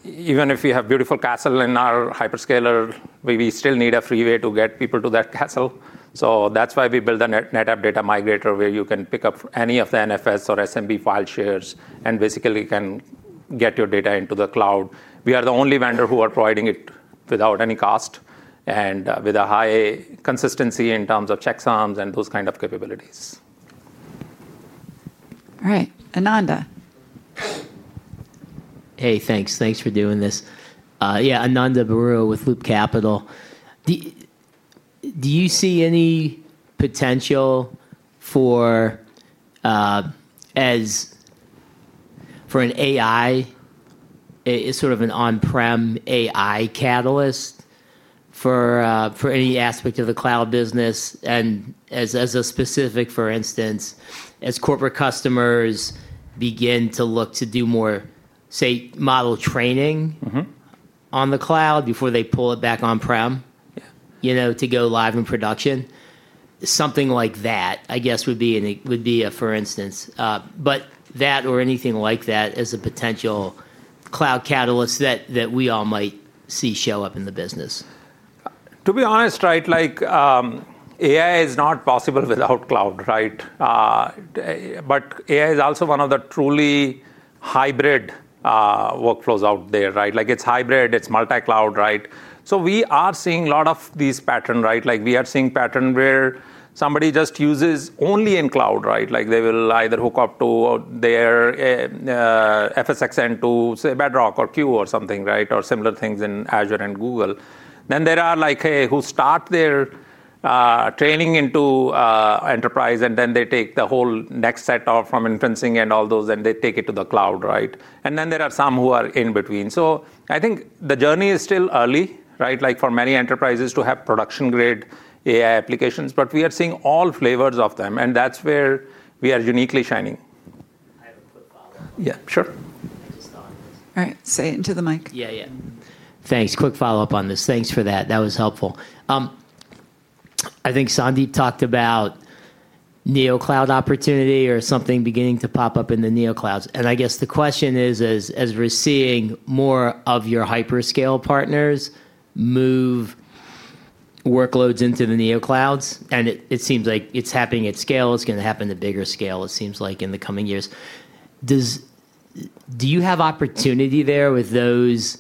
even if we have a beautiful castle in our hyperscaler, we still need a freeway to get people to that castle. That's why we built a NetApp Data Migrator where you can pick up any of the NFS or SMB file shares and basically can get your data into the cloud. We are the only vendor who are providing it without any cost and with a high consistency in terms of checksums and those kinds of capabilities. All right, Ananda. Hey, thanks. Thanks for doing this. Yeah, Ananda Baruah with Loop Capital. Do you see any potential for an AI, sort of an on-prem AI catalyst for any aspect of the cloud business? As a specific, for instance, as corporate customers begin to look to do more, say, model training on the cloud before they pull it back on-prem to go live in production, something like that, I guess, would be a for instance. That or anything like that as a potential cloud catalyst that we all might see show up in the business. To be honest, AI is not possible without cloud, right? AI is also one of the truly hybrid workflows out there. It's hybrid. It's multi-cloud. We are seeing a lot of these patterns. We are seeing patterns where somebody just uses only in cloud. They will either hook up to their Amazon FSx for NetApp ONTAP to, say, Bedrock or Q or something, or similar things in Microsoft Azure and Google Cloud. There are those who start their training in enterprise, and then they take the whole next set from inferencing and all those, and they take it to the cloud. There are some who are in between. I think the journey is still early for many enterprises to have production-grade AI applications. We are seeing all flavors of them, and that's where we are uniquely shining. I have a quick follow-up. Yeah, sure. I just thought. All right, say it to the mic. Yeah, yeah. Thanks. Quick follow-up on this. Thanks for that. That was helpful. I think Sandeep talked about NeoCloud opportunity or something beginning to pop up in the NeoClouds. I guess the question is, as we're seeing more of your hyperscale partners move workloads into the NeoClouds, and it seems like it's happening at scale. It's going to happen at a bigger scale, it seems like, in the coming years. Do you have opportunity there with those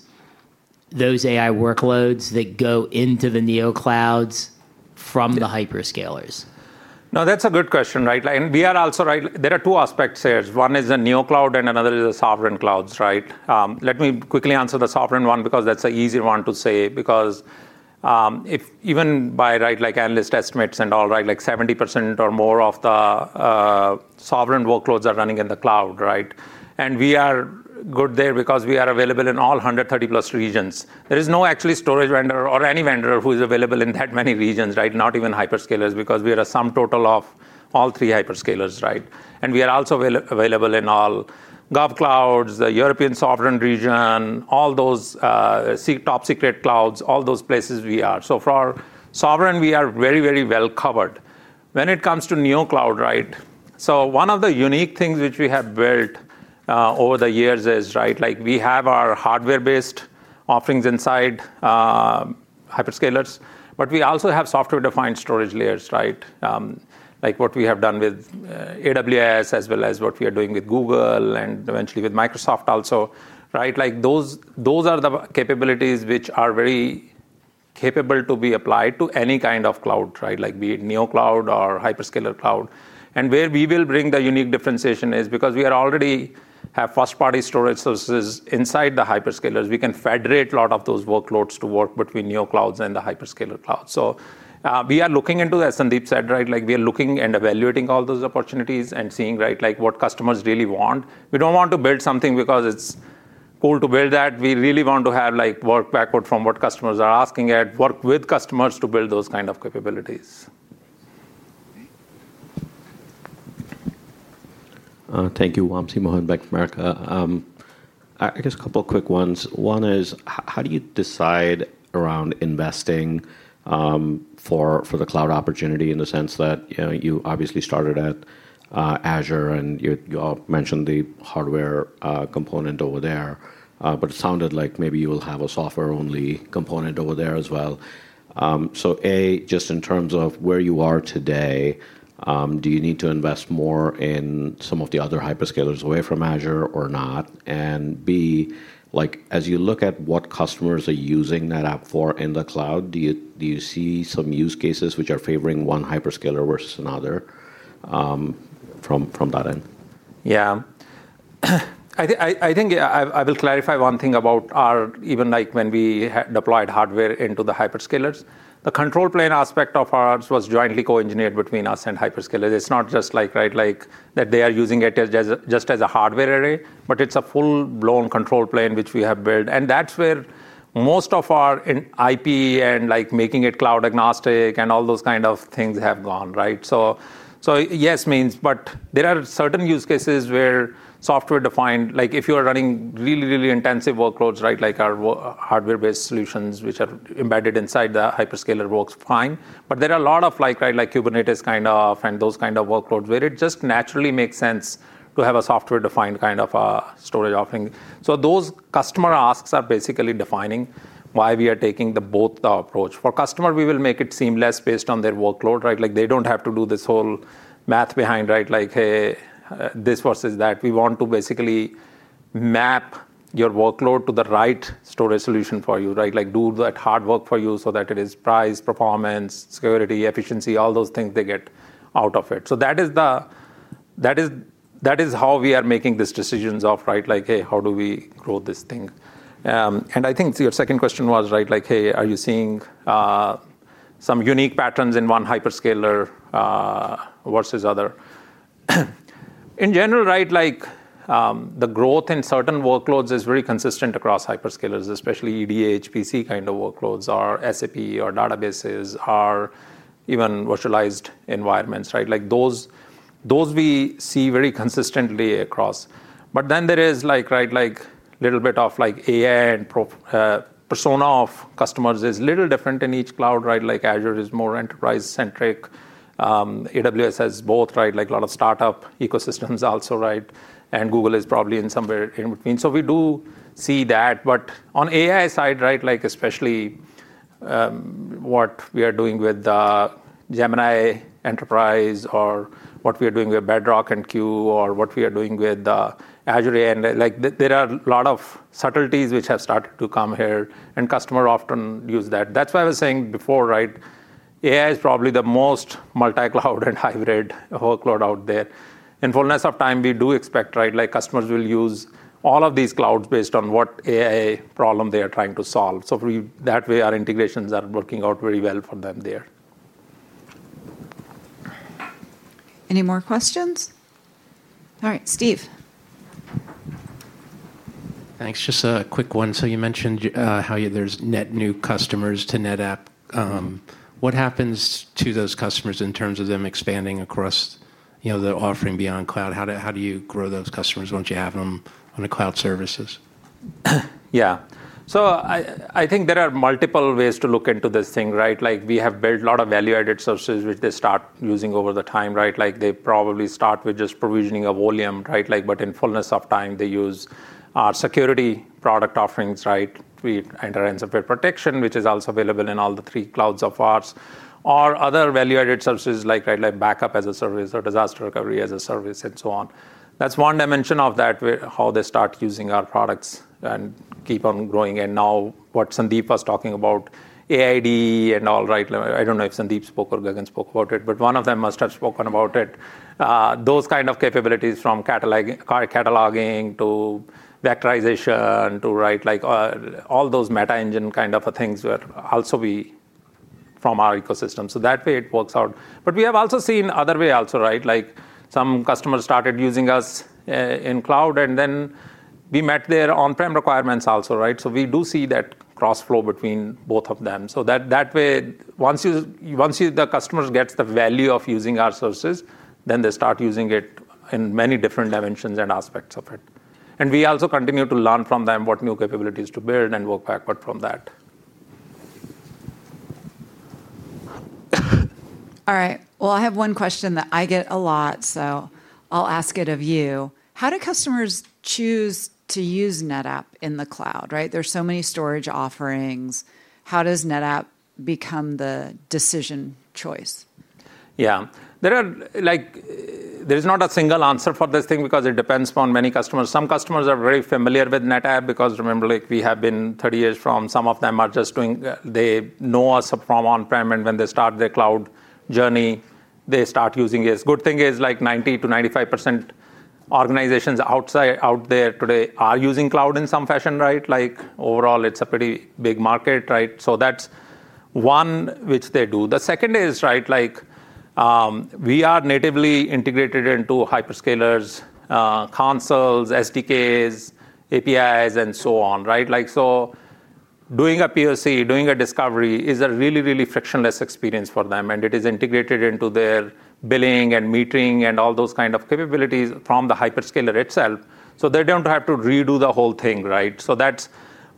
AI workloads that go into the NeoClouds from the hyperscalers? No, that's a good question, right? There are two aspects there. One is the NeoCloud, and another is the sovereign clouds, right? Let me quickly answer the sovereign one because that's the easy one to say because even by analyst estimates and all, 70% or more of the sovereign workloads are running in the cloud, right? We are good there because we are available in all 130+ regions. There is no actual storage vendor or any vendor who is available in that many regions, right? Not even hyperscalers because we are a sum total of all three hyperscalers, right? We are also available in all GovClouds, the European sovereign region, all those top secret clouds, all those places we are. For our sovereign, we are very, very well covered. When it comes to NeoCloud, one of the unique things which we have built over the years is we have our hardware-based offerings inside hyperscalers. We also have software-defined storage layers, like what we have done with AWS, as well as what we are doing with Google and eventually with Microsoft also. Those are the capabilities which are very capable to be applied to any kind of cloud, be it NeoCloud or hyperscaler cloud. Where we will bring the unique differentiation is because we already have first-party storage services inside the hyperscalers. We can federate a lot of those workloads to work between NeoClouds and the hyperscaler clouds. We are looking into that, as Sandeep said. We are looking and evaluating all those opportunities and seeing what customers really want. We don't want to build something because it's cool to build that. We really want to work backward from what customers are asking and work with customers to build those kinds of capabilities. Thank you, Wamsi Mohan, Bank of America. I guess a couple of quick ones. One is, how do you decide around investing for the cloud opportunity in the sense that you obviously started at Microsoft Azure? You all mentioned the hardware component over there. It sounded like maybe you will have a software-only component over there as well. A, just in terms of where you are today, do you need to invest more in some of the other hyperscalers away from Microsoft Azure or not? B, as you look at what customers are using NetApp for in the cloud, do you see some use cases which are favoring one hyperscaler versus another from that end? Yeah, I think I will clarify one thing about our, even like when we deployed hardware into the hyperscalers. The control plane aspect of ours was jointly co-engineered between us and hyperscalers. It's not just like, right, like that they are using it just as a hardware array, but it's a full-blown control plane which we have built. That's where most of our IP and like making it cloud agnostic and all those kinds of things have gone, right? Yes, means. There are certain use cases where software-defined, like if you are running really, really intensive workloads, right, like our hardware. Solutions which are embedded inside the hyperscaler works fine. There are a lot of, like, right, like Kubernetes kind of and those kind of workloads where it just naturally makes sense to have a software-defined kind of a storage offering. Those customer asks are basically defining why we are taking both the approach. For customer, we will make it seamless based on their workload, right? They don't have to do this whole math behind, right? Like, hey, this versus that. We want to basically map your workload to the right storage solution for you, right? Do that hard work for you so that it is price, performance, security, efficiency, all those things they get out of it. That is how we are making these decisions of, right? Like, hey, how do we grow this thing? I think your second question was, right, Like, hey, are you seeing some unique patterns in one hyperscaler versus other? In general, right? The growth in certain workloads is very consistent across hyperscalers, especially EDH, PC kind of workloads, or SAP, or databases, or even virtualized environments, right? Those we see very consistently across. There is, like, right, like a little bit of, like, AI and persona of customers is a little different in each cloud, right? Azure is more enterprise-centric. AWS has both, right? Like, a lot of startup ecosystems also, right? Google is probably somewhere in between. We do see that. On AI side, right? Especially what we are doing with the Gemini Enterprise or what we are doing with Bedrock and Q or what we are doing with the Azure AN. There are a lot of subtleties which have started to come here. Customers often use that. That's why I was saying before, right? AI is probably the most multi-cloud and hybrid workload out there. In fullness of time, we do expect, right? Like, customers will use all of these clouds based on what AI problem they are trying to solve. That way, our integrations are working out very well for them there. Any more questions? All right, Steve. Thanks. Just a quick one. You mentioned how there's net new customers to NetApp. What happens to those customers in terms of them expanding across, you know, the offering beyond cloud? How do you grow those customers once you have them on a cloud services? Yeah. I think there are multiple ways to look into this thing, right? We have built a lot of value-added services which they start using over time, right? They probably start with just provisioning a volume, but in fullness of time, they use our security product offerings. We enter end-to-end software protection, which is also available in all the three clouds of ours, or other value-added services like backup as a service or disaster recovery as a service and so on. That's one dimension of that, how they start using our products and keep on growing. Now what Sandeep was talking about, AI Data Engine and all, right? I don't know if Sandeep spoke or Gagan spoke about it, but one of them must have spoken about it. Those kind of capabilities from cataloging to vectorization to all those meta engine kind of things were also from our ecosystem. That way it works out. We have also seen other way also, right? Some customers started using us in cloud and then we met their on-prem requirements also. We do see that cross-flow between both of them. That way, once the customer gets the value of using our services, they start using it in many different dimensions and aspects of it. We also continue to learn from them what new capabilities to build and work backward from that. All right. I have one question that I get a lot, so I'll ask it of you. How do customers choose to use NetApp in the cloud, right? There's so many storage offerings. How does NetApp become the decision choice? Yeah. There is not a single answer for this thing because it depends upon many customers. Some customers are very familiar with NetApp because, remember, we have been 30 years. Some of them are just doing, they know us from on-prem, and when they start their cloud journey, they start using it. The good thing is, 90%-95% of organizations out there today are using cloud in some fashion, right? Overall, it's a pretty big market, right? That's one which they do. The second is, we are natively integrated into hyperscalers, consoles, SDKs, APIs, and so on, right? Doing a POC, doing a discovery is a really, really frictionless experience for them. It is integrated into their billing and metering and all those kinds of capabilities from the hyperscaler itself. They don't have to redo the whole thing, right? That's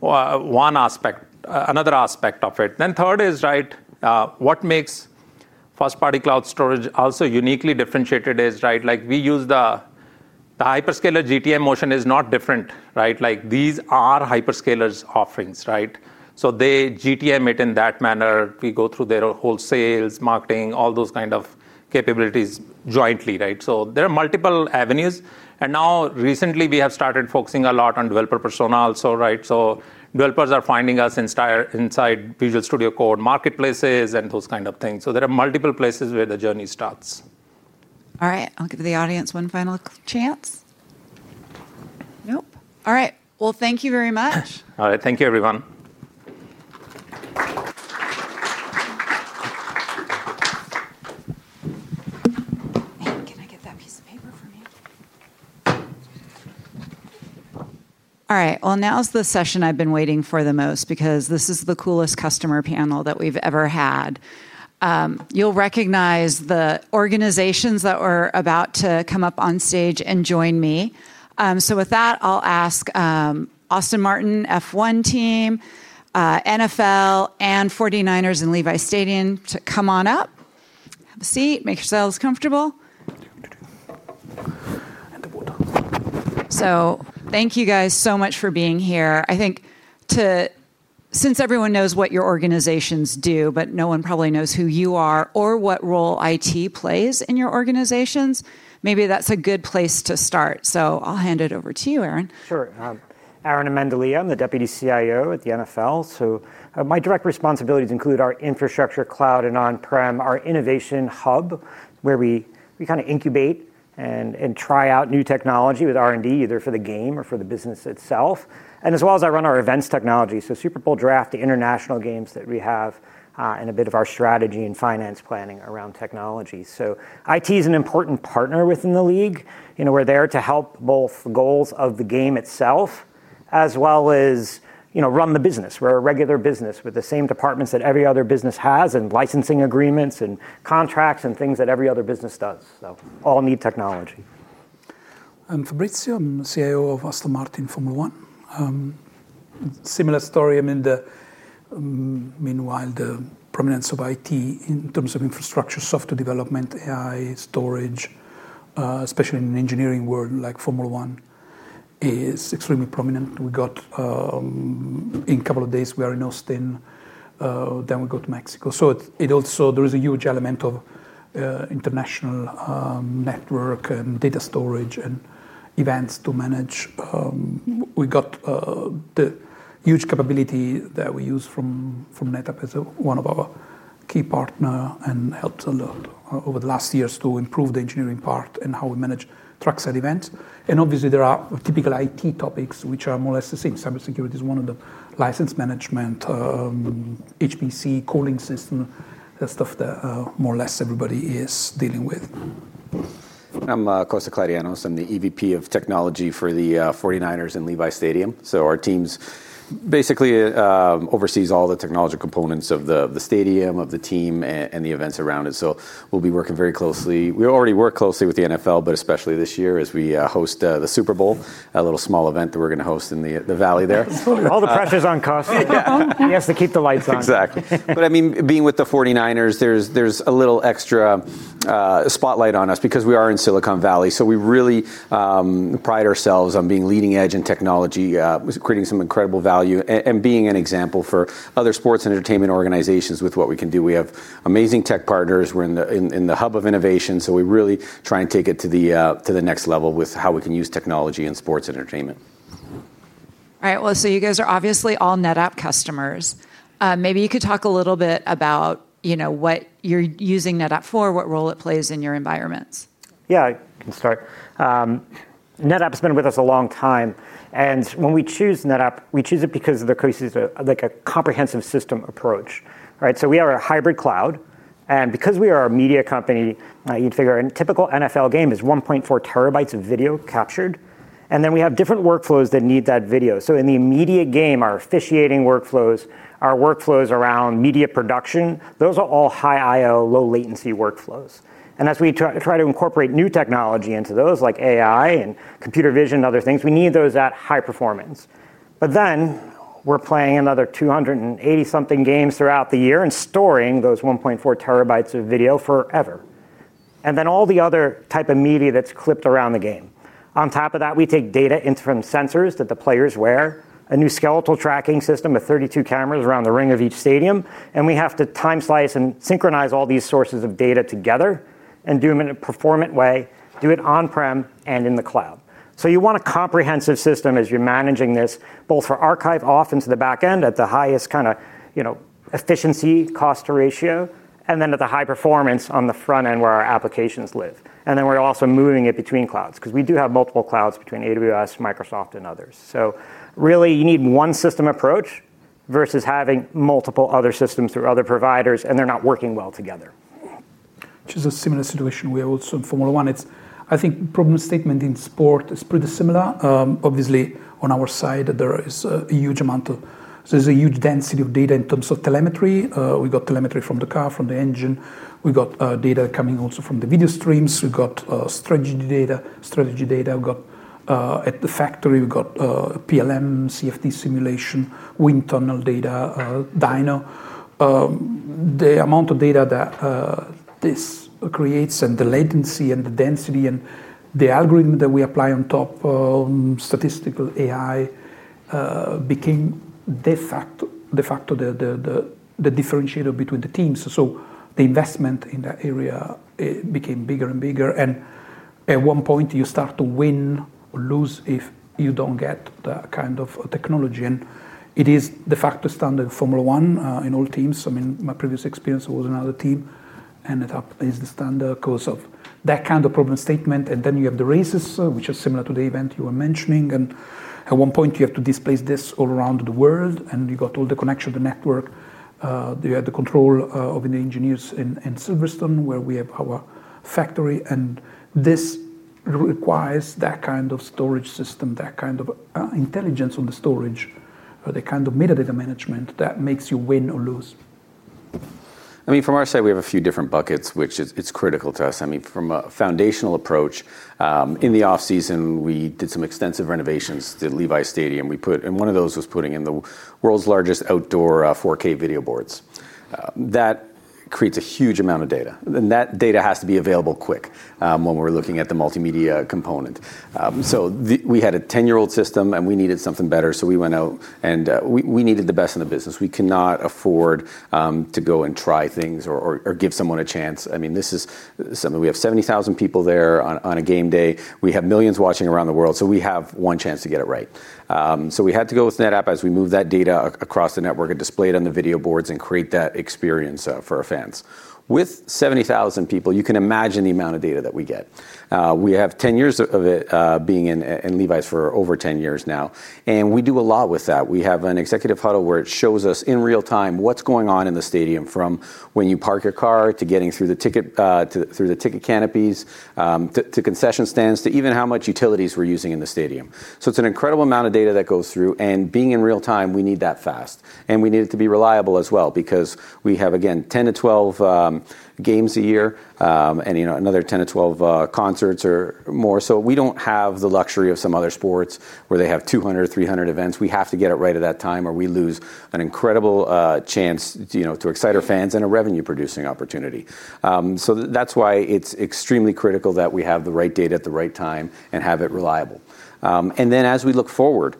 one aspect, another aspect of it. Third is, what makes first-party cloud storage also uniquely differentiated is, we use the hyperscaler GTM motion. It is not different, right? These are hyperscalers' offerings, right? They GTM it in that manner. We go through their whole sales, marketing, all those kinds of capabilities jointly, right? There are multiple avenues. Recently, we have started focusing a lot on developer persona also, right? Developers are finding us inside Visual Studio Code marketplaces and those kinds of things. There are multiple places where the journey starts. All right. I'll give the audience one final chance. Nope. All right. Thank you very much. All right. Thank you, everyone. All right. Now's the session I've been waiting for the most because this is the coolest customer panel that we've ever had. You'll recognize the organizations that are about to come up on stage and join me. With that, I'll ask Aston Martin F1, NFL, and San Francisco 49ers in Levi’s Stadium to come on up. Have a seat. Make yourselves comfortable. Thank you guys so much for being here. I think since everyone knows what your organizations do, but no one probably knows who you are or what role IT plays in your organizations, maybe that's a good place to start. I'll hand it over to you, Aaron. Sure. Aaron Amendolia. I'm the Deputy CIO at the NFL. My direct responsibilities include our infrastructure cloud and on-prem, our innovation hub where we kind of incubate and try out new technology with R&D, either for the game or for the business itself. I run our events technology, Super Bowl draft, the international games that we have, and a bit of our strategy and finance planning around technology. IT is an important partner within the league. We're there to help both the goals of the game itself as well as run the business. We're a regular business with the same departments that every other business has and licensing agreements and contracts and things that every other business does. All need technology. I'm Fabrizio. I'm the CIO of Aston Martin F1. Similar story. I'm in the, meanwhile, the prominence of IT in terms of infrastructure, software development, AI, storage, especially in the engineering world, like Formula 1, is extremely prominent. We got in a couple of days, we are in Austin. We go to Mexico. It also, there is a huge element of international network and data storage and events to manage. We got the huge capability that we use from NetApp as one of our key partners and helps a lot over the last years to improve the engineering part and how we manage trucks at events. Obviously, there are typical IT topics which are more or less the same. Cybersecurity is one of them. License management, HPC, calling system, that stuff that more or less everybody is dealing with. I'm Costa Kladianos. I'm the EVP of Technology for the San Francisco 49ers in Levi’s Stadium. Our teams basically oversee all the technology components of the stadium, of the team, and the events around it. We will be working very closely. We already work closely with the NFL, especially this year as we host the Super Bowl, a little small event that we're going to host in the valley there. All the pressure's on Costa. He has to keep the lights on. Exactly. I mean, being with the San Francisco 49ers, there's a little extra spotlight on us because we are in Silicon Valley. We really pride ourselves on being leading edge in technology, creating some incredible value, and being an example for other sports and entertainment organizations with what we can do. We have amazing tech partners. We're in the hub of innovation. We really try and take it to the next level with how we can use technology in sports and entertainment. All right. You guys are obviously all NetApp customers. Maybe you could talk a little bit about what you're using NetApp for, what role it plays in your environments. Yeah, I can start. NetApp has been with us a long time. When we choose NetApp, we choose it because of the case is like a comprehensive system approach. We are a hybrid cloud. Because we are a media company, you'd figure a typical NFL game is 1.4 TB of video captured. We have different workflows that need that video. In the media game, our officiating workflows, our workflows around media production, those are all high IO, low latency workflows. As we try to incorporate new technology into those, like AI and computer vision and other things, we need those at high performance. We're playing another 280 something games throughout the year and storing those 1.4 TB of video forever. All the other type of media that's clipped around the game. On top of that, we take data from sensors that the players wear, a new skeletal tracking system, with 32 cameras around the ring of each stadium. We have to time slice and synchronize all these sources of data together and do them in a performant way, do it on-prem and in the cloud. You want a comprehensive system as you're managing this, both for archive off into the back end at the highest kind of efficiency cost ratio, and at the high performance on the front end where our applications live. We're also moving it between clouds because we do have multiple clouds between AWS, Microsoft, and others. You need one system approach versus having multiple other systems through other providers, and they're not working well together. Just a similar situation we have also in Formula 1. I think the problem statement in sport is pretty similar. Obviously, on our side, there is a huge amount of, there's a huge density of data in terms of telemetry. We got telemetry from the car, from the engine. We got data coming also from the video streams. We got strategy data. Strategy data. We got at the factory, we got PLM, CFD simulation, wind tunnel data, Dyno. The amount of data that this creates and the latency and the density and the algorithm that we apply on top, statistical AI became de facto the differentiator between the teams. The investment in that area became bigger and bigger. At one point, you start to win or lose if you don't get that kind of technology. It is de facto standard in Formula 1 in all teams. I mean, my previous experience was another team. It is the standard because of that kind of problem statement. You have the races, which are similar to the event you were mentioning. At one point, you have to displace this all around the world. You got all the connection, the network. You had the control of the engineers in Silverstone, where we have our factory. This requires that kind of storage system, that kind of intelligence on the storage, the kind of metadata management that makes you win or lose. I mean, from our side, we have a few different buckets, which is critical to us. From a foundational approach, in the offseason, we did some extensive renovations to Levi’s Stadium. One of those was putting in the world's largest outdoor 4K video boards. That creates a huge amount of data, and that data has to be available quick when we're looking at the multimedia component. We had a 10-year-old system, and we needed something better. We went out, and we needed the best in the business. We cannot afford to go and try things or give someone a chance. This is something we have 70,000 people there on a game day. We have millions watching around the world. We have one chance to get it right. We had to go with NetApp as we moved that data across the network and displayed on the video boards and create that experience for our fans. With 70,000 people, you can imagine the amount of data that we get. We have 10 years of it being in Levi’s for over 10 years now, and we do a lot with that. We have an executive huddle where it shows us in real time what's going on in the stadium, from when you park your car to getting through the ticket canopies to concession stands to even how much utilities we're using in the stadium. It's an incredible amount of data that goes through. Being in real time, we need that fast, and we need it to be reliable as well because we have, again, 10-12 games a year and another 10-12 concerts or more. We don't have the luxury of some other sports where they have 200, 300 events. We have to get it right at that time, or we lose an incredible chance to excite our fans and a revenue-producing opportunity. That's why it's extremely critical that we have the right data at the right time and have it reliable. As we look forward,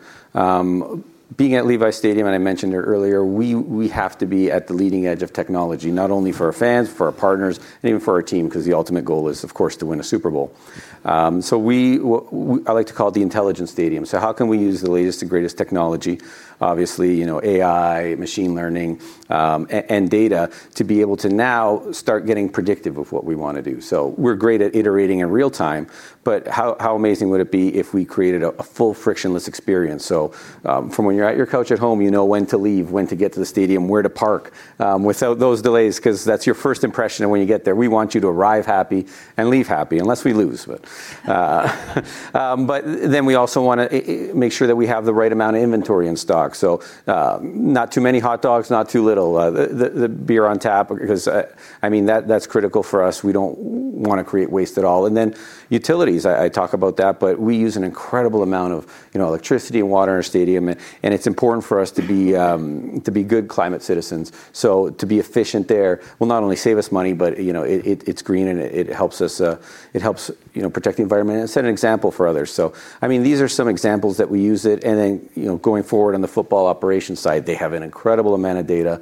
being at Levi’s Stadium, and I mentioned it earlier, we have to be at the leading edge of technology, not only for our fans, for our partners, and even for our team, because the ultimate goal is, of course, to win a Super Bowl. I like to call it the intelligence stadium. How can we use the latest and greatest technology, obviously, AI, machine learning, and data to be able to now start getting predictive of what we want to do? We're great at iterating in real time. How amazing would it be if we created a full frictionless experience? From when you're at your couch at home, you know when to leave, when to get to the stadium, where to park without those delays because that's your first impression. When you get there, we want you to arrive happy and leave happy, unless we lose. We also want to make sure that we have the right amount of inventory in stock, not too many hot dogs, not too little. The beer on tap, because that's critical for us. We don't want to create waste at all. Utilities, I talk about that. We use an incredible amount of electricity and water in our stadium, and it's important for us to be good climate citizens. To be efficient there will not only save us money, but it's green and it helps us protect the environment and set an example for others. These are some examples that we use it. Going forward on the football operation side, they have an incredible amount of data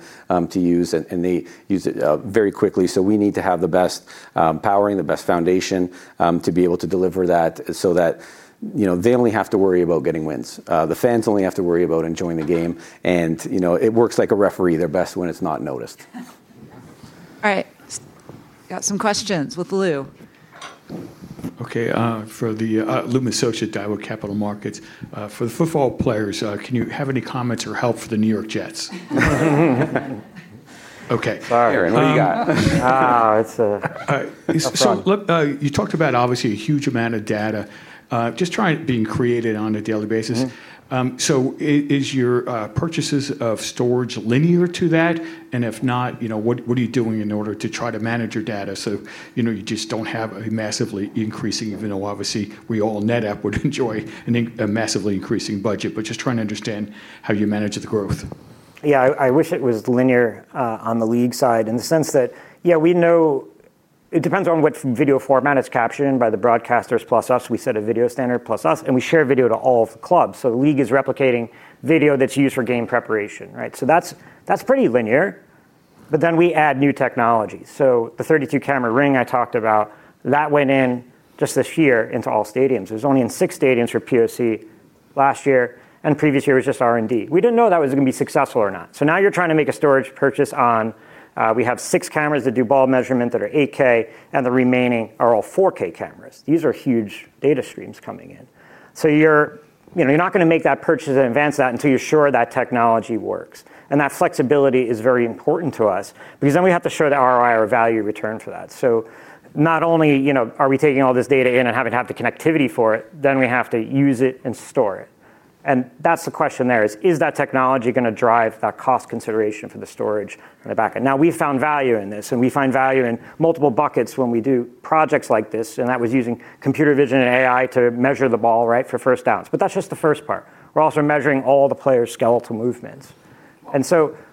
to use, and they use it very quickly. We need to have the best powering, the best foundation to be able to deliver that so that they only have to worry about getting wins. The fans only have to worry about enjoying the game. It works like a referee. They're best when it's not noticed. All right. Got some questions with Lou. OK. Lou Miscioscia, Daiwa with Capital Markets, for the football players, can you have any comments or help for the New York Jets? OK. All right. Lou, you got it. You talked about obviously a huge amount of data being created on a daily basis. Is your purchases of storage linear to that? If not, what are you doing in order to try to manage your data so you just don't have a massively increasing, even though obviously we all at NetApp would enjoy a massively increasing budget, just trying to understand how you manage the growth. Yeah, I wish it was linear on the league side in the sense that, yeah, we know it depends on which video format it's captured in by the broadcasters plus us. We set a video standard plus us, and we share video to all of the clubs. The league is replicating video that's used for game preparation, so that's pretty linear. We add new technologies. The 32-camera ring I talked about, that went in just this year into all stadiums. It was only in six stadiums for POC last year, and the previous year was just R&D. We didn't know that was going to be successful or not. Now you're trying to make a storage purchase on we have six cameras that do ball measurement that are 8K, and the remaining are all 4K cameras. These are huge data streams coming in. You're not going to make that purchase and advance that until you're sure that technology works. That flexibility is very important to us because we have to show the ROI or value return for that. Not only are we taking all this data in and having to have the connectivity for it, we have to use it and store it. The question there is, is that technology going to drive that cost consideration for the storage on the back end? We found value in this. We find value in multiple buckets when we do projects like this. That was using computer vision and AI to measure the ball for first downs. That's just the first part. We're also measuring all the players' skeletal movements.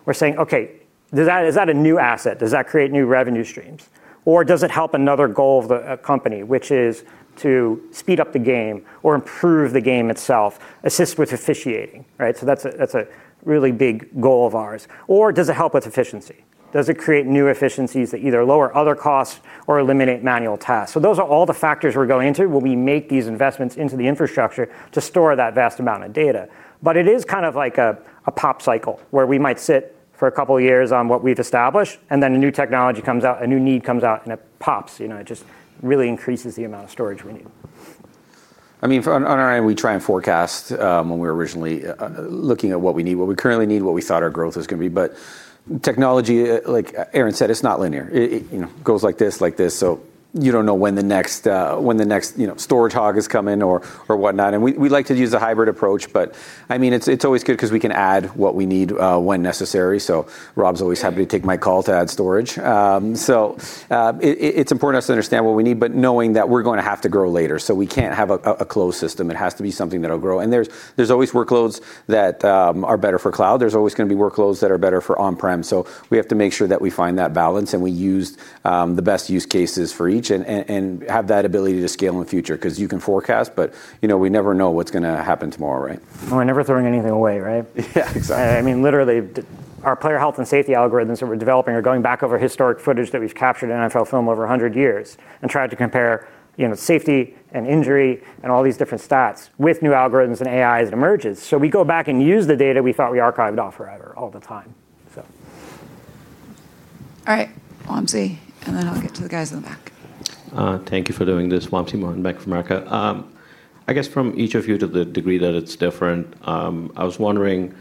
We're saying, OK, is that a new asset? Does that create new revenue streams? Or does it help another goal of the company, which is to speed up the game or improve the game itself, assist with officiating? That's a really big goal of ours. Does it help with efficiency? Does it create new efficiencies that either lower other costs or eliminate manual tasks? Those are all the factors we're going into when we make these investments into the infrastructure to store that vast amount of data. It is kind of like a pop cycle where we might sit for a couple of years on what we've established, and then a new technology comes out, a new need comes out, and it pops. It just really increases the amount of storage we need. I mean, on our end, we try and forecast when we're originally looking at what we need, what we currently need, what we thought our growth was going to be. Technology, like Aaron said, it's not linear. It goes like this, like this. You don't know when the next storage hog is coming or whatnot. We like to use a hybrid approach. I mean, it's always good because we can add what we need when necessary. Rob's always happy to take my call to add storage. It's important for us to understand what we need, but knowing that we're going to have to grow later. We can't have a closed system. It has to be something that will grow. There's always workloads that are better for cloud. There's always going to be workloads that are better for on-prem. We have to make sure that we find that balance and we use the best use cases for each and have that ability to scale in the future because you can forecast, but we never know what's going to happen tomorrow, right? We're never throwing anything away, right? Yeah, exactly. I mean, literally, our player health and safety algorithms that we're developing are going back over historic footage that we've captured in NFL film over 100 years and trying to compare safety and injury and all these different stats with new algorithms and AI as it emerges. We go back and use the data we thought we archived off forever all the time. All right. Wamsi, and then I'll get to the guys in the back. Thank you for doing this. Wamsi Martin back from America. I guess from each of you, to the degree that it's different, I was wondering,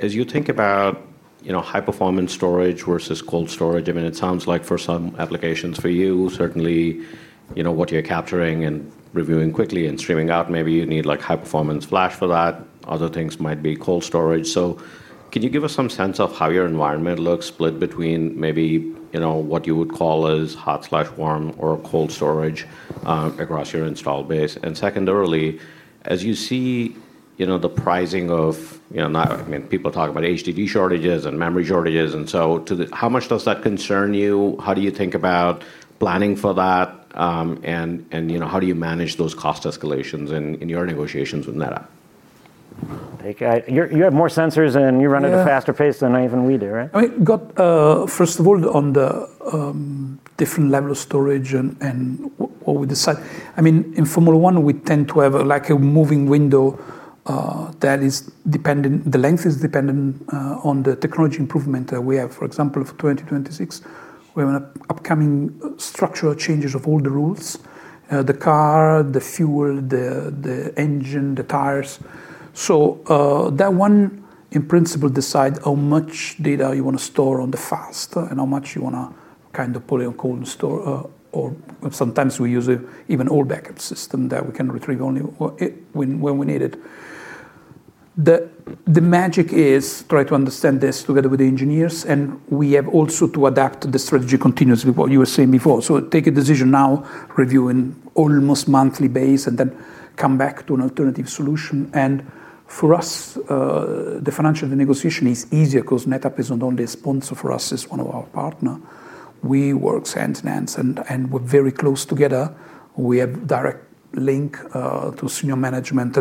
as you think about high-performance storage versus cold storage, it sounds like for some applications for you, certainly what you're capturing and reviewing quickly and streaming out, maybe you need high-performance flash for that. Other things might be cold storage. Can you give us some sense of how your environment looks split between maybe what you would call as hot/warm or cold storage across your install base? Secondarily, as you see the pricing of, I mean, people talk about HDD shortages and memory shortages. How much does that concern you? How do you think about planning for that? How do you manage those cost escalations in your negotiations with NetApp? You have more sensors, and you run at a faster pace than even we do, right? First of all, on the different level of storage and what we decide, in Formula 1, we tend to have a moving window that is dependent. The length is dependent on the technology improvement that we have. For example, for 2026, we have an upcoming structural changes of all the rules, the car, the fuel, the engine, the tires. That one, in principle, decides how much data you want to store on the fast and how much you want to kind of pull and cold store. Sometimes we use even an old backup system that we can retrieve only when we need it. The magic is trying to understand this together with the engineers. We have also to adapt the strategy continuously, what you were saying before. Take a decision now, review on an almost monthly basis, and then come back to an alternative solution. For us, the financial negotiation is easier because NetApp is not only a sponsor for us. It's one of our partners. We work hand in hand, and we're very close together. We have a direct link to senior management.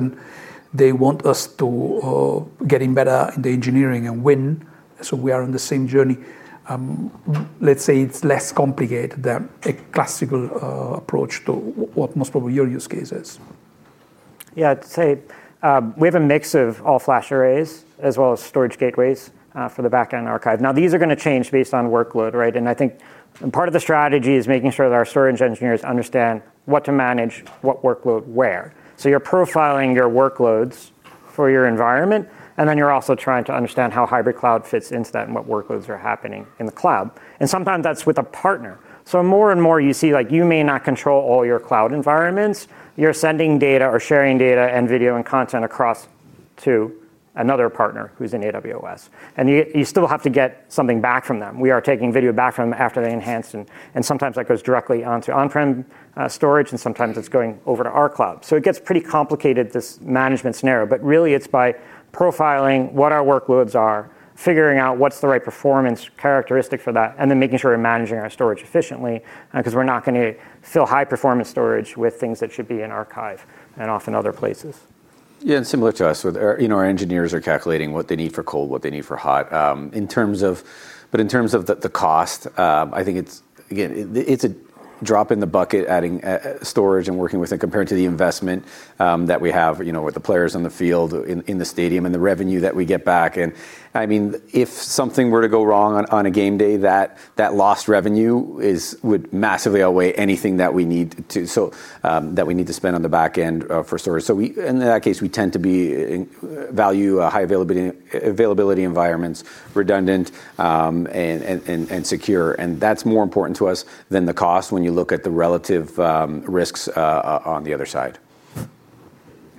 They want us to get in better in the engineering and win. We are on the same journey. Let's say it's less complicated than a classical approach to what most probably your use case is. Yeah, I'd say we have a mix of all-flash arrays as well as storage gateways for the backend archive. These are going to change based on workload, right? I think part of the strategy is making sure that our storage engineers understand what to manage, what workload where. You're profiling your workloads for your environment, and you're also trying to understand how hybrid cloud fits into that and what workloads are happening in the cloud. Sometimes that's with a partner. More and more you see, like, you may not control all your cloud environments. You're sending data or sharing data and video and content across to another partner who's in AWS, and you still have to get something back from them. We are taking video back from them after they enhanced. Sometimes that goes directly onto on-prem storage, and sometimes it's going over to our cloud. It gets pretty complicated, this management scenario. Really, it's by profiling what our workloads are, figuring out what's the right performance characteristic for that, and then making sure we're managing our storage efficiently because we're not going to fill high-performance storage with things that should be in archive and often other places. Yeah, and similar to us, our engineers are calculating what they need for cold, what they need for hot. In terms of the cost, I think it's, again, it's a drop in the bucket adding storage and working with it compared to the investment that we have with the players on the field in the stadium and the revenue that we get back. I mean, if something were to go wrong on a game day, that lost revenue would massively outweigh anything that we need to spend on the back end for storage. In that case, we tend to value high availability environments, redundant, and secure. That's more important to us than the cost when you look at the relative risks on the other side.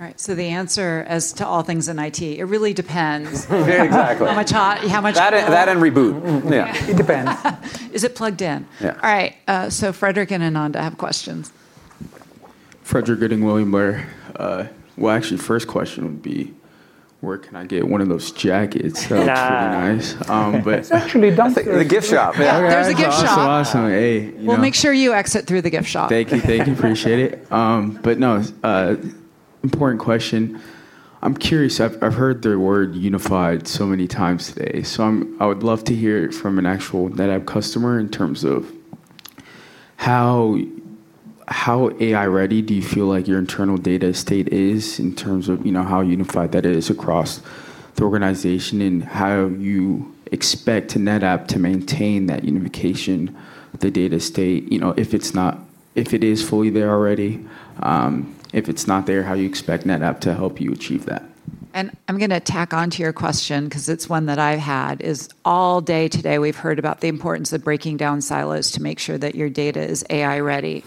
All right. The answer as to all things in IT, it really depends. Exactly. How much hot? That and reboot. It depends. Is it plugged in? Yeah. All right. Fredrik and Ananda have questions. Actually, first question would be, where can I get one of those jackets? That was pretty nice. It's actually dumped at the gift shop. There's a gift shop. Also, awesome, hey. Make sure you exit through the gift shop. Thank you. Appreciate it. Important question. I'm curious. I've heard the word unified so many times today. I would love to hear from an actual NetApp customer in terms of how AI-ready you feel like your internal data state is in terms of how unified that is across the organization and how you expect NetApp to maintain that unification of the data state if it is fully there already. If it's not there, how do you expect NetApp to help you achieve that? I'm going to tack on to your question because it's one that I've had. All day today, we've heard about the importance of breaking down silos to make sure that your data is AI-ready.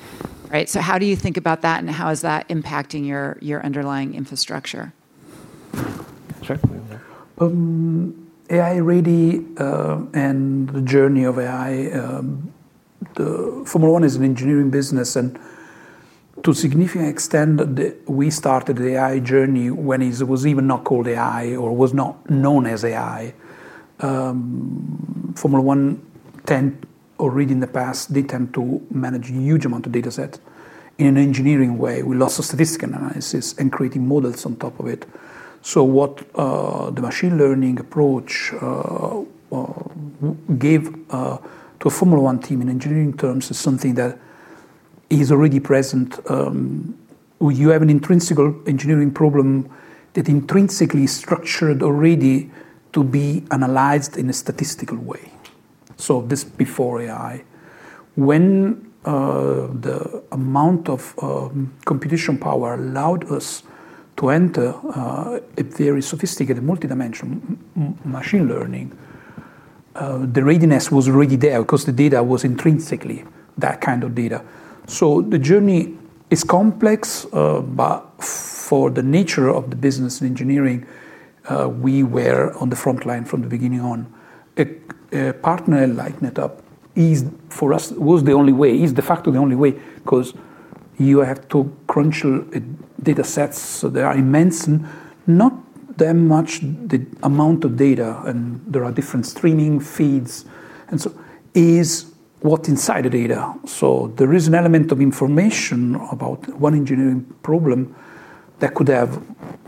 How do you think about that, and how is that impacting your underlying infrastructure? AI-ready and the journey of AI. Formula 1 is an engineering business. To a significant extent, we started the AI journey when it was not even called AI or was not known as AI. Formula 1 already in the past did tend to manage a huge amount of data sets in an engineering way with lots of statistical analysis and creating models on top of it. What the machine learning approach gave to a Formula 1 team in engineering terms is something that is already present. You have an intrinsic engineering problem that intrinsically is structured already to be analyzed in a statistical way. This is before AI. When the amount of computational power allowed us to enter a very sophisticated multi-dimensional machine learning, the readiness was already there because the data was intrinsically that kind of data. The journey is complex. For the nature of the business in engineering, we were on the front line from the beginning on. A partner like NetApp for us was the only way, is de facto the only way because you have to crunch the data sets. There are immense, not that much the amount of data. There are different streaming feeds. It is what's inside the data. There is an element of information about one engineering problem that could have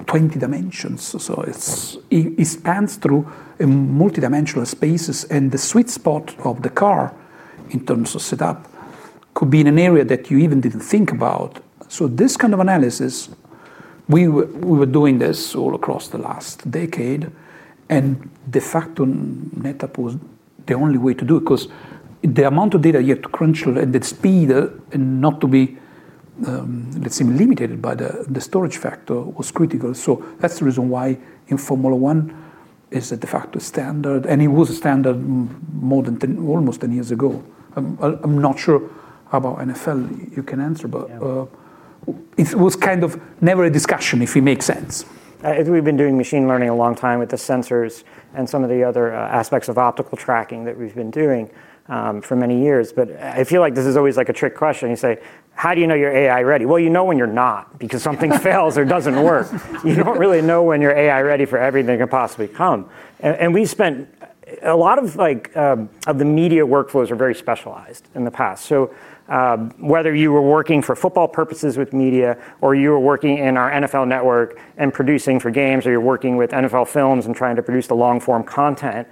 20 dimensions. It spans through multi-dimensional spaces. The sweet spot of the car in terms of setup could be in an area that you even didn't think about. This kind of analysis, we were doing this all across the last decade. De facto, NetApp was the only way to do it because the amount of data you had to crunch at that speed and not to be, let's say, limited by the storage factor was critical. That's the reason why in Formula 1 it is a de facto standard. It was a standard more than almost 10 years ago. I'm not sure how about NFL you can answer. It was kind of never a discussion if it makes sense. I think we've been doing machine learning a long time with the sensors and some of the other aspects of optical tracking that we've been doing for many years. I feel like this is always like a trick question. You say, how do you know you're AI-ready? You know when you're not because something fails or doesn't work. You don't really know when you're AI-ready for everything that can possibly come. We spent a lot of the media workflows were very specialized in the past. Whether you were working for football purposes with media or you were working in our NFL network and producing for games or you're working with NFL films and trying to produce the long-form content,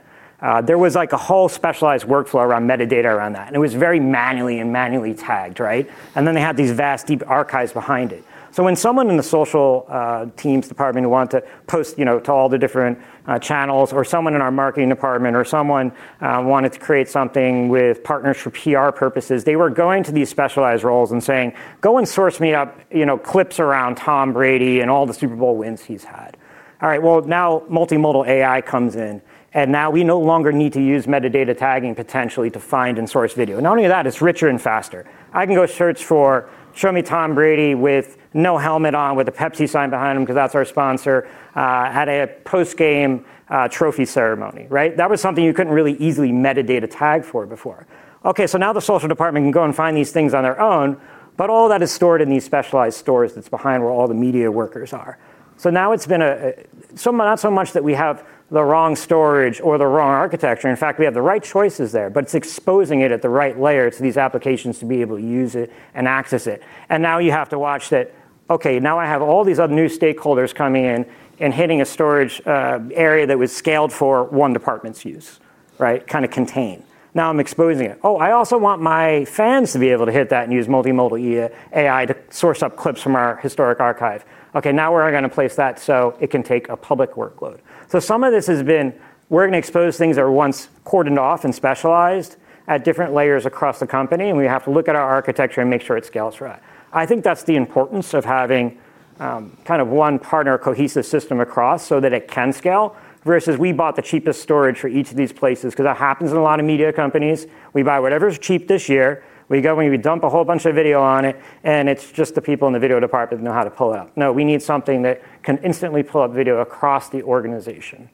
there was like a whole specialized workflow around metadata around that. It was very manually and manually tagged, right? They had these vast deep archives behind it. When someone in the social teams department wanted to post to all the different channels or someone in our marketing department or someone wanted to create something with partners for PR purposes, they were going to these specialized roles and saying, go and source me up clips around Tom Brady and all the Super Bowl wins he's had. Now multimodal AI comes in. Now we no longer need to use metadata tagging potentially to find and source video. Not only that, it's richer and faster. I can go search for, show me Tom Brady with no helmet on with a Pepsi sign behind him because that's our sponsor at a post-game trophy ceremony, right? That was something you couldn't really easily metadata tag for before. The social department can go and find these things on their own. All of that is stored in these specialized stores that's behind where all the media workers are. Now it's been not so much that we have the wrong storage or the wrong architecture. In fact, we have the right choices there. It's exposing it at the right layer to these applications to be able to use it and access it. You have to watch that, now I have all these other new stakeholders coming in and hitting a storage area that was scaled for one department's use, right? Kind of contain. Now I'm exposing it. I also want my fans to be able to hit that and use multimodal AI to source up clips from our historic archive. Now we're going to place that so it can take a public workload. Some of this has been we're going to expose things that were once cordoned off and specialized at different layers across the company. We have to look at our architecture and make sure it scales for that. I think that's the importance of having kind of one partner cohesive system across so that it can scale versus we bought the cheapest storage for each of these places because that happens in a lot of media companies. We buy whatever is cheap this year. We go and we dump a whole bunch of video on it. It's just the people in the video department that know how to pull it up. No, we need something that can instantly pull up video across the organization.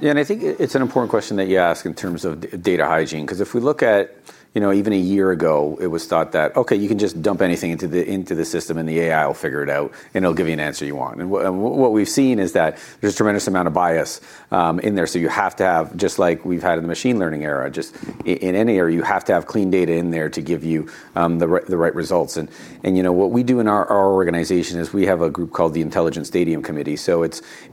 Yeah, I think it's an important question that you ask in terms of data hygiene. Because if we look at even a year ago, it was thought that, OK, you can just dump anything into the system, and the AI will figure it out. It'll give you an answer you want. What we've seen is that there's a tremendous amount of bias in there. You have to have, just like we've had in the machine learning era, just in any era, you have to have clean data in there to give you the right results. What we do in our organization is we have a group called the Intelligence Stadium Committee.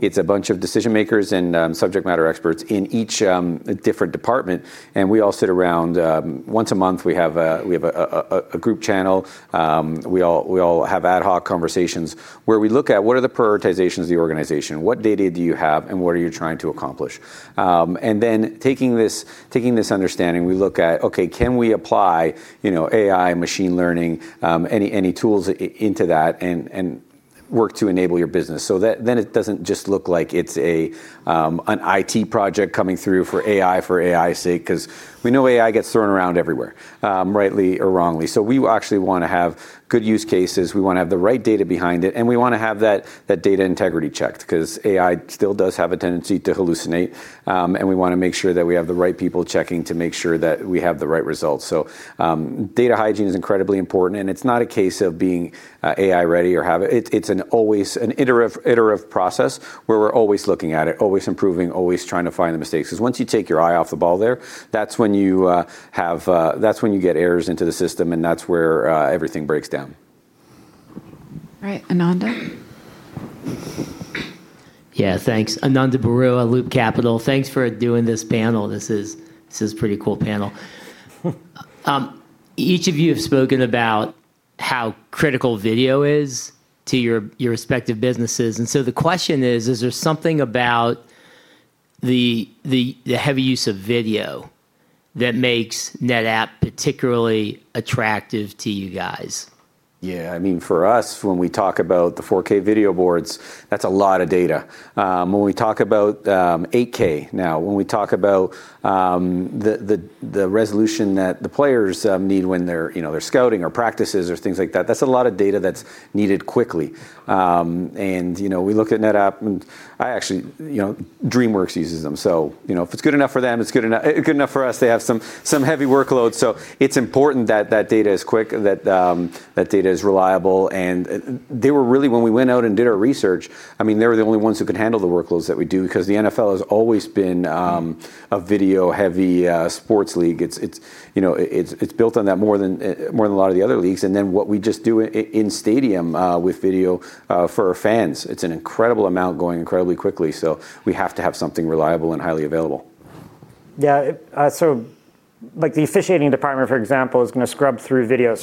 It's a bunch of decision makers and subject matter experts in each different department. We all sit around once a month. We have a group channel. We all have ad hoc conversations where we look at what are the prioritizations of the organization, what data do you have, and what are you trying to accomplish. Taking this understanding, we look at, OK, can we apply AI, machine learning, any tools into that and work to enable your business so that it doesn't just look like it's an IT project coming through for AI for AI's sake. We know AI gets thrown around everywhere, rightly or wrongly. We actually want to have good use cases. We want to have the right data behind it. We want to have that data integrity checked because AI still does have a tendency to hallucinate. We want to make sure that we have the right people checking to make sure that we have the right results. Data hygiene is incredibly important. It's not a case of being AI-ready. It's always an iterative process where we're always looking at it, always improving, always trying to find the mistakes. Once you take your eye off the ball there, that's when you get errors into the system. That's where everything breaks down. All right, Ananda. Yeah, thanks. Ananda Baruah, Loop Capital. Thanks for doing this panel. This is a pretty cool panel. Each of you have spoken about how critical video is to your respective businesses. Is there something about the heavy use of video that makes NetApp particularly attractive to you guys? Yeah, I mean, for us, when we talk about the 4K video boards, that's a lot of data. When we talk about 8K now, when we talk about the resolution that the players need when they're scouting or practices or things like that, that's a lot of data that's needed quickly. We look at NetApp. I actually, DreamWorks uses them. If it's good enough for them, it's good enough for us. They have some heavy workloads. It's important that that data is quick, that that data is reliable. They were really, when we went out and did our research, the only ones who could handle the workloads that we do because the NFL has always been a video-heavy sports league. It's built on that more than a lot of the other leagues. What we just do in stadium with video for our fans, it's an incredible amount going incredibly quickly. We have to have something reliable and highly available. Yeah, so like the officiating department, for example, is going to scrub through video.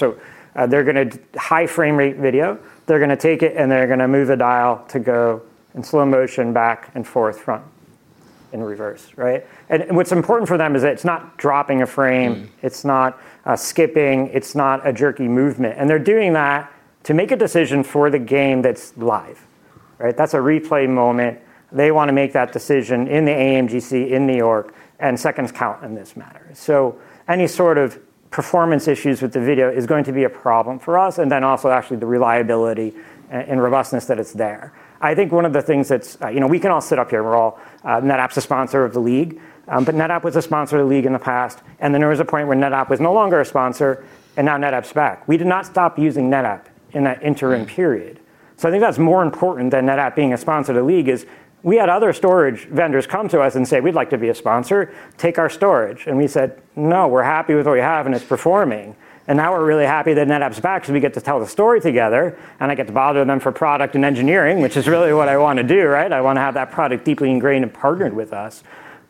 They're going to high frame rate video. They're going to take it, and they're going to move a dial to go in slow motion back and forth, front and reverse, right? What's important for them is that it's not dropping a frame. It's not skipping. It's not a jerky movement. They're doing that to make a decision for the game that's live. That's a replay moment. They want to make that decision in the AMGC, in New York, and seconds count in this matter. Any sort of performance issues with the video is going to be a problem for us. Also, actually, the reliability and robustness that it's there. I think one of the things that we can all sit up here. NetApp's a sponsor of the league. NetApp was a sponsor of the league in the past. There was a point where NetApp was no longer a sponsor. Now NetApp's back. We did not stop using NetApp in that interim period. I think that's more important than NetApp being a sponsor of the league is we had other storage vendors come to us and say, we'd like to be a sponsor. Take our storage. We said, no, we're happy with what we have, and it's performing. Now we're really happy that NetApp's back because we get to tell the story together. I get to bother them for product and engineering, which is really what I want to do, right? I want to have that product deeply ingrained and partnered with us.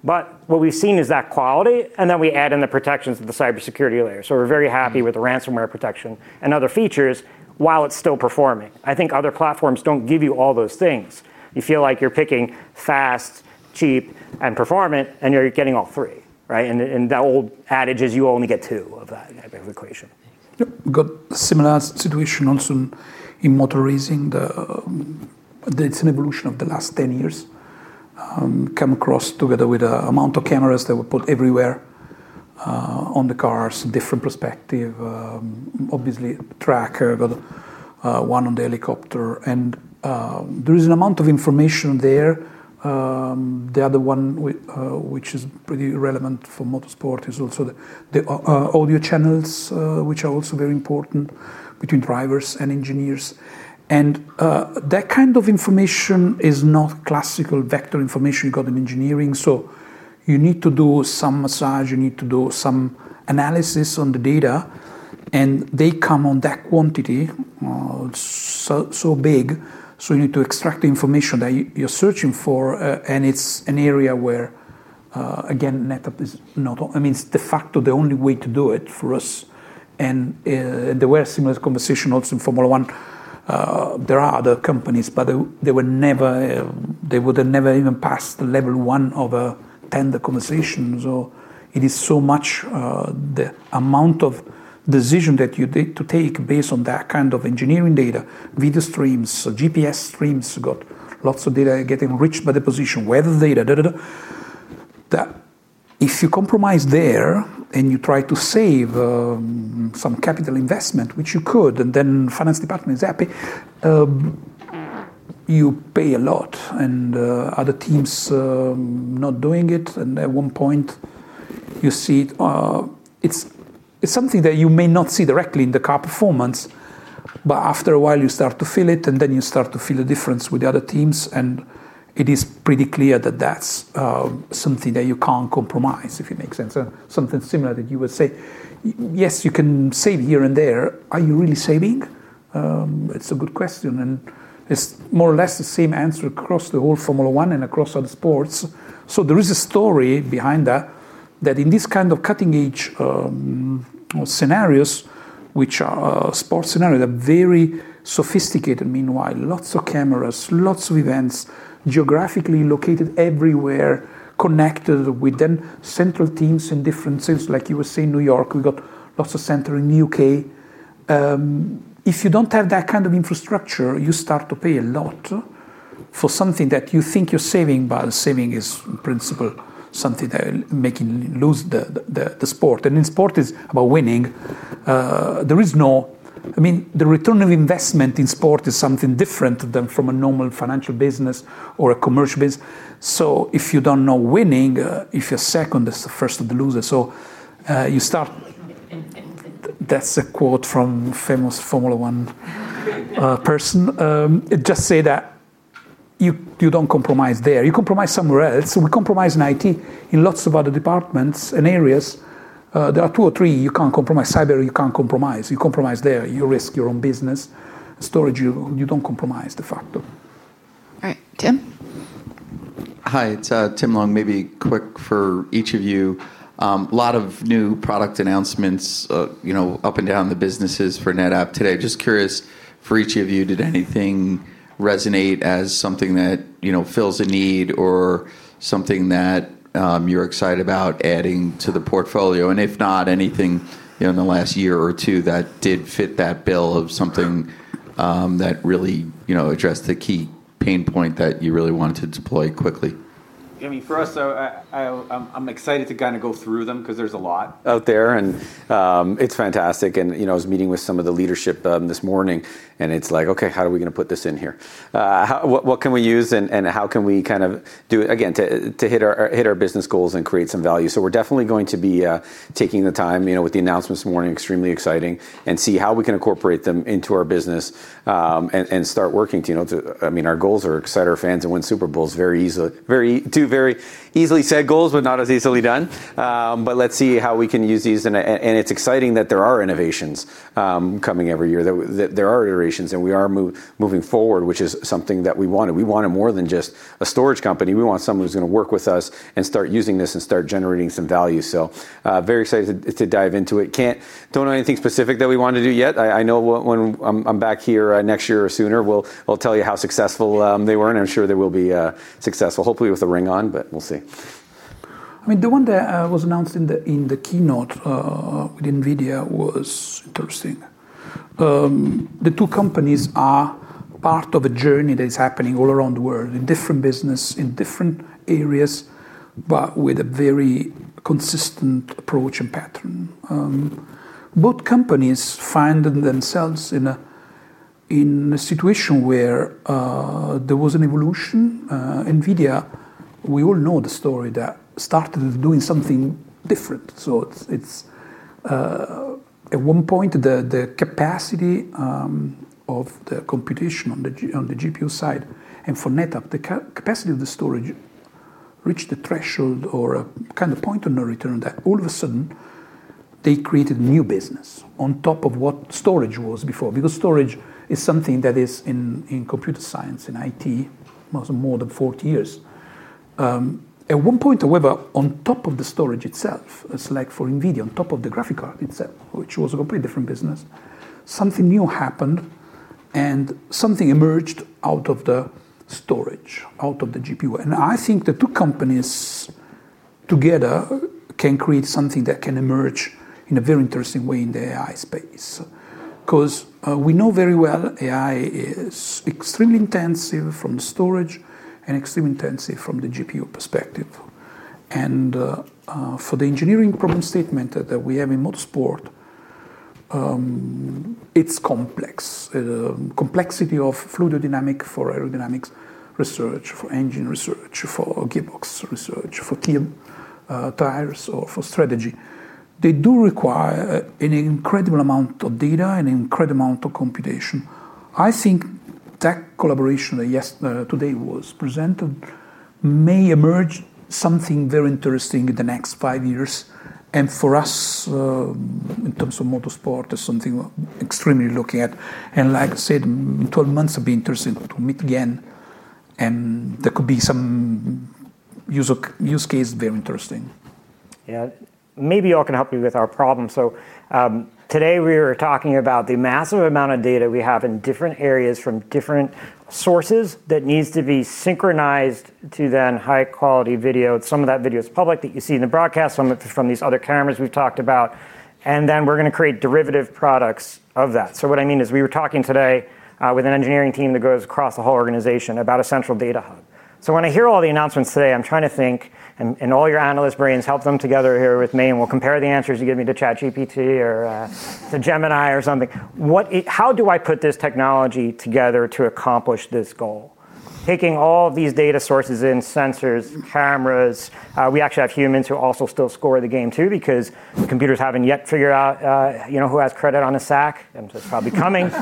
What we've seen is that quality. Then we add in the protections of the cybersecurity layer. We're very happy with the ransomware protection and other features while it's still performing. I think other platforms don't give you all those things. You feel like you're picking fast, cheap, and performant. You're getting all three, right? The old adage is you only get two of that type of equation. Similar situation also in motor racing. It's an evolution of the last 10 years. Come across together with the amount of cameras that were put everywhere on the cars, different perspective. Obviously, tracker, but one on the helicopter. There is an amount of information there. The other one, which is pretty relevant for motorsport, is also the audio channels, which are also very important between drivers and engineers. That kind of information is not classical vector information you got in engineering. You need to do some massage. You need to do some analysis on the data. They come on that quantity, so big. You need to extract the information that you're searching for. It's an area where, again, NetApp is not, I mean, de facto the only way to do it for us. There were similar conversations also in Formula 1. There are other companies, but they would never even pass the level one of tender conversations. It is so much the amount of decision that you need to take based on that kind of engineering data, video streams, GPS streams, got lots of data getting reached by the position, weather data. If you compromise there and you try to save some capital investment, which you could, and then the finance department is happy, you pay a lot. Other teams are not doing it. At one point, you see it. It's something that you may not see directly in the car performance. After a while, you start to feel it. Then you start to feel the difference with the other teams. It is pretty clear that that's something that you can't compromise, if it makes sense. Something similar that you would say, yes, you can save here and there. Are you really saving? It's a good question. It's more or less the same answer across the whole Formula 1 and across other sports. There is a story behind that, that in these kind of cutting-edge scenarios, which are sports scenarios that are very sophisticated, meanwhile, lots of cameras, lots of events, geographically located everywhere, connected with then central teams in different cities. Like you were saying, New York, we got lots of centers in the UK. If you don't have that kind of infrastructure, you start to pay a lot for something that you think you're saving, but the saving is in principle something that makes you lose the sport. In sport, it's about winning. There is no, I mean, the return of investment in sport is something different than from a normal financial business or a commercial business. If you don't know winning, if you're second, it's the first of the losers. You start, that's a quote from a famous Formula 1 person. Just say that you don't compromise there. You compromise somewhere else. We compromise in IT, in lots of other departments and areas. There are two or three you can't compromise. Cyber, you can't compromise. You compromise there. You risk your own business. Storage, you don't compromise de facto. All right, Tim. Hi. It's Tim Long. Maybe quick for each of you. A lot of new product announcements up and down the businesses for NetApp today. Just curious, for each of you, did anything resonate as something that fills a need or something that you're excited about adding to the portfolio? If not, anything in the last year or two that did fit that bill of something that really addressed the key pain point that you really wanted to deploy quickly? I mean for us, I'm excited to kind of go through them because there's a lot out there. It's fantastic. I was meeting with some of the leadership this morning. It's like, OK, how are we going to put this in here? What can we use? How can we kind of do it again to hit our business goals and create some value? We're definitely going to be taking the time with the announcements this morning, extremely exciting, and see how we can incorporate them into our business and start working to. Our goals are excite our fans and win Super Bowls very easily. Two very easily said goals, not as easily done. Let's see how we can use these. It's exciting that there are innovations coming every year, that there are iterations. We are moving forward, which is something that we wanted. We wanted more than just a storage company. We want someone who's going to work with us and start using this and start generating some value. Very excited to dive into it. Don't know anything specific that we want to do yet. I know when I'm back here next year or sooner, I'll tell you how successful they were. I'm sure they will be successful, hopefully with the ring on. We'll see. I mean, the one that was announced in the keynote with NVIDIA was interesting. The two companies are part of a journey that is happening all around the world in different business, in different areas, but with a very consistent approach and pattern. Both companies find themselves in a situation where there was an evolution. NVIDIA, we all know the story, that started doing something different. At one point, the capacity of the computation on the GPU side. For NetApp, the capacity of the storage reached a threshold or a kind of point on the return that all of a sudden they created a new business on top of what storage was before because storage is something that is in computer science, in IT, more than 40 years. At one point, however, on top of the storage itself, it's like for NVIDIA, on top of the graphic card itself, which was a completely different business, something new happened. Something emerged out of the storage, out of the GPU. I think the two companies together can create something that can emerge in a very interesting way in the AI space because we know very well AI is extremely intensive from the storage and extremely intensive from the GPU perspective. For the engineering problem statement that we have in motorsport, it's complex. The complexity of fluidodynamics for aerodynamics research, for engine research, for gearbox research, for key tires, or for strategy, they do require an incredible amount of data and an incredible amount of computation. I think that collaboration that yesterday today was presented may emerge something very interesting in the next five years. For us, in terms of motorsport, it's something extremely looking at. Like I said, in 12 months, it would be interesting to meet again. There could be some use case very interesting. Yeah, maybe you all can help me with our problem. Today we were talking about the massive amount of data we have in different areas from different sources that needs to be synchronized to then high-quality video. Some of that video is public that you see in the broadcast, some of it is from these other cameras we've talked about. We're going to create derivative products of that. What I mean is we were talking today with an engineering team that goes across the whole organization about a central data hub. When I hear all the announcements today, I'm trying to think, and all your analyst brains, help them together here with me. We'll compare the answers you give me to ChatGPT or to Gemini or something. How do I put this technology together to accomplish this goal? Taking all these data sources in, sensors, cameras. We actually have humans who also still score the game too because computers haven't yet figured out who has credit on the sack. It's probably coming.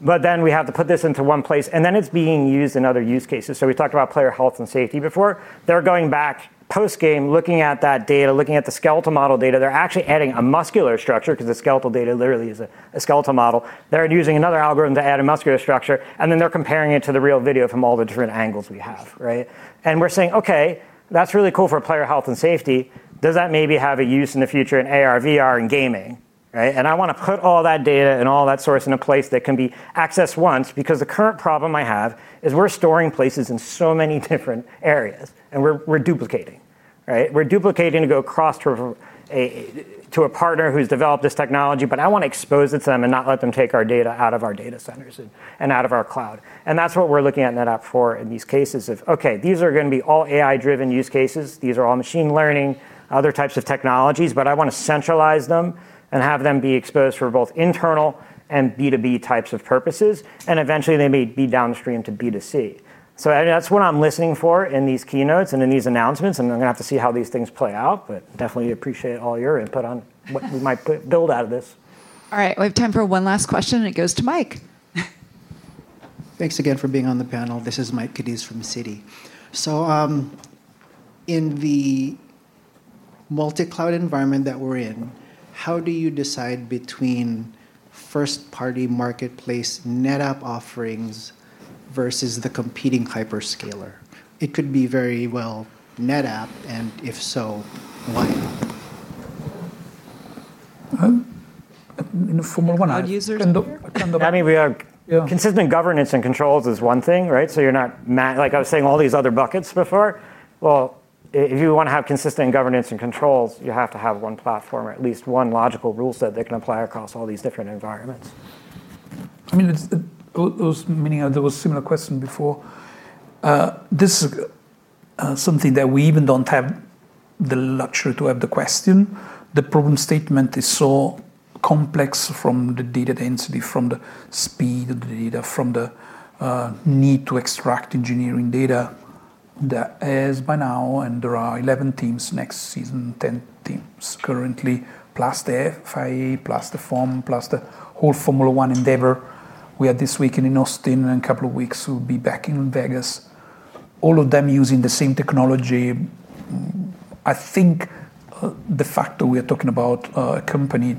We have to put this into one place. It's being used in other use cases. We talked about player health and safety before. They're going back post-game, looking at that data, looking at the skeletal model data. They're actually adding a muscular structure because the skeletal data literally is a skeletal model. They're using another algorithm to add a muscular structure. They're comparing it to the real video from all the different angles we have, right? We're saying, OK, that's really cool for player health and safety. Does that maybe have a use in the future in AR, VR, and gaming? I want to put all that data and all that source in a place that can be accessed once because the current problem I have is we're storing places in so many different areas. We're duplicating, right? We're duplicating to go across to a partner who's developed this technology. I want to expose it to them and not let them take our data out of our data centers and out of our cloud. That's what we're looking at NetApp for in these cases of, OK, these are going to be all AI-driven use cases. These are all machine learning, other types of technologies. I want to centralize them and have them be exposed for both internal and B2B types of purposes. Eventually, they may be downstream to B2C. That's what I'm listening for in these keynotes and in these announcements. I'm going to have to see how these things play out. Definitely appreciate all your input on what we might build out of this. All right. We have time for one last question. It goes to Mike. Thanks again for being on the panel. This is Mike Cadiz from Citi. In the multi-cloud environment that we're in, how do you decide between first-party marketplace NetApp offerings versus the competing hyperscaler? It could be very well NetApp, and if so, why not? In a Formula 1 app? I mean, consistent governance and controls is one thing, right? You're not, like I was saying, all these other buckets before. If you want to have consistent governance and controls, you have to have one platform or at least one logical rule set that can apply across all these different environments. I mean, those meaning there were similar questions before. This is something that we even don't have the luxury to have the question. The problem statement is so complex from the data density, from the speed of the data, from the need to extract engineering data that as by now, and there are 11 teams next season, 10 teams currently, plus the FIA, plus the FOAM, plus the whole Formula 1 endeavor. We are this weekend in Austin. In a couple of weeks, we'll be back in Vegas. All of them using the same technology. I think de facto we are talking about a company,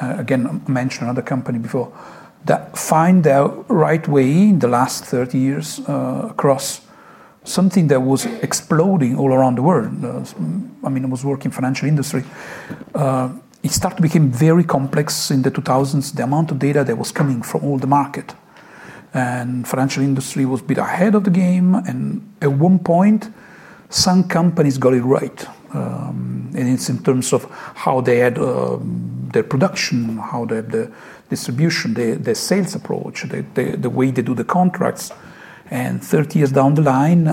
again, I mentioned another company before, that find their right way in the last 30 years across something that was exploding all around the world. I mean, it was working in the financial industry. It started to become very complex in the 2000s, the amount of data that was coming from all the market. The financial industry was a bit ahead of the game. At one point, some companies got it right. It's in terms of how they had their production, how they have the distribution, their sales approach, the way they do the contracts. Thirty years down the line,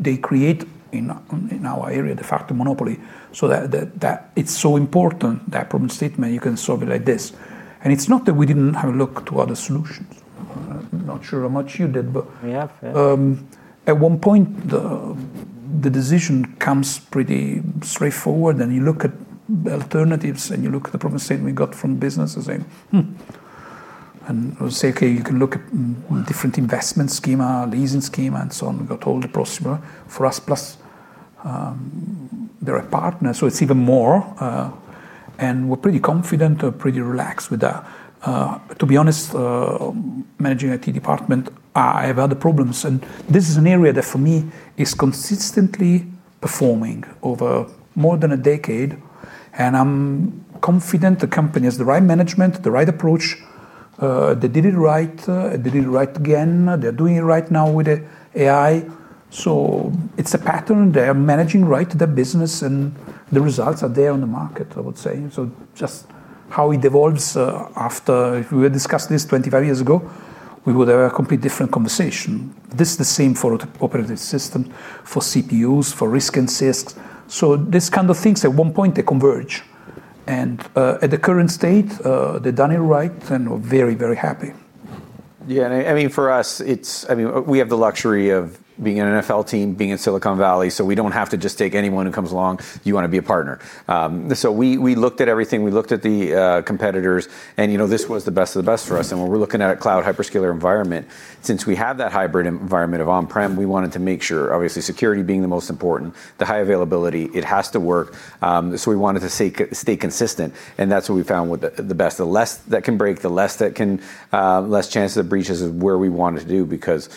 they create in our area de facto monopoly. It's so important, that problem statement, you can solve it like this. It's not that we didn't have a look to other solutions. I'm not sure how much you did. We have, yeah. At one point, the decision comes pretty straightforward. You look at the alternatives, and you look at the problem statement we got from businesses and say, OK, you can look at different investment schema, leasing schema, and so on. We got all the possible for us, plus they're a partner, so it's even more. We're pretty confident, pretty relaxed with that. To be honest, managing IT department, I have other problems. This is an area that for me is consistently performing over more than a decade. I'm confident the company has the right management, the right approach. They did it right. They did it right again. They're doing it right now with AI. It's a pattern. They are managing right their business, and the results are there on the market, I would say. Just how it evolves after we discussed this 25 years ago, we would have a completely different conversation. This is the same for operating systems, for CPUs, for RISC and CISCs. These kind of things, at one point, they converge. At the current state, they've done it right and are very, very happy. Yeah, and I mean, for us, we have the luxury of being an NFL team, being in Silicon Valley. We don't have to just take anyone who comes along. You want to be a partner. We looked at everything. We looked at the competitors. This was the best of the best for us. When we're looking at a cloud hyperscaler environment, since we have that hybrid environment of on-prem, we wanted to make sure, obviously, security being the most important, the high availability, it has to work. We wanted to stay consistent. That's what we found the best. The less that can break, the less chance of breaches is where we wanted to do because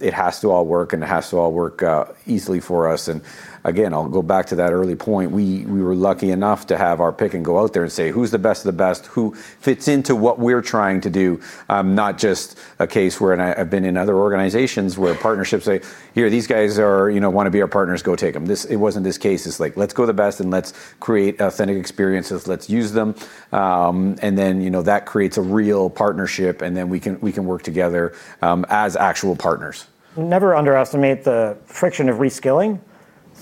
it has to all work. It has to all work easily for us. I'll go back to that early point. We were lucky enough to have our pick and go out there and say, who's the best of the best? Who fits into what we're trying to do? Not just a case where I've been in other organizations where partnerships say, here, these guys want to be our partners. Go take them. It wasn't this case. It's like, let's go the best. Let's create authentic experiences. Let's use them. That creates a real partnership. Then we can work together as actual partners. Never underestimate the friction of reskilling.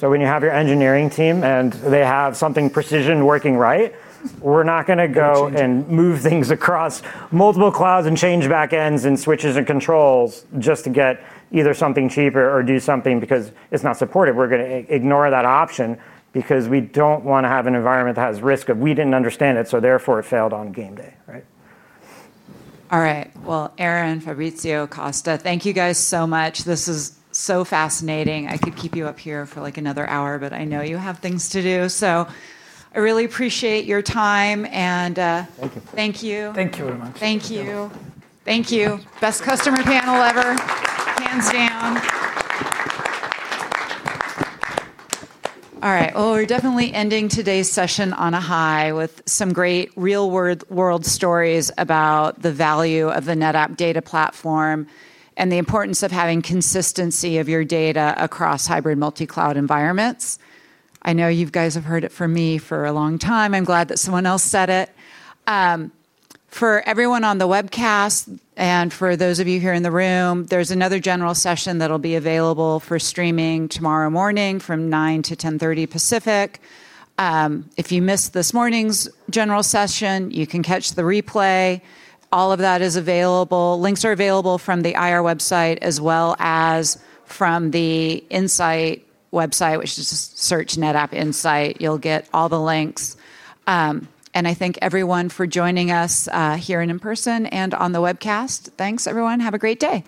When you have your engineering team and they have something precision working right, we're not going to go and move things across multiple clouds and change back ends and switches and controls just to get either something cheaper or do something because it's not supported. We're going to ignore that option because we don't want to have an environment that has risk of we didn't understand it. Therefore, it failed on game day, right? All right. Aaron, Fabrizio, Costa, thank you guys so much. This is so fascinating. I could keep you up here for like another hour. I know you have things to do. I really appreciate your time. Thank you. Thank you very much. Thank you. Thank you. Best customer panel ever, hands down. All right. We're definitely ending today's session on a high with some great real-world stories about the value of the NetApp data platform and the importance of having consistency of your data across hybrid multi-cloud environments. I know you guys have heard it from me for a long time. I'm glad that someone else said it. For everyone on the webcast and for those of you here in the room, there's another general session that'll be available for streaming tomorrow morning from 9:00 to 10:30 A.M. Pacific. If you missed this morning's general session, you can catch the replay. All of that is available. Links are available from the IR website as well as from the Insight website, which is just search NetApp Insight. You'll get all the links. I thank everyone for joining us here and in person and on the webcast. Thanks, everyone. Have a great day.